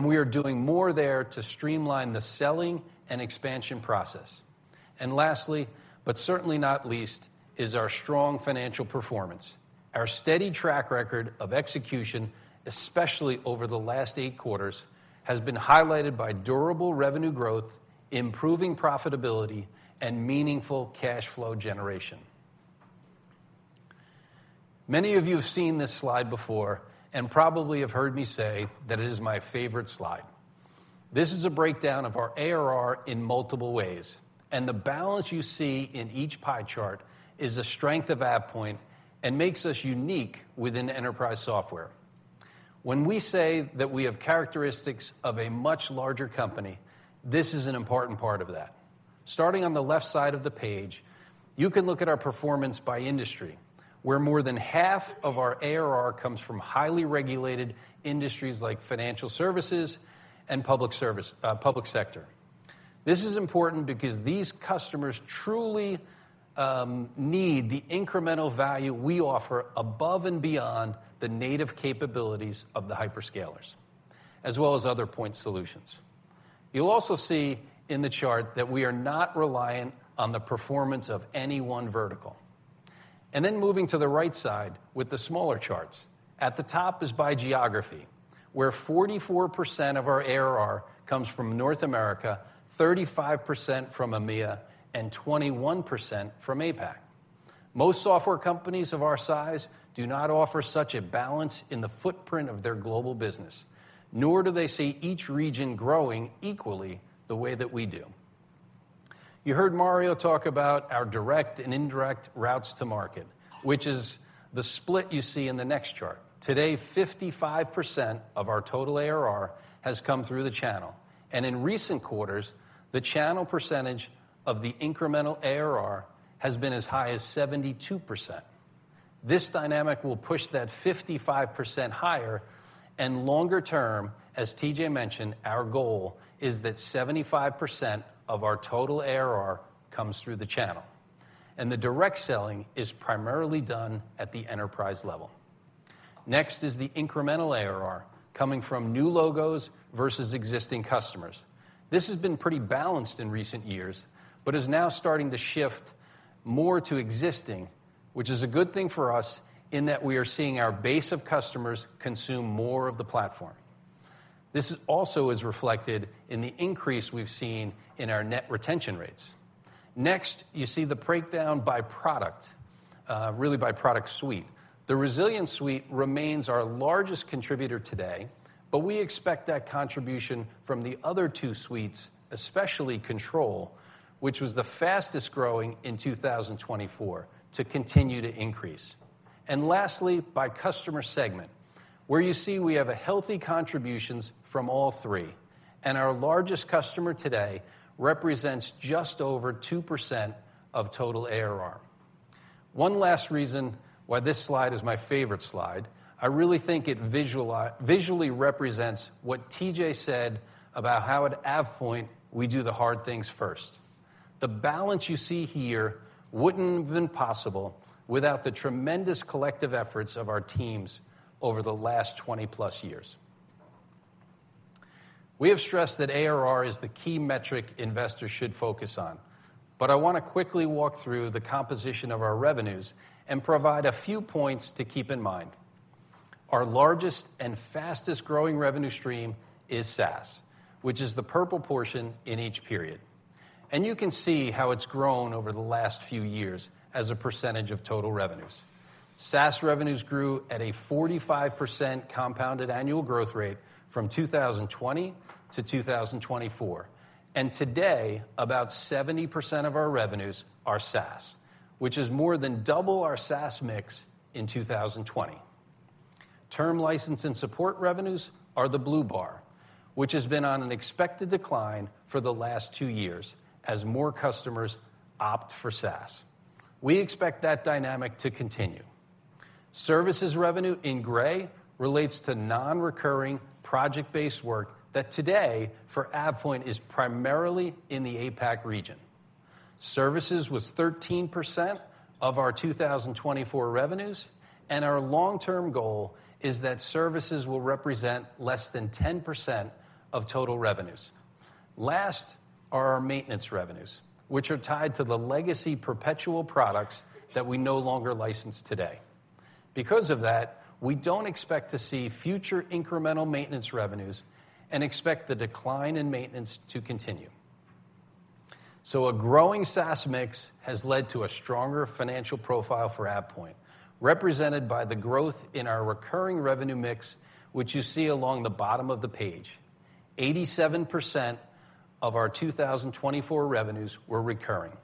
Speaker 4: We are doing more there to streamline the selling and expansion process. Lastly, but certainly not least, is our strong financial performance. Our steady track record of execution, especially over the last eight quarters, has been highlighted by durable revenue growth, improving profitability, and meaningful cash flow generation. Many of you have seen this slide before and probably have heard me say that it is my favorite slide. This is a breakdown of our ARR in multiple ways. The balance you see in each pie chart is the strength of AvePoint and makes us unique within enterprise software. When we say that we have characteristics of a much larger company, this is an important part of that. Starting on the left side of the page, you can look at our performance by industry, where more than half of our ARR comes from highly regulated industries like financial services and public sector. This is important because these customers truly need the incremental value we offer above and beyond the native capabilities of the hyperscalers, as well as other point solutions. You'll also see in the chart that we are not reliant on the performance of any one vertical. Then moving to the right side with the smaller charts, at the top is by geography, where 44% of our ARR comes from North America, 35% from EMEA, and 21% from APAC. Most software companies of our size do not offer such a balance in the footprint of their global business, nor do they see each region growing equally the way that we do. You heard Mario talk about our direct and indirect routes to market, which is the split you see in the next chart. Today, 55% of our total ARR has come through the channel. And in recent quarters, the channel percentage of the incremental ARR has been as high as 72%. This dynamic will push that 55% higher. And longer term, as TJ mentioned, our goal is that 75% of our total ARR comes through the channel. And the direct selling is primarily done at the enterprise level. Next is the incremental ARR coming from new logos versus existing customers. This has been pretty balanced in recent years, but is now starting to shift more to existing, which is a good thing for us in that we are seeing our base of customers consume more of the platform. This also is reflected in the increase we've seen in our net retention rates. Next, you see the breakdown by product, really by product suite. The Resilience Suite remains our largest contributor today, but we expect that contribution from the other two suites, especially Control, which was the fastest growing in 2024, to continue to increase. And lastly, by customer segment, where you see we have healthy contributions from all three. And our largest customer today represents just over 2% of total ARR. One last reason why this slide is my favorite slide. I really think it visually represents what TJ said about how at AvePoint we do the hard things first. The balance you see here wouldn't have been possible without the tremendous collective efforts of our teams over the last 20+ years. We have stressed that ARR is the key metric investors should focus on, but I want to quickly walk through the composition of our revenues and provide a few points to keep in mind. Our largest and fastest growing revenue stream is SaaS, which is the purple portion in each period, and you can see how it's grown over the last few years as a percentage of total revenues. SaaS revenues grew at a 45% compound annual growth rate from 2020 to 2024, and today, about 70% of our revenues are SaaS, which is more than double our SaaS mix in 2020. Term license and support revenues are the blue bar, which has been on an expected decline for the last two years as more customers opt for SaaS. We expect that dynamic to continue. Services revenue in gray relates to non-recurring project-based work that today for AvePoint is primarily in the APAC region. Services was 13% of our 2024 revenues, and our long-term goal is that services will represent less than 10% of total revenues. Last are our maintenance revenues, which are tied to the legacy perpetual products that we no longer license today. Because of that, we don't expect to see future incremental maintenance revenues and expect the decline in maintenance to continue. So a growing SaaS mix has led to a stronger financial profile for AvePoint, represented by the growth in our recurring revenue mix, which you see along the bottom of the page. 87% of our 2024 revenues were recurring,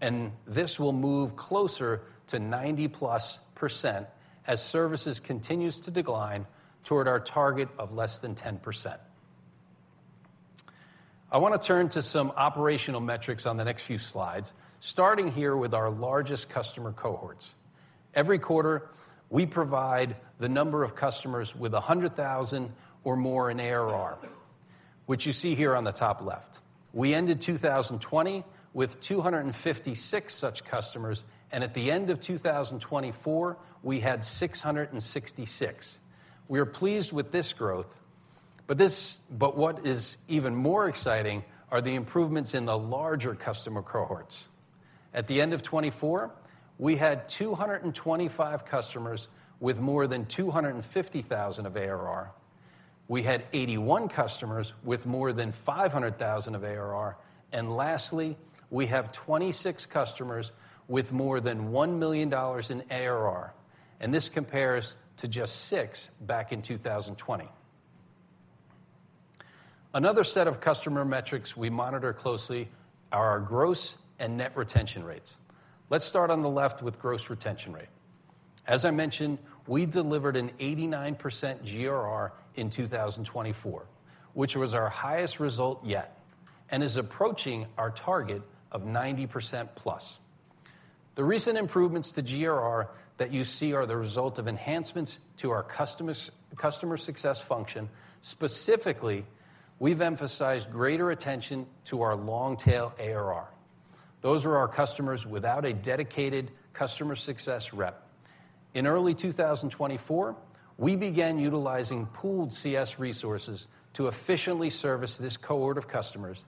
Speaker 4: and this will move closer to 90%+ as services continues to decline toward our target of less than 10%. I want to turn to some operational metrics on the next few slides, starting here with our largest customer cohorts. Every quarter, we provide the number of customers with $100,000 or more in ARR, which you see here on the top left. We ended 2020 with 256 such customers, and at the end of 2024, we had 666. We are pleased with this growth, but what is even more exciting are the improvements in the larger customer cohorts. At the end of 2024, we had 225 customers with more than $250,000 of ARR. We had 81 customers with more than $500,000 of ARR. And lastly, we have 26 customers with more than $1 million in ARR. And this compares to just six back in 2020. Another set of customer metrics we monitor closely are our gross and net retention rates. Let's start on the left with gross retention rate. As I mentioned, we delivered an 89% GRR in 2024, which was our highest result yet and is approaching our target of 90%+. The recent improvements to GRR that you see are the result of enhancements to our customer success function. Specifically, we've emphasized greater attention to our long-tail ARR. Those are our customers without a dedicated customer success rep. In early 2024, we began utilizing pooled CS resources to efficiently service this cohort of customers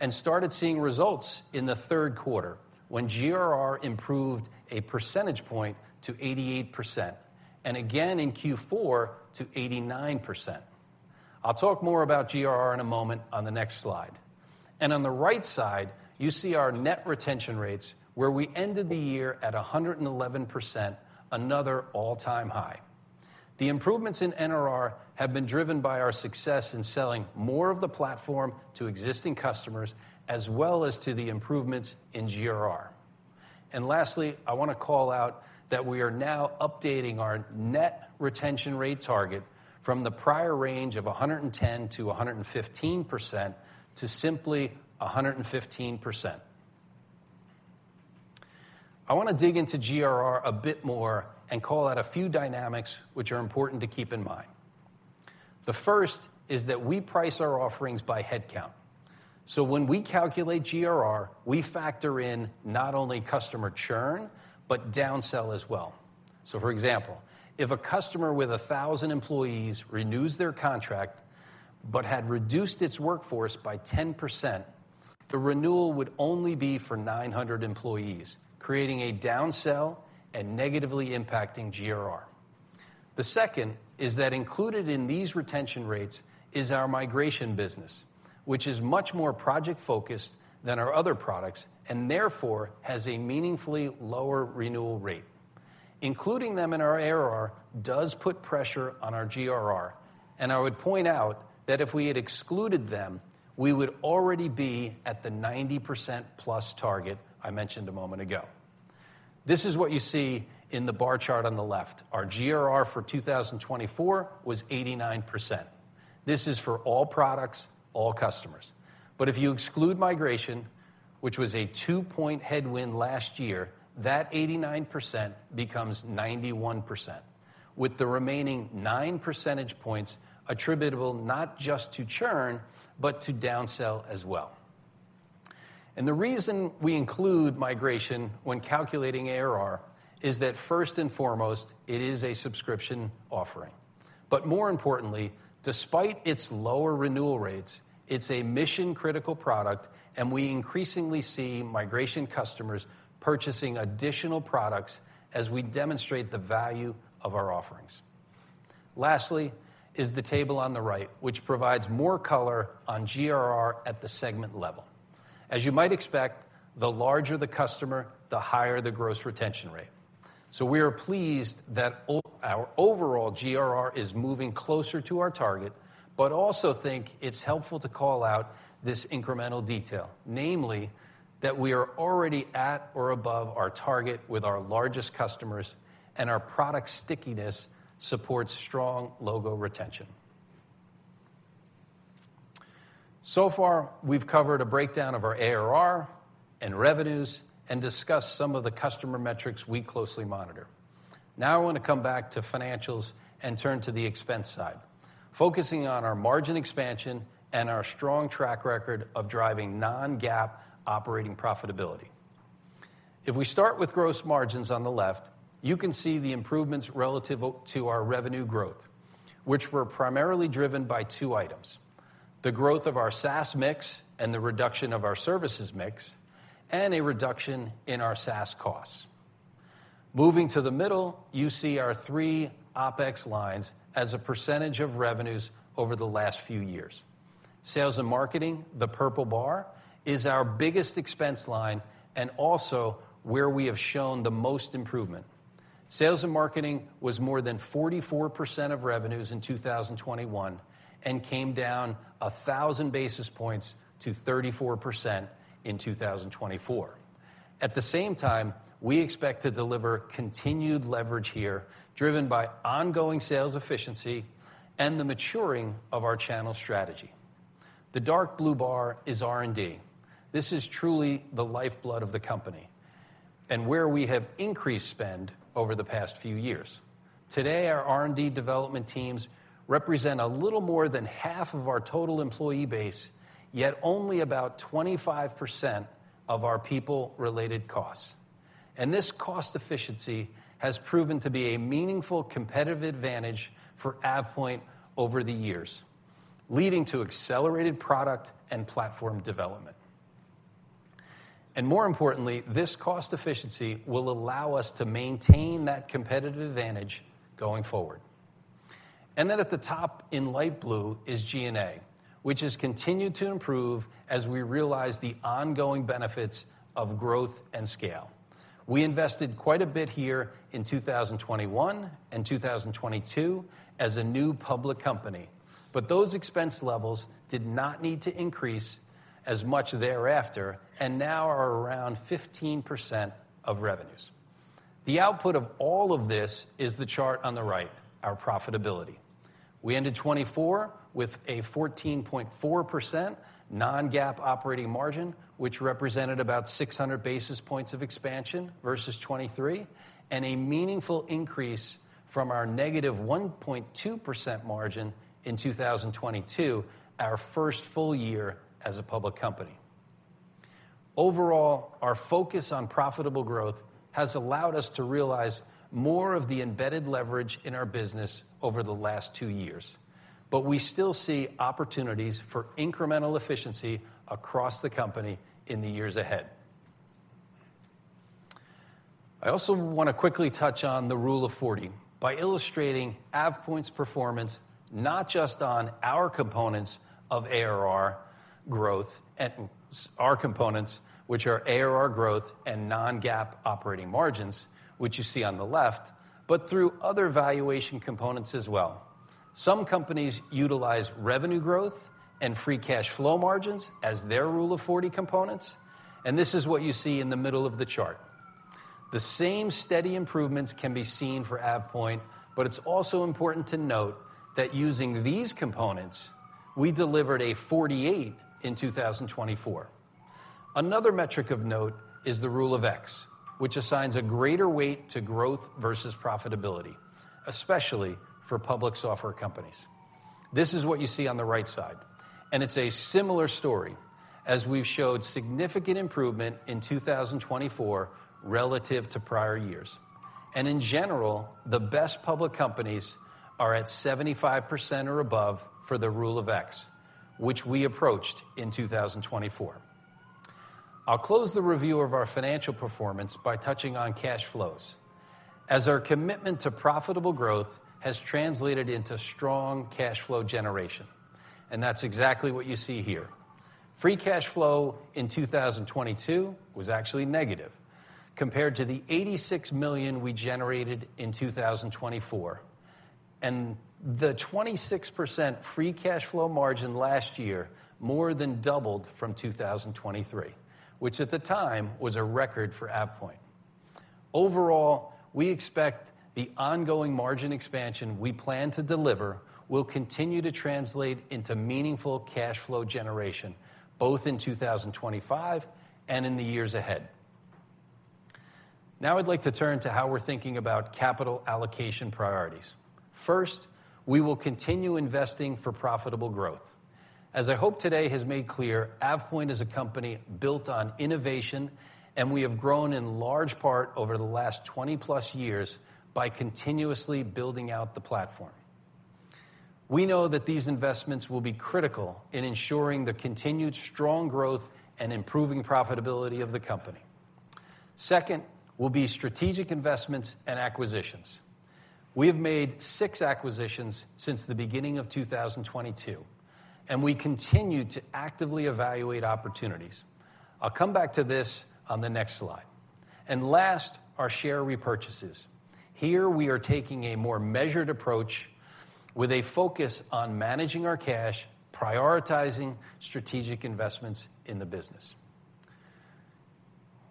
Speaker 4: and started seeing results in the third quarter when GRR improved a percentage point to 88%, and again in Q4 to 89%. I'll talk more about GRR in a moment on the next slide. On the right side, you see our net retention rates, where we ended the year at 111%, another all-time high. The improvements in NRR have been driven by our success in selling more of the platform to existing customers, as well as to the improvements in GRR. Lastly, I want to call out that we are now updating our net retention rate target from the prior range of 110%-115% to simply 115%. I want to dig into GRR a bit more and call out a few dynamics which are important to keep in mind. The first is that we price our offerings by headcount. So when we calculate GRR, we factor in not only customer churn, but downsell as well. So for example, if a customer with 1,000 employees renews their contract but had reduced its workforce by 10%, the renewal would only be for 900 employees, creating a downsell and negatively impacting GRR. The second is that included in these retention rates is our migration business, which is much more project-focused than our other products and therefore has a meaningfully lower renewal rate. Including them in our ARR does put pressure on our GRR. And I would point out that if we had excluded them, we would already be at the 90%+ target I mentioned a moment ago. This is what you see in the bar chart on the left. Our GRR for 2024 was 89%. This is for all products, all customers. But if you exclude migration, which was a two-point headwind last year, that 89% becomes 91%, with the remaining 9 percentage points attributable not just to churn, but to downsell as well. And the reason we include migration when calculating ARR is that first and foremost, it is a subscription offering. But more importantly, despite its lower renewal rates, it's a mission-critical product, and we increasingly see migration customers purchasing additional products as we demonstrate the value of our offerings. Lastly is the table on the right, which provides more color on GRR at the segment level. As you might expect, the larger the customer, the higher the gross retention rate. So we are pleased that our overall GRR is moving closer to our target, but also think it's helpful to call out this incremental detail, namely that we are already at or above our target with our largest customers, and our product stickiness supports strong logo retention. So far, we've covered a breakdown of our ARR and revenues and discussed some of the customer metrics we closely monitor. Now I want to come back to financials and turn to the expense side, focusing on our margin expansion and our strong track record of driving non-GAAP operating profitability. If we start with gross margins on the left, you can see the improvements relative to our revenue growth, which were primarily driven by two items: the growth of our SaaS mix and the reduction of our services mix, and a reduction in our SaaS costs. Moving to the middle, you see our three OpEx lines as a percentage of revenues over the last few years. Sales and marketing, the purple bar, is our biggest expense line and also where we have shown the most improvement. Sales and marketing was more than 44% of revenues in 2021 and came down 1,000 basis points to 34% in 2024. At the same time, we expect to deliver continued leverage here, driven by ongoing sales efficiency and the maturing of our channel strategy. The dark blue bar is R&D. This is truly the lifeblood of the company and where we have increased spend over the past few years. Today, our R&D development teams represent a little more than half of our total employee base, yet only about 25% of our people-related costs. This cost efficiency has proven to be a meaningful competitive advantage for AvePoint over the years, leading to accelerated product and platform development. More importantly, this cost efficiency will allow us to maintain that competitive advantage going forward. At the top in light blue is G&A, which has continued to improve as we realize the ongoing benefits of growth and scale. We invested quite a bit here in 2021 and 2022 as a new public company, but those expense levels did not need to increase as much thereafter and now are around 15% of revenues. The output of all of this is the chart on the right, our profitability. We ended 2024 with a 14.4% non-GAAP operating margin, which represented about 600 basis points of expansion versus 2023, and a meaningful increase from our negative 1.2% margin in 2022, our first full year as a public company. Overall, our focus on profitable growth has allowed us to realize more of the embedded leverage in our business over the last two years, but we still see opportunities for incremental efficiency across the company in the years ahead. I also want to quickly touch on the Rule of 40 by illustrating AvePoint's performance, not just on our components of ARR growth and our components, which are ARR growth and non-GAAP operating margins, which you see on the left, but through other valuation components as well. Some companies utilize revenue growth and free cash flow margins as their Rule of 40 components, and this is what you see in the middle of the chart. The same steady improvements can be seen for AvePoint, but it's also important to note that using these components, we delivered a 48 in 2024. Another metric of note is the Rule of X, which assigns a greater weight to growth versus profitability, especially for public software companies. This is what you see on the right side, and it's a similar story as we've showed significant improvement in 2024 relative to prior years. In general, the best public companies are at 75% or above for the Rule of X, which we approached in 2024. I'll close the review of our financial performance by touching on cash flows, as our commitment to profitable growth has translated into strong cash flow generation. That's exactly what you see here. Free cash flow in 2022 was actually negative compared to the $86 million we generated in 2024. The 26% free cash flow margin last year more than doubled from 2023, which at the time was a record for AvePoint. Overall, we expect the ongoing margin expansion we plan to deliver will continue to translate into meaningful cash flow generation both in 2025 and in the years ahead. Now I'd like to turn to how we're thinking about capital allocation priorities. First, we will continue investing for profitable growth. As I hope today has made clear, AvePoint is a company built on innovation, and we have grown in large part over the last 20 plus years by continuously building out the platform. We know that these investments will be critical in ensuring the continued strong growth and improving profitability of the company. Second, will be strategic investments and acquisitions. We have made six acquisitions since the beginning of 2022, and we continue to actively evaluate opportunities. I'll come back to this on the next slide. Last, our share repurchases. Here we are taking a more measured approach with a focus on managing our cash, prioritizing strategic investments in the business.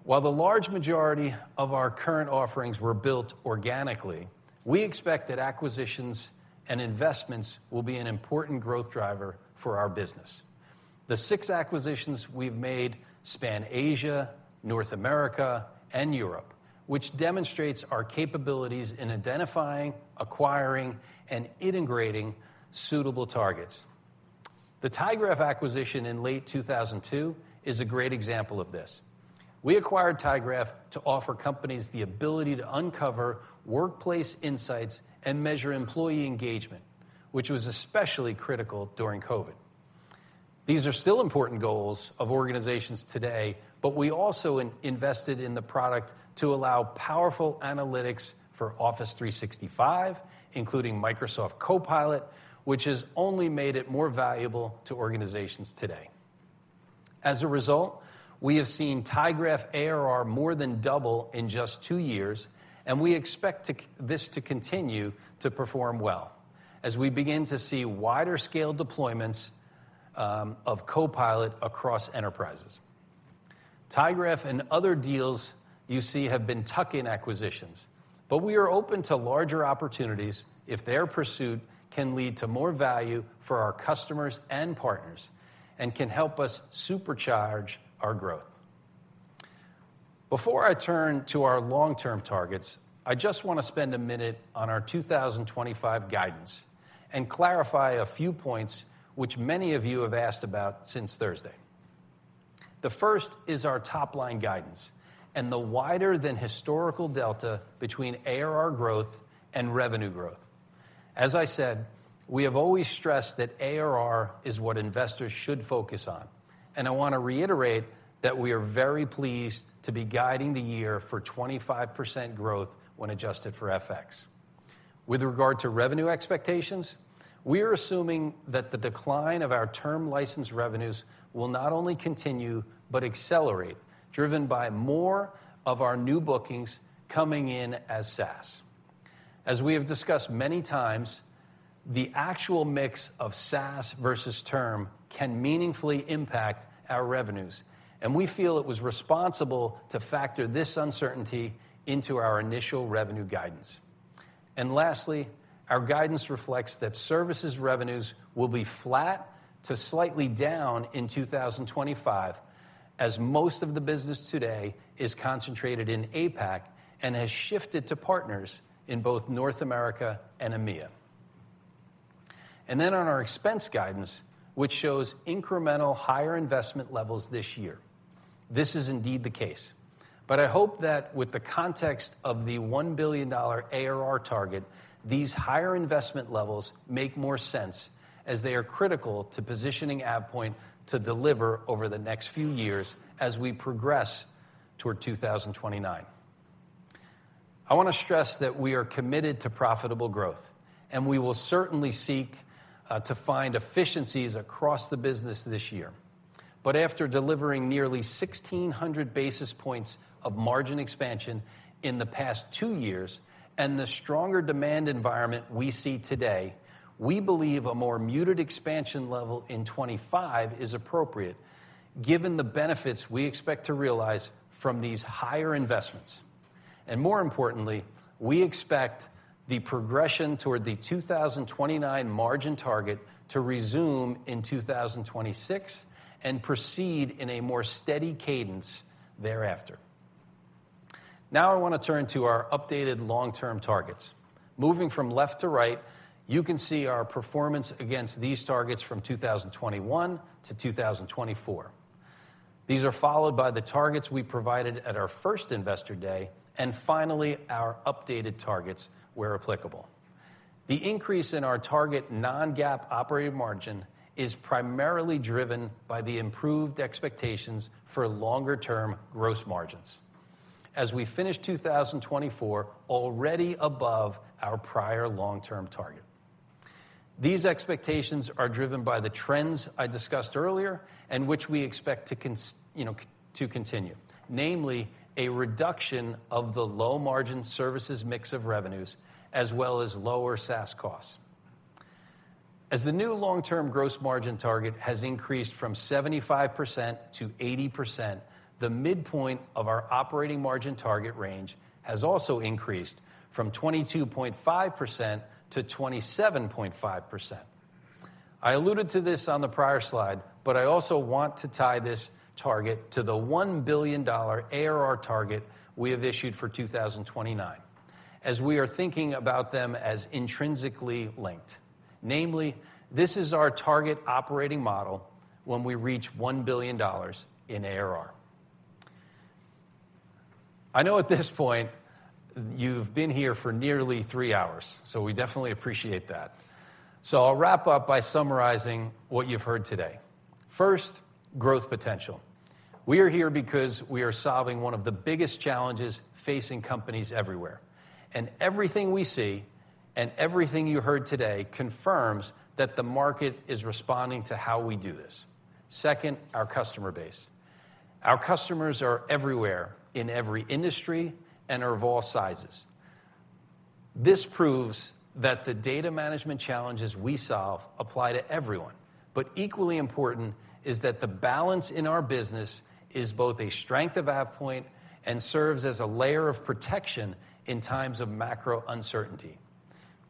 Speaker 4: While the large majority of our current offerings were built organically, we expect that acquisitions and investments will be an important growth driver for our business. The six acquisitions we've made span Asia, North America, and Europe, which demonstrates our capabilities in identifying, acquiring, and integrating suitable targets. The tyGraph acquisition in late 2022 is a great example of this. We acquired tyGraph to offer companies the ability to uncover workplace insights and measure employee engagement, which was especially critical during COVID. These are still important goals of organizations today, but we also invested in the product to allow powerful analytics for Office 365, including Microsoft Copilot, which has only made it more valuable to organizations today. As a result, we have seen tyGraph ARR more than double in just two years, and we expect this to continue to perform well as we begin to see wider scale deployments of Copilot across enterprises. tyGraph and other deals you see have been tuck-in acquisitions, but we are open to larger opportunities if their pursuit can lead to more value for our customers and partners and can help us supercharge our growth. Before I turn to our long-term targets, I just want to spend a minute on our 2025 guidance and clarify a few points which many of you have asked about since Thursday. The first is our top-line guidance and the wider than historical delta between ARR growth and revenue growth. As I said, we have always stressed that ARR is what investors should focus on, and I want to reiterate that we are very pleased to be guiding the year for 25% growth when adjusted for FX. With regard to revenue expectations, we are assuming that the decline of our term license revenues will not only continue, but accelerate, driven by more of our new bookings coming in as SaaS. As we have discussed many times, the actual mix of SaaS versus term can meaningfully impact our revenues, and we feel it was responsible to factor this uncertainty into our initial revenue guidance. And lastly, our guidance reflects that services revenues will be flat to slightly down in 2025, as most of the business today is concentrated in APAC and has shifted to partners in both North America and EMEA. And then on our expense guidance, which shows incremental higher investment levels this year, this is indeed the case, but I hope that with the context of the $1 billion ARR target, these higher investment levels make more sense as they are critical to positioning AvePoint to deliver over the next few years as we progress toward 2029. I want to stress that we are committed to profitable growth, and we will certainly seek to find efficiencies across the business this year. But after delivering nearly 1,600 basis points of margin expansion in the past two years and the stronger demand environment we see today, we believe a more muted expansion level in 2025 is appropriate, given the benefits we expect to realize from these higher investments. And more importantly, we expect the progression toward the 2029 margin target to resume in 2026 and proceed in a more steady cadence thereafter. Now I want to turn to our updated long-term targets. Moving from left to right, you can see our performance against these targets 2021-2024. These are followed by the targets we provided at our first Investor Day, and finally, our updated targets where applicable. The increase in our target non-GAAP operating margin is primarily driven by the improved expectations for longer-term gross margins as we finish 2024 already above our prior long-term target. These expectations are driven by the trends I discussed earlier and which we expect to continue, namely a reduction of the low-margin services mix of revenues as well as lower SaaS costs. As the new long-term gross margin target has increased from 75%-80%, the midpoint of our operating margin target range has also increased from 22.5%-27.5%. I alluded to this on the prior slide, but I also want to tie this target to the $1 billion ARR target we have issued for 2029, as we are thinking about them as intrinsically linked. Namely, this is our target operating model when we reach $1 billion in ARR. I know at this point you've been here for nearly three hours, so we definitely appreciate that. So I'll wrap up by summarizing what you've heard today. First, growth potential. We are here because we are solving one of the biggest challenges facing companies everywhere, and everything we see and everything you heard today confirms that the market is responding to how we do this. Second, our customer base. Our customers are everywhere in every industry and are of all sizes. This proves that the data management challenges we solve apply to everyone. But equally important is that the balance in our business is both a strength of AvePoint and serves as a layer of protection in times of macro uncertainty.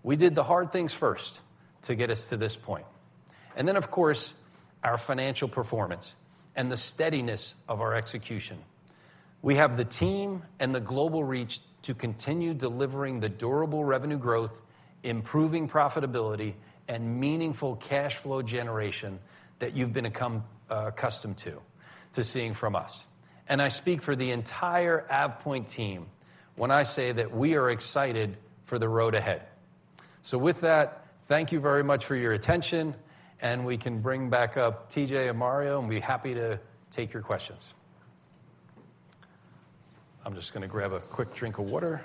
Speaker 4: We did the hard things first to get us to this point. And then, of course, our financial performance and the steadiness of our execution. We have the team and the global reach to continue delivering the durable revenue growth, improving profitability, and meaningful cash flow generation that you've become accustomed to seeing from us. I speak for the entire AvePoint team when I say that we are excited for the road ahead. With that, thank you very much for your attention, and we can bring back up TJ and Mario, and we're happy to take your questions. I'm just going to grab a quick drink of water.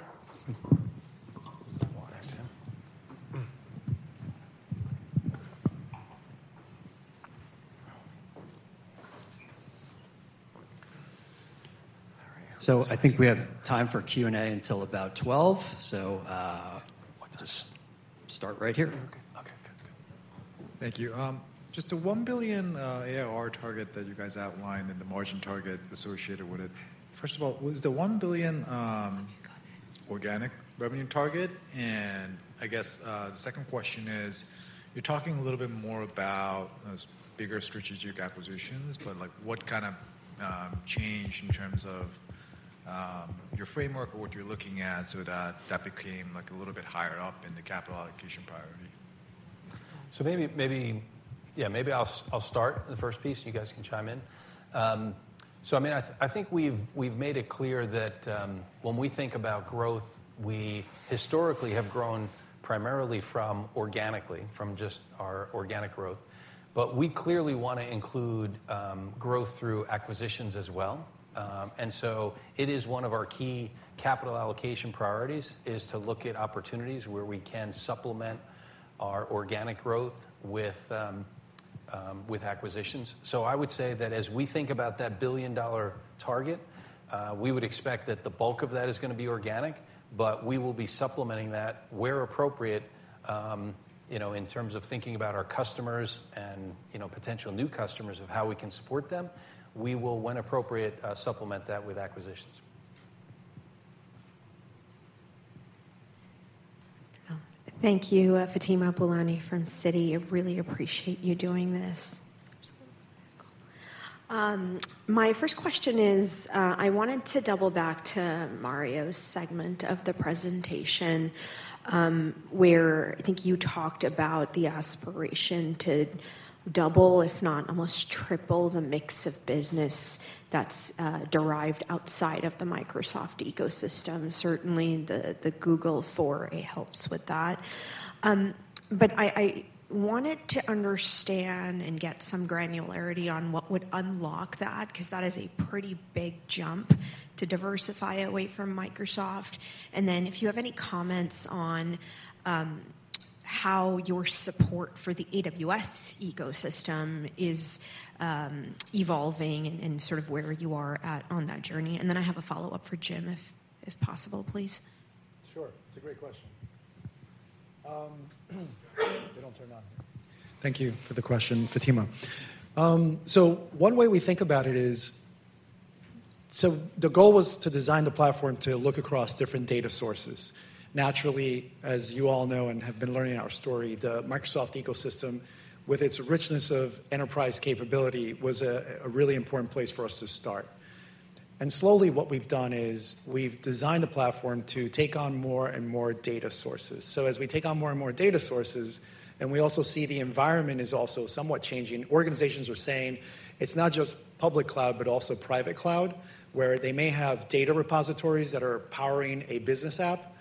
Speaker 5: I think we have time for Q&A until about 12:00 P.M., so just start right here. Okay. Okay. Thank you. Just the $1 billion ARR target that you guys outlined and the margin target associated with it, first of all, was the $1 billion organic revenue target? And I guess the second question is, you're talking a little bit more about those bigger strategic acquisitions, but what kind of change in terms of your framework or what you're looking at so that that became a little bit higher up in the capital allocation priority?
Speaker 4: So maybe, yeah, maybe I'll start the first piece. You guys can chime in. So I mean, I think we've made it clear that when we think about growth, we historically have grown primarily from organically, from just our organic growth. But we clearly want to include growth through acquisitions as well. And so it is one of our key capital allocation priorities to look at opportunities where we can supplement our organic growth with acquisitions. So I would say that as we think about that billion-dollar target, we would expect that the bulk of that is going to be organic, but we will be supplementing that where appropriate in terms of thinking about our customers and potential new customers of how we can support them. We will, when appropriate, supplement that with acquisitions.
Speaker 6: Thank you, Fatima Boolani from Citi. I really appreciate you doing this. My first question is, I wanted to double back to Mario's segment of the presentation where I think you talked about the aspiration to double, if not almost triple, the mix of business that's derived outside of the Microsoft ecosystem. Certainly, the Google foray helps with that. But I wanted to understand and get some granularity on what would unlock that because that is a pretty big jump to diversify away from Microsoft. And then if you have any comments on how your support for the AWS ecosystem is evolving and sort of where you are at on that journey. And then I have a follow-up for Jim, if possible, please.
Speaker 2: Sure. It's a great question. They don't turn on here. Thank you for the question, Fatima. So one way we think about it is, so the goal was to design the platform to look across different data sources. Naturally, as you all know and have been learning our story, the Microsoft ecosystem, with its richness of enterprise capability, was a really important place for us to start, and slowly, what we've done is we've designed the platform to take on more and more data sources, so as we take on more and more data sources, and we also see the environment is also somewhat changing, organizations are saying it's not just public cloud, but also private cloud, where they may have data repositories that are powering a business app.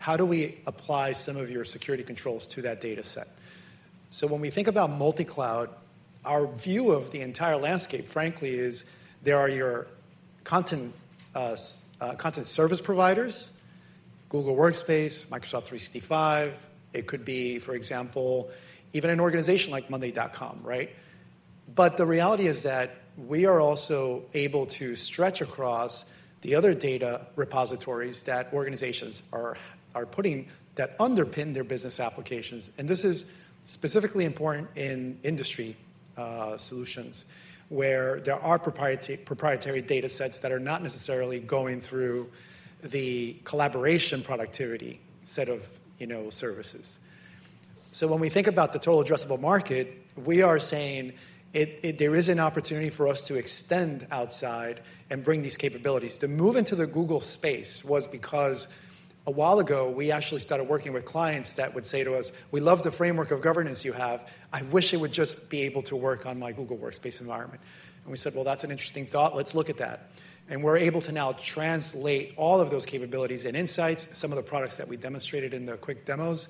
Speaker 2: How do we apply some of your security controls to that data set, so when we think about multi-cloud, our view of the entire landscape, frankly, is there are your content service providers, Google Workspace, Microsoft 365. It could be, for example, even an organization like monday.com, right? But the reality is that we are also able to stretch across the other data repositories that organizations are putting that underpin their business applications. And this is specifically important in industry solutions where there are proprietary data sets that are not necessarily going through the collaboration productivity set of services. So when we think about the total addressable market, we are saying there is an opportunity for us to extend outside and bring these capabilities. The move into the Google space was because a while ago, we actually started working with clients that would say to us, "We love the framework of governance you have. I wish it would just be able to work on my Google Workspace environment." And we said, "Well, that's an interesting thought. Let's look at that," and we're able to now translate all of those capabilities and insights, some of the products that we demonstrated in the quick demos,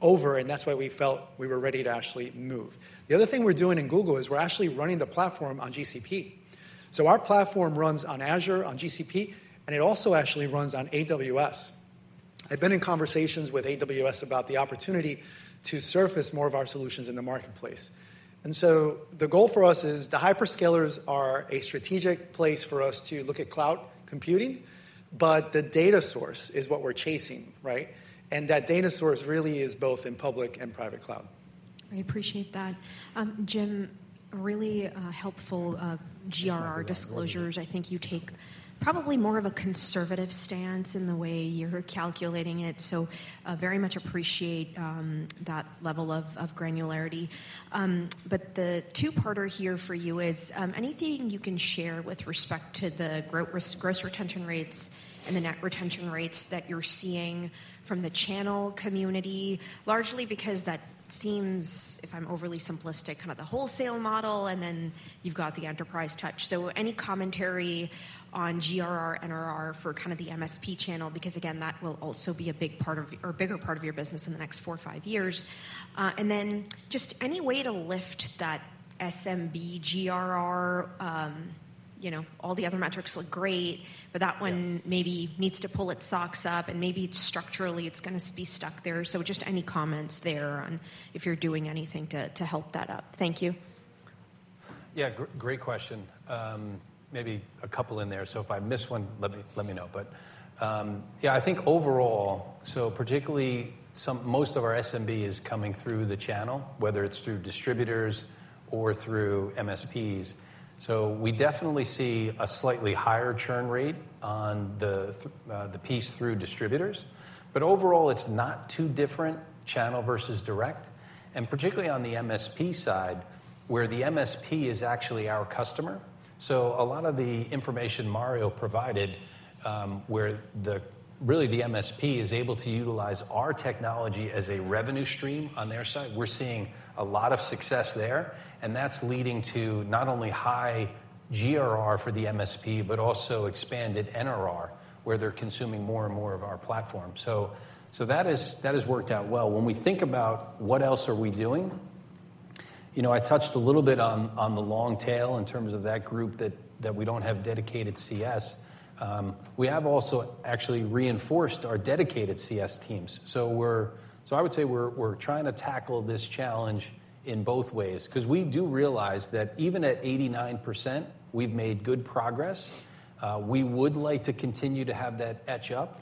Speaker 2: over, and that's why we felt we were ready to actually move. The other thing we're doing in Google is we're actually running the platform on GCP. So our platform runs on Azure, on GCP, and it also actually runs on AWS. I've been in conversations with AWS about the opportunity to surface more of our solutions in the marketplace, and so the goal for us is the hyperscalers are a strategic place for us to look at cloud computing, but the data source is what we're chasing, right? And that data source really is both in public and private cloud.
Speaker 6: I appreciate that. Jim, really helpful GRR disclosures. I think you take probably more of a conservative stance in the way you're calculating it, so very much appreciate that level of granularity. But the two-parter here for you is anything you can share with respect to the gross retention rates and the net retention rates that you're seeing from the channel community, largely because that seems, if I'm overly simplistic, kind of the wholesale model, and then you've got the enterprise touch. So any commentary on GRR, NRR for kind of the MSP channel, because again, that will also be a big part of your business in the next four or five years. And then just any way to lift that SMB GRR, all the other metrics look great, but that one maybe needs to pull its socks up, and maybe structurally it's going to be stuck there. So just any comments there on if you're doing anything to help that up? Thank you.
Speaker 4: Yeah, great question. Maybe a couple in there. So if I miss one, let me know. But yeah, I think overall, so particularly most of our SMB is coming through the channel, whether it's through distributors or through MSPs. So we definitely see a slightly higher churn rate on the piece through distributors. But overall, it's not too different channel versus direct. And particularly on the MSP side, where the MSP is actually our customer. So a lot of the information Mario provided, where really the MSP is able to utilize our technology as a revenue stream on their side, we're seeing a lot of success there. And that's leading to not only high GRR for the MSP, but also expanded NRR, where they're consuming more and more of our platform. So that has worked out well. When we think about what else are we doing, I touched a little bit on the long tail in terms of that group that we don't have dedicated CS. We have also actually reinforced our dedicated CS teams. So I would say we're trying to tackle this challenge in both ways because we do realize that even at 89%, we've made good progress. We would like to continue to have that inch up.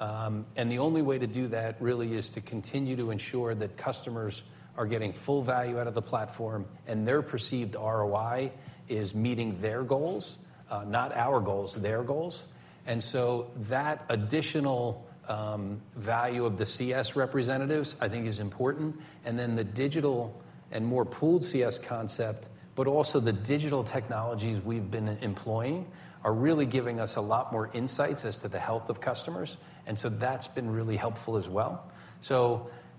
Speaker 4: And the only way to do that really is to continue to ensure that customers are getting full value out of the platform and their perceived ROI is meeting their goals, not our goals, their goals. And so that additional value of the CS representatives, I think, is important. And then the digital and more pooled CS concept, but also the digital technologies we've been employing are really giving us a lot more insights as to the health of customers. And so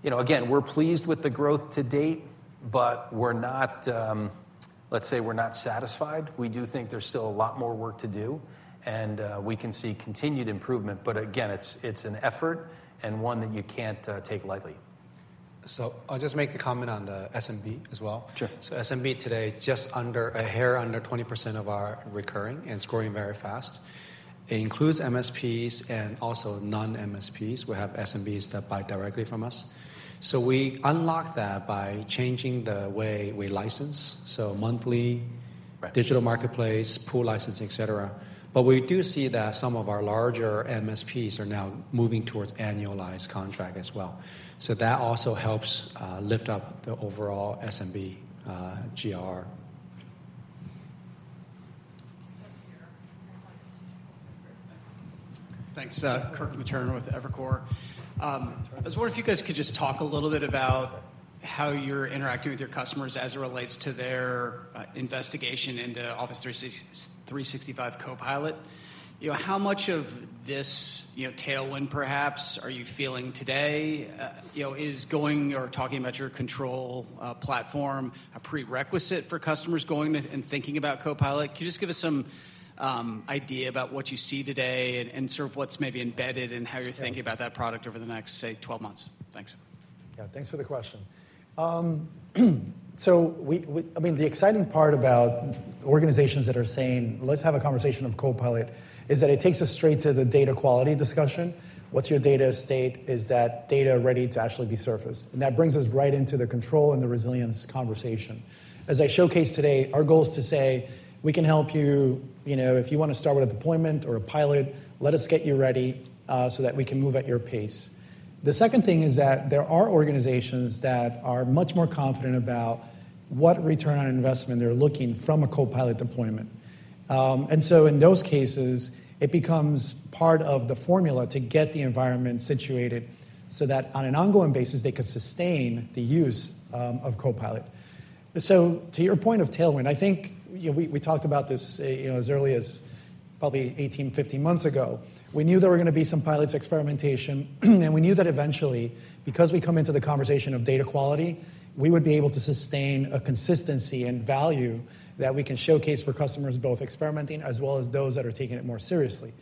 Speaker 4: that's been really helpful as well. So again, we're pleased with the growth to date, but let's say we're not satisfied. We do think there's still a lot more work to do, and we can see continued improvement. But again, it's an effort and one that you can't take lightly.
Speaker 1: So I'll just make the comment on the SMB as well. So SMB today is just a hair under 20% of our recurring and it's growing very fast. It includes MSPs and also non-MSPs. We have SMBs that buy directly from us. So we unlock that by changing the way we license. So monthly, digital marketplace, pool license, etc. But we do see that some of our larger MSPs are now moving towards annualized contract as well. So that also helps lift up the overall SMB GRR.
Speaker 7: Thanks. Kirk Materne with Evercore. I was wondering if you guys could just talk a little bit about how you're interacting with your customers as it relates to their investigation into Office 365 Copilot. How much of this tailwind, perhaps, are you feeling today is going or talking about your Control Platform, a prerequisite for customers going and thinking about Copilot? Can you just give us some idea about what you see today and sort of what's maybe embedded and how you're thinking about that product over the next, say, 12 months? Thanks.
Speaker 2: Yeah, thanks for the question. So I mean, the exciting part about organizations that are saying, "Let's have a conversation of Copilot," is that it takes us straight to the data quality discussion. What's your data state? Is that data ready to actually be surfaced? And that brings us right into the Control and the Resilience conversation. As I showcased today, our goal is to say, "We can help you if you want to start with a deployment or a pilot, let us get you ready so that we can move at your pace." The second thing is that there are organizations that are much more confident about what return on investment they're looking from a Copilot deployment. And so in those cases, it becomes part of the formula to get the environment situated so that on an ongoing basis, they can sustain the use of Copilot. So to your point of tailwind, I think we talked about this as early as probably 18, 15 months ago. We knew there were going to be some pilots, experimentation, and we knew that eventually, because we come into the conversation of data quality, we would be able to sustain a consistency and value that we can showcase for customers, both experimenting as well as those that are taking it more seriously.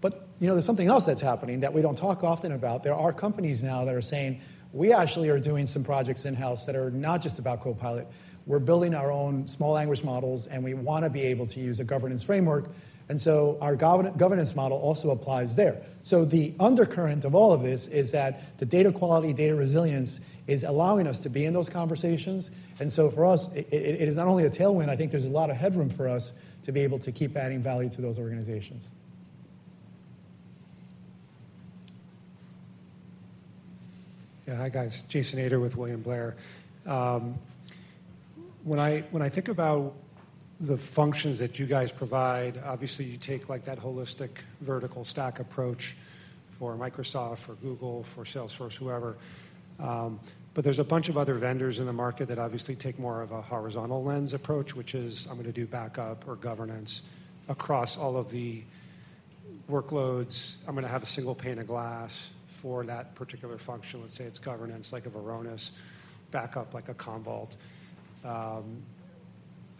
Speaker 2: But there's something else that's happening that we don't talk often about. There are companies now that are saying, "We actually are doing some projects in-house that are not just about Copilot. We're building our own small language models, and we want to be able to use a governance framework." And so our governance model also applies there. The undercurrent of all of this is that the data quality, data resilience is allowing us to be in those conversations. For us, it is not only a tailwind. I think there's a lot of headroom for us to be able to keep adding value to those organizations.
Speaker 8: Yeah, hi guys. Jason Ader with William Blair. When I think about the functions that you guys provide, obviously you take that holistic vertical stack approach for Microsoft, for Google, for Salesforce, whoever. But there's a bunch of other vendors in the market that obviously take more of a horizontal lens approach, which is, "I'm going to do backup or governance across all of the workloads. I'm going to have a single pane of glass for that particular function. Let's say it's governance like a Varonis, backup like a Commvault." I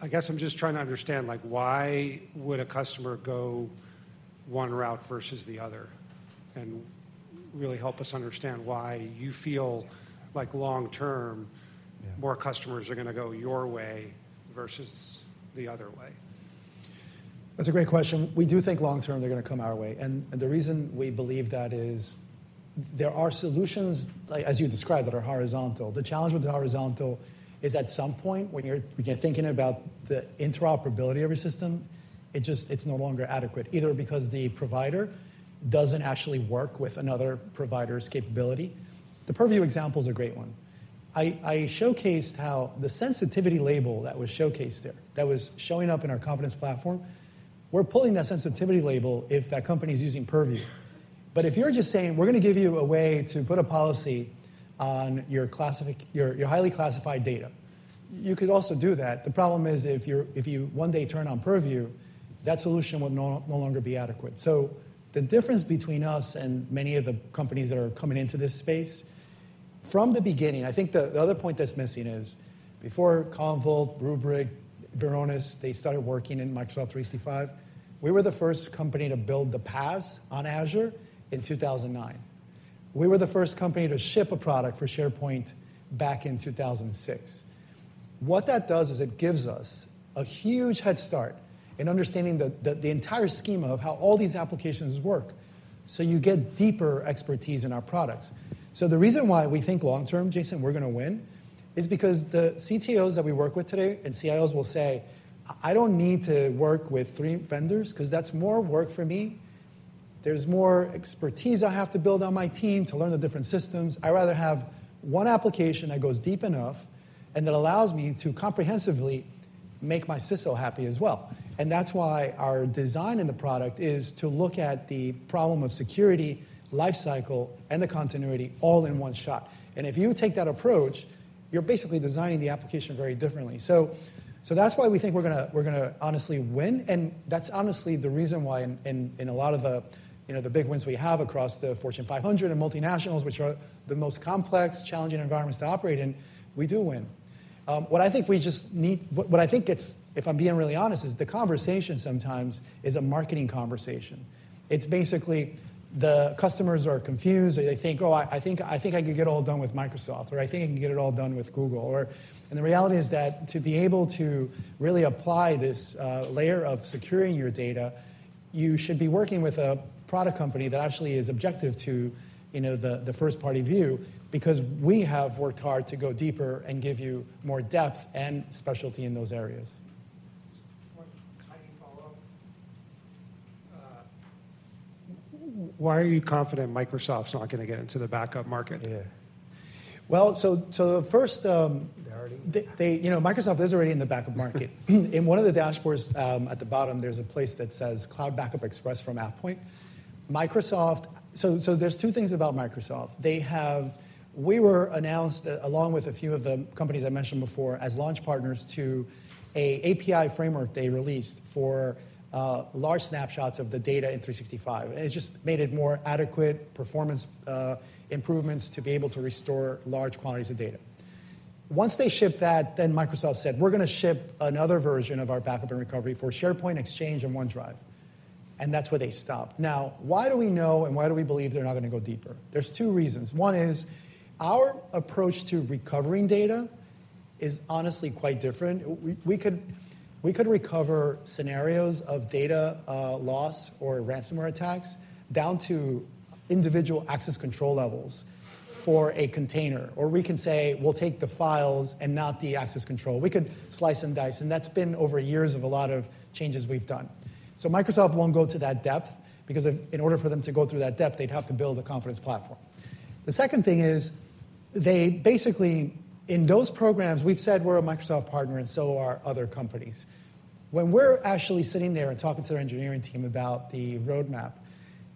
Speaker 8: guess I'm just trying to understand why would a customer go one route versus the other and really help us understand why you feel like long-term, more customers are going to go your way versus the other way.
Speaker 2: That's a great question. We do think long-term they're going to come our way. And the reason we believe that is there are solutions, as you described, that are horizontal. The challenge with the horizontal is at some point when you're thinking about the interoperability of your system, it's no longer adequate, either because the provider doesn't actually work with another provider's capability. The Purview example is a great one. I showcased how the sensitivity label that was showcased there that was showing up in our Confidence Platform, we're pulling that sensitivity label if that company is using Purview. But if you're just saying, "We're going to give you a way to put a policy on your highly classified data," you could also do that. The problem is if you one day turn on Purview, that solution would no longer be adequate. So the difference between us and many of the companies that are coming into this space from the beginning, I think the other point that's missing is before Commvault, Rubrik, Varonis, they started working in Microsoft 365. We were the first company to build the PaaS on Azure in 2009. We were the first company to ship a product for SharePoint back in 2006. What that does is it gives us a huge head start in understanding the entire schema of how all these applications work. So you get deeper expertise in our products. So the reason why we think long-term, Jason, we're going to win is because the CTOs that we work with today and CIOs will say, "I don't need to work with three vendors because that's more work for me. There's more expertise I have to build on my team to learn the different systems. I rather have one application that goes deep enough and that allows me to comprehensively make my CISO happy as well." And that's why our design in the product is to look at the problem of security, lifecycle, and the continuity all in one shot. And if you take that approach, you're basically designing the application very differently. So that's why we think we're going to honestly win. And that's honestly the reason why in a lot of the big wins we have across the Fortune 500 and multinationals, which are the most complex, challenging environments to operate in, we do win. What I think we just need, what I think gets, if I'm being really honest, is the conversation sometimes a marketing conversation. It's basically the customers are confused. They think, "Oh, I think I can get it all done with Microsoft," or, "I think I can get it all done with Google." And the reality is that to be able to really apply this layer of securing your data, you should be working with a product company that actually is objective to the first-party view because we have worked hard to go deeper and give you more depth and specialty in those areas.
Speaker 8: Why are you confident Microsoft's not going to get into the backup market?
Speaker 2: First, Microsoft is already in the backup market. In one of the dashboards at the bottom, there's a place that says Cloud Backup Express from AvePoint. There's two things about Microsoft. We were announced, along with a few of the companies I mentioned before, as launch partners to an API framework they released for large snapshots of the data in 365. It just made it more adequate performance improvements to be able to restore large quantities of data. Once they shipped that, then Microsoft said, "We're going to ship another version of our backup and recovery for SharePoint, Exchange, and OneDrive." And that's where they stopped. Now, why do we know and why do we believe they're not going to go deeper? There's two reasons. One is our approach to recovering data is honestly quite different. We could recover scenarios of data loss or ransomware attacks down to individual access control levels for a container. Or we can say, "We'll take the files and not the access control." We could slice and dice. And that's been over years of a lot of changes we've done. So Microsoft won't go to that depth because in order for them to go through that depth, they'd have to build a Confidence Platform. The second thing is they basically, in those programs, we've said we're a Microsoft partner and so are other companies. When we're actually sitting there and talking to the engineering team about the roadmap,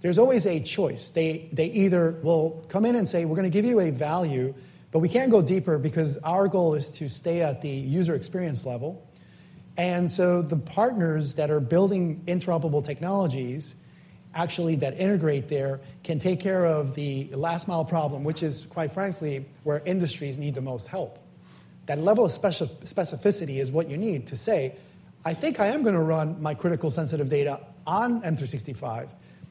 Speaker 2: there's always a choice. They either will come in and say, "We're going to give you a value, but we can't go deeper because our goal is to stay at the user experience level," and so the partners that are building interoperable technologies actually that integrate there can take care of the last-mile problem, which is, quite frankly, where industries need the most help. That level of specificity is what you need to say, "I think I am going to run my critical sensitive data on M365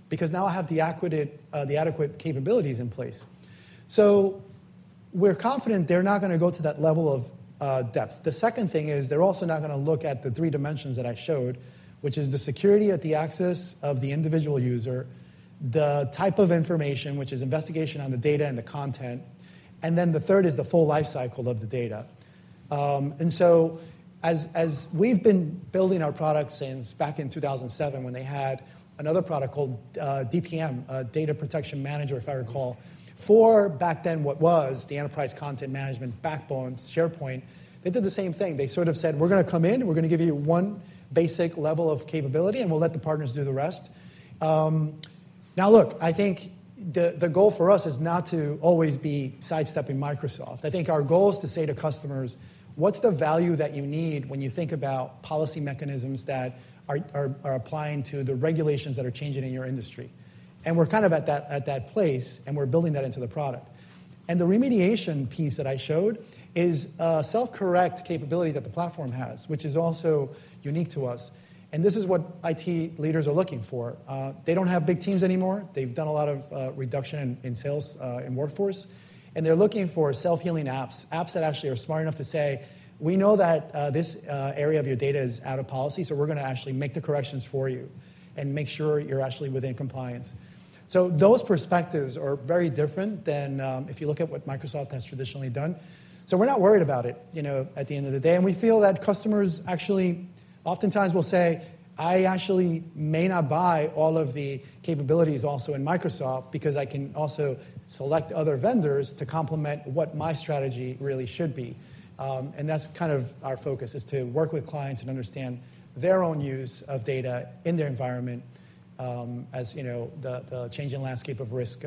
Speaker 2: because now I have the adequate capabilities in place," so we're confident they're not going to go to that level of depth. The second thing is they're also not going to look at the three dimensions that I showed, which is the security at the axis of the individual user, the type of information, which is investigation on the data and the content. Then the third is the full lifecycle of the data. So as we've been building our products since back in 2007 when they had another product called DPM, Data Protection Manager, if I recall, for back then what was the enterprise content management backbone, SharePoint, they did the same thing. They sort of said, "We're going to come in. We're going to give you one basic level of capability, and we'll let the partners do the rest." Now, look, I think the goal for us is not to always be sidestepping Microsoft. I think our goal is to say to customers, "What's the value that you need when you think about policy mechanisms that are applying to the regulations that are changing in your industry?" We're kind of at that place, and we're building that into the product. And the remediation piece that I showed is a self-correct capability that the platform has, which is also unique to us. And this is what IT leaders are looking for. They don't have big teams anymore. They've done a lot of reduction in sales and workforce. And they're looking for self-healing apps, apps that actually are smart enough to say, "We know that this area of your data is out of policy, so we're going to actually make the corrections for you and make sure you're actually within compliance." So those perspectives are very different than if you look at what Microsoft has traditionally done. So we're not worried about it at the end of the day. We feel that customers actually oftentimes will say, "I actually may not buy all of the capabilities also in Microsoft because I can also select other vendors to complement what my strategy really should be." And that's kind of our focus, is to work with clients and understand their own use of data in their environment as the changing landscape of risk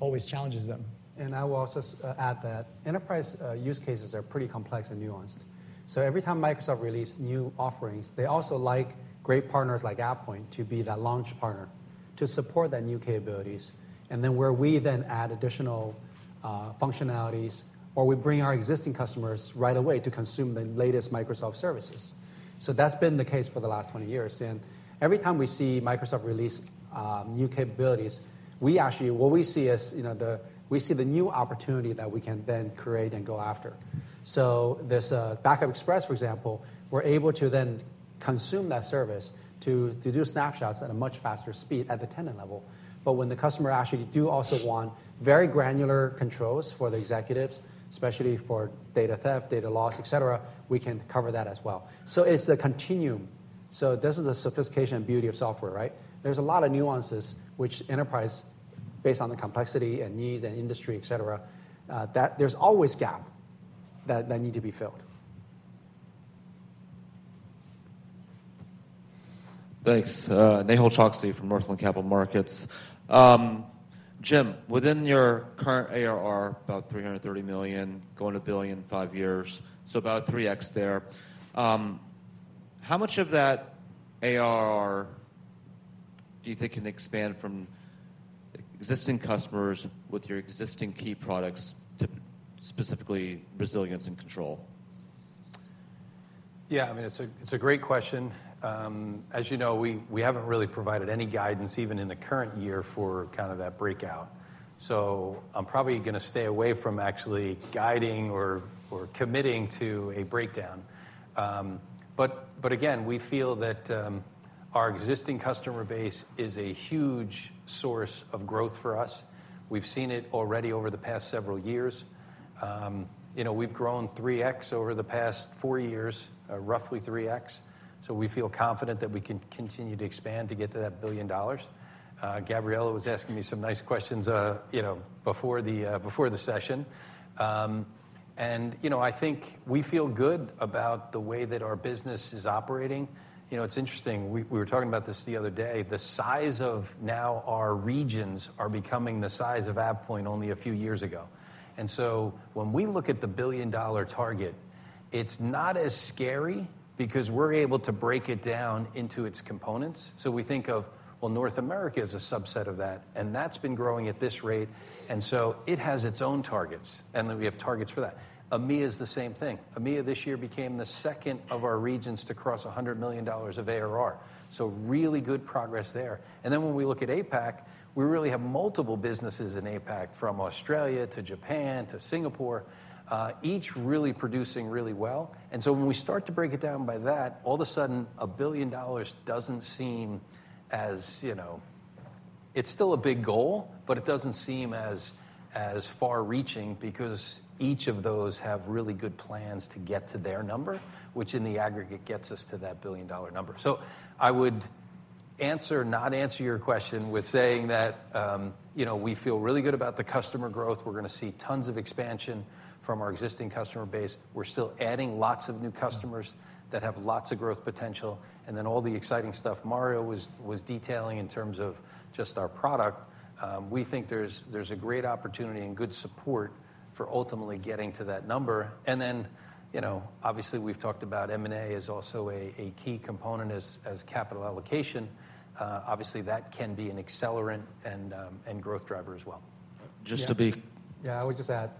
Speaker 2: always challenges them.
Speaker 1: And I will also add that enterprise use cases are pretty complex and nuanced. So every time Microsoft releases new offerings, they also like great partners like AvePoint to be that launch partner to support that new capabilities. And then where we then add additional functionalities or we bring our existing customers right away to consume the latest Microsoft services. So that's been the case for the last 20 years. Every time we see Microsoft release new capabilities, what we see is we see the new opportunity that we can then create and go after. So this Backup Express, for example, we're able to then consume that service to do snapshots at a much faster speed at the tenant level. But when the customer actually does also want very granular controls for the executives, especially for data theft, data loss, etc., we can cover that as well. So it's a continuum. So this is the sophistication and beauty of software, right? There's a lot of nuances which enterprise, based on the complexity and needs and industry, etc., there's always gaps that need to be filled.
Speaker 9: Thanks. Nehal Chokshi from Northland Capital Markets. Jim, within your current ARR, about $330 million, going to $1 billion in five years, so about 3x there. How much of that ARR do you think can expand from existing customers with your existing key products to specifically Resilience and Control?
Speaker 4: Yeah, I mean, it's a great question. As you know, we haven't really provided any guidance even in the current year for kind of that breakout. So I'm probably going to stay away from actually guiding or committing to a breakdown. But again, we feel that our existing customer base is a huge source of growth for us. We've seen it already over the past several years. We've grown 3x over the past four years, roughly 3x. So we feel confident that we can continue to expand to get to that $1 billion. Gabriella was asking me some nice questions before the session, and I think we feel good about the way that our business is operating. It's interesting. We were talking about this the other day. The size now of our regions are becoming the size of AvePoint only a few years ago. When we look at the billion-dollar target, it's not as scary because we're able to break it down into its components. We think of, well, North America is a subset of that, and that's been growing at this rate. It has its own targets, and we have targets for that. EMEA is the same thing. EMEA this year became the second of our regions to cross $100 million of ARR. Really good progress there. When we look at APAC, we really have multiple businesses in APAC from Australia to Japan to Singapore, each really producing really well. And so when we start to break it down by that, all of a sudden, $1 billion doesn't seem as it's still a big goal, but it doesn't seem as far-reaching because each of those have really good plans to get to their number, which in the aggregate gets us to that $1 billion number. So I would not answer your question with saying that we feel really good about the customer growth. We're going to see tons of expansion from our existing customer base. We're still adding lots of new customers that have lots of growth potential. And then all the exciting stuff Mario was detailing in terms of just our product, we think there's a great opportunity and good support for ultimately getting to that number. And then obviously, we've talked about M&A as also a key component as capital allocation. Obviously, that can be an accelerant and growth driver as well.
Speaker 9: Just to be.
Speaker 1: Yeah, I would just add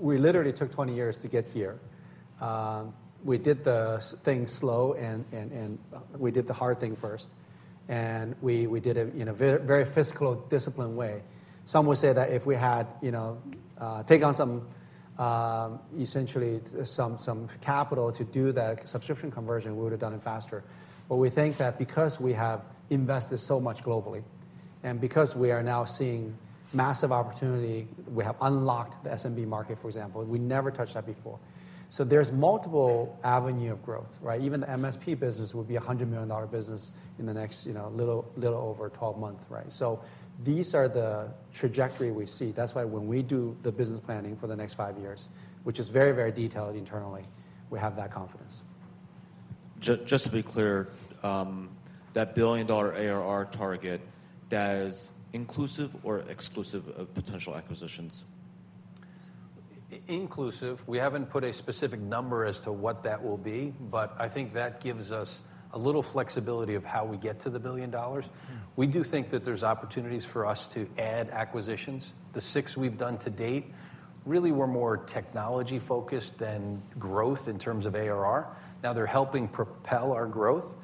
Speaker 1: we literally took 20 years to get here. We did the thing slowly, and we did the hard thing first. And we did it in a very fiscally disciplined way. Some would say that if we had taken on essentially some capital to do that subscription conversion, we would have done it faster. But we think that because we have invested so much globally and because we are now seeing massive opportunity, we have unlocked the SMB market, for example. We never touched that before. So there's multiple avenues of growth. Even the MSP business would be a $100 million business in the next little over 12 months. So these are the trajectory we see. That's why when we do the business planning for the next five years, which is very, very detailed internally, we have that confidence.
Speaker 9: Just to be clear, that $1 billion ARR target, that is inclusive or exclusive of potential acquisitions?
Speaker 4: Inclusive. We haven't put a specific number as to what that will be, but I think that gives us a little flexibility of how we get to the $1 billion. We do think that there's opportunities for us to add acquisitions. The six we've done to date really were more technology-focused than growth in terms of ARR. Now they're helping propel our growth.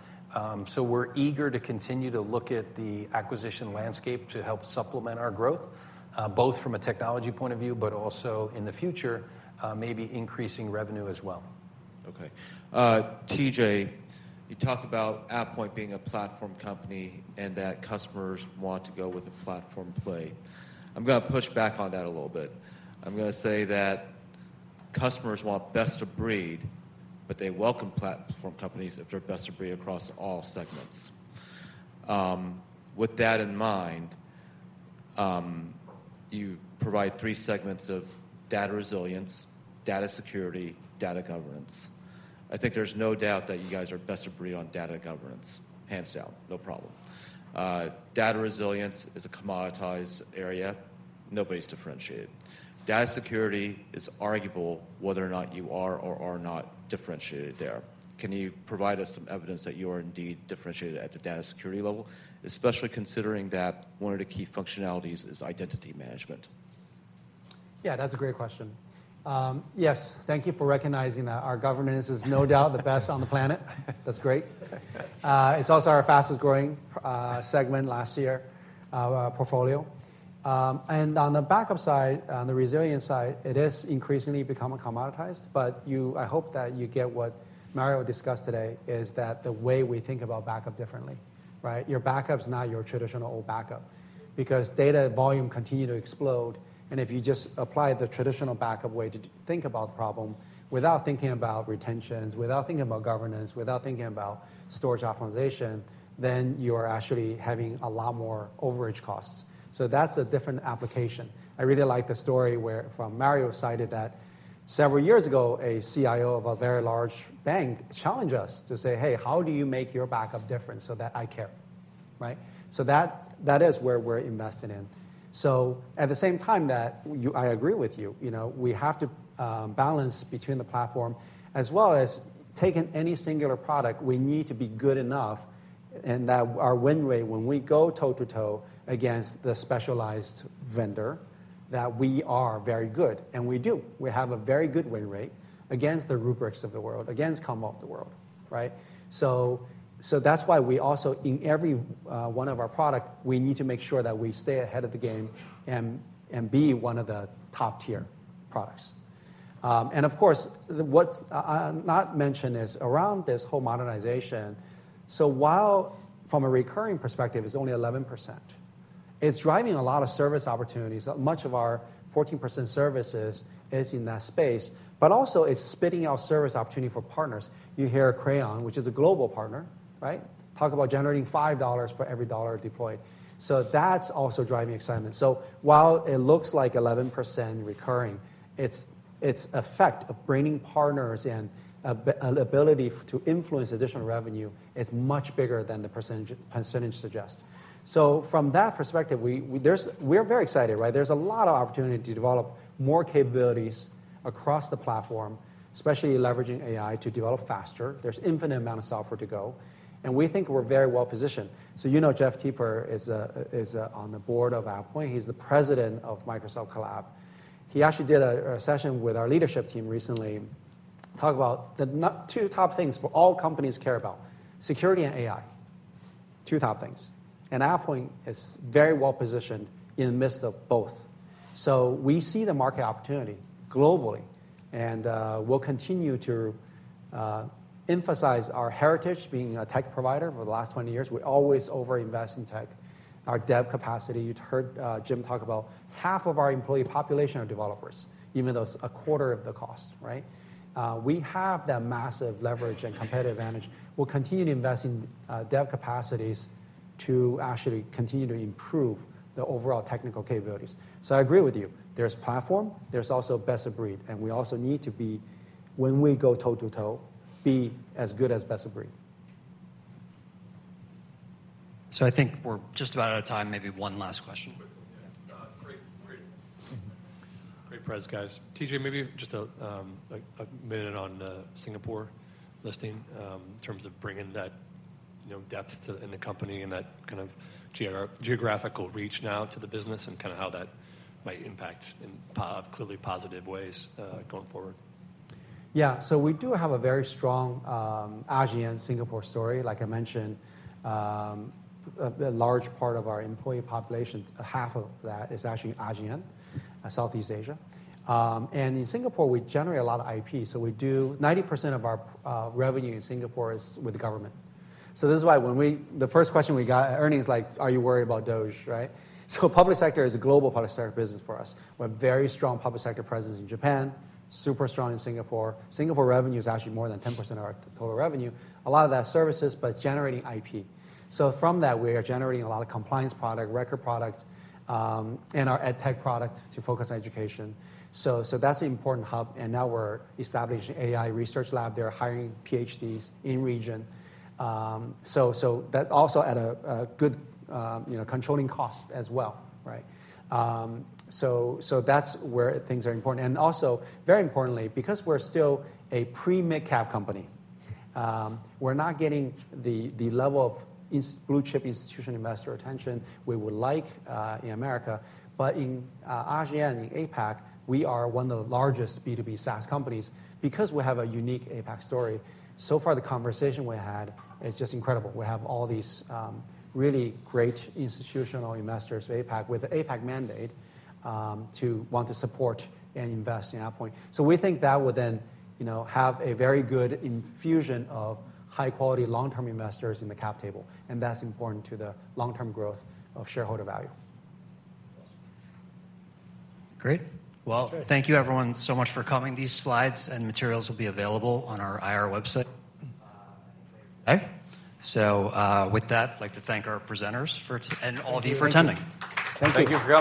Speaker 4: So we're eager to continue to look at the acquisition landscape to help supplement our growth, both from a technology point of view, but also in the future, maybe increasing revenue as well.
Speaker 9: Okay. TJ, you talked about AvePoint being a platform company and that customers want to go with a platform play. I'm going to push back on that a little bit. I'm going to say that customers want best-of-breed, but they welcome platform companies if they're best-of-breed across all segments. With that in mind, you provide three segments of data resilience, data security, data governance. I think there's no doubt that you guys are best-of-breed on data governance. Hands down, no problem. Data resilience is a commoditized area. Nobody's differentiated. Data security is arguable whether or not you are or are not differentiated there. Can you provide us some evidence that you are indeed differentiated at the data security level, especially considering that one of the key functionalities is identity management?
Speaker 1: Yeah, that's a great question. Yes, thank you for recognizing that our governance is no doubt the best on the planet. That's great. It's also our fastest-growing segment last year portfolio. And on the backup side, on the resilience side, it is increasingly becoming commoditized. But I hope that you get what Mario discussed today, is that the way we think about backup differently. Your backup is not your traditional old backup because data volume continues to explode. And if you just apply the traditional backup way to think about the problem without thinking about retentions, without thinking about governance, without thinking about storage optimization, then you are actually having a lot more overage costs. So that's a different application. I really like the story from Mario cited that several years ago, a CIO of a very large bank challenged us to say, "Hey, how do you make your backup different so that I care?", so that is where we're investing in. So at the same time that I agree with you, we have to balance between the platform as well as taking any singular product. We need to be good enough and that our win rate, when we go toe-to-toe against the specialized vendor, that we are very good, and we do. We have a very good win rate against the Rubrik of the world, against Commvault of the world. So that's why we also, in every one of our products, we need to make sure that we stay ahead of the game and be one of the top-tier products. And of course, what's not mentioned is around this whole modernization. So while from a recurring perspective, it's only 11%, it's driving a lot of service opportunities. Much of our 14% services is in that space, but also it's spitting out service opportunity for partners. You hear Crayon, which is a global partner, talk about generating $5 for every dollar deployed. So that's also driving excitement. So while it looks like 11% recurring, its effect of bringing partners and ability to influence additional revenue, it's much bigger than the percentage suggests. So from that perspective, we are very excited. There's a lot of opportunity to develop more capabilities across the platform, especially leveraging AI to develop faster. There's an infinite amount of software to go. And we think we're very well positioned. So you know, Jeff Teper is on the Board of AvePoint. He's the President of Microsoft Collab. He actually did a session with our leadership team recently, talked about the two top things for all companies care about: security and AI, two top things. And AvePoint is very well positioned in the midst of both. So we see the market opportunity globally, and we'll continue to emphasize our heritage being a tech provider for the last 20 years. We always over-invest in tech, our dev capacity. You've heard Jim talk about half of our employee population are developers, even though it's a quarter of the cost. We have that massive leverage and competitive advantage. We'll continue to invest in dev capacities to actually continue to improve the overall technical capabilities. So I agree with you. There's platform. There's also best-of-breed. And we also need to be, when we go toe-to-toe, be as good as best-of-breed.
Speaker 5: So I think we're just about out of time. Maybe one last question. Great press, guys. TJ, maybe just a minute on Singapore listing in terms of bringing that depth in the company and that kind of geographical reach now to the business and kind of how that might impact in clearly positive ways going forward.
Speaker 1: Yeah, so we do have a very strong ASEAN-Singapore story. Like I mentioned, a large part of our employee population, half of that is actually ASEAN, Southeast Asia. And in Singapore, we generate a lot of IP. So 90% of our revenue in Singapore is with government. So this is why when we the first question we got, earnings like, are you worried about those? Public sector is a global public sector business for us. We have very strong public sector presence in Japan, super strong in Singapore. Singapore revenue is actually more than 10% of our total revenue. A lot of that services, but generating IP. So from that, we are generating a lot of compliance product, record product, and our edtech product to focus on education. So that's an important hub. And now we're establishing an AI research lab. They're hiring PhDs in region. So that's also at a good controlling cost as well. So that's where things are important. And also, very importantly, because we're still a pre-mid-cap company, we're not getting the level of blue-chip institutional investor attention we would like in America. But in ASEAN, in APAC, we are one of the largest B2B SaaS companies because we have a unique APAC story. So far, the conversation we had is just incredible. We have all these really great institutional investors with APAC mandate to want to support and invest in AvePoint. We think that will then have a very good infusion of high-quality long-term investors in the cap table. And that's important to the long-term growth of shareholder value.
Speaker 5: Great. Well, thank you, everyone, so much for coming. These slides and materials will be available on our IR website. With that, I'd like to thank our presenters and all of you for attending. Thank you.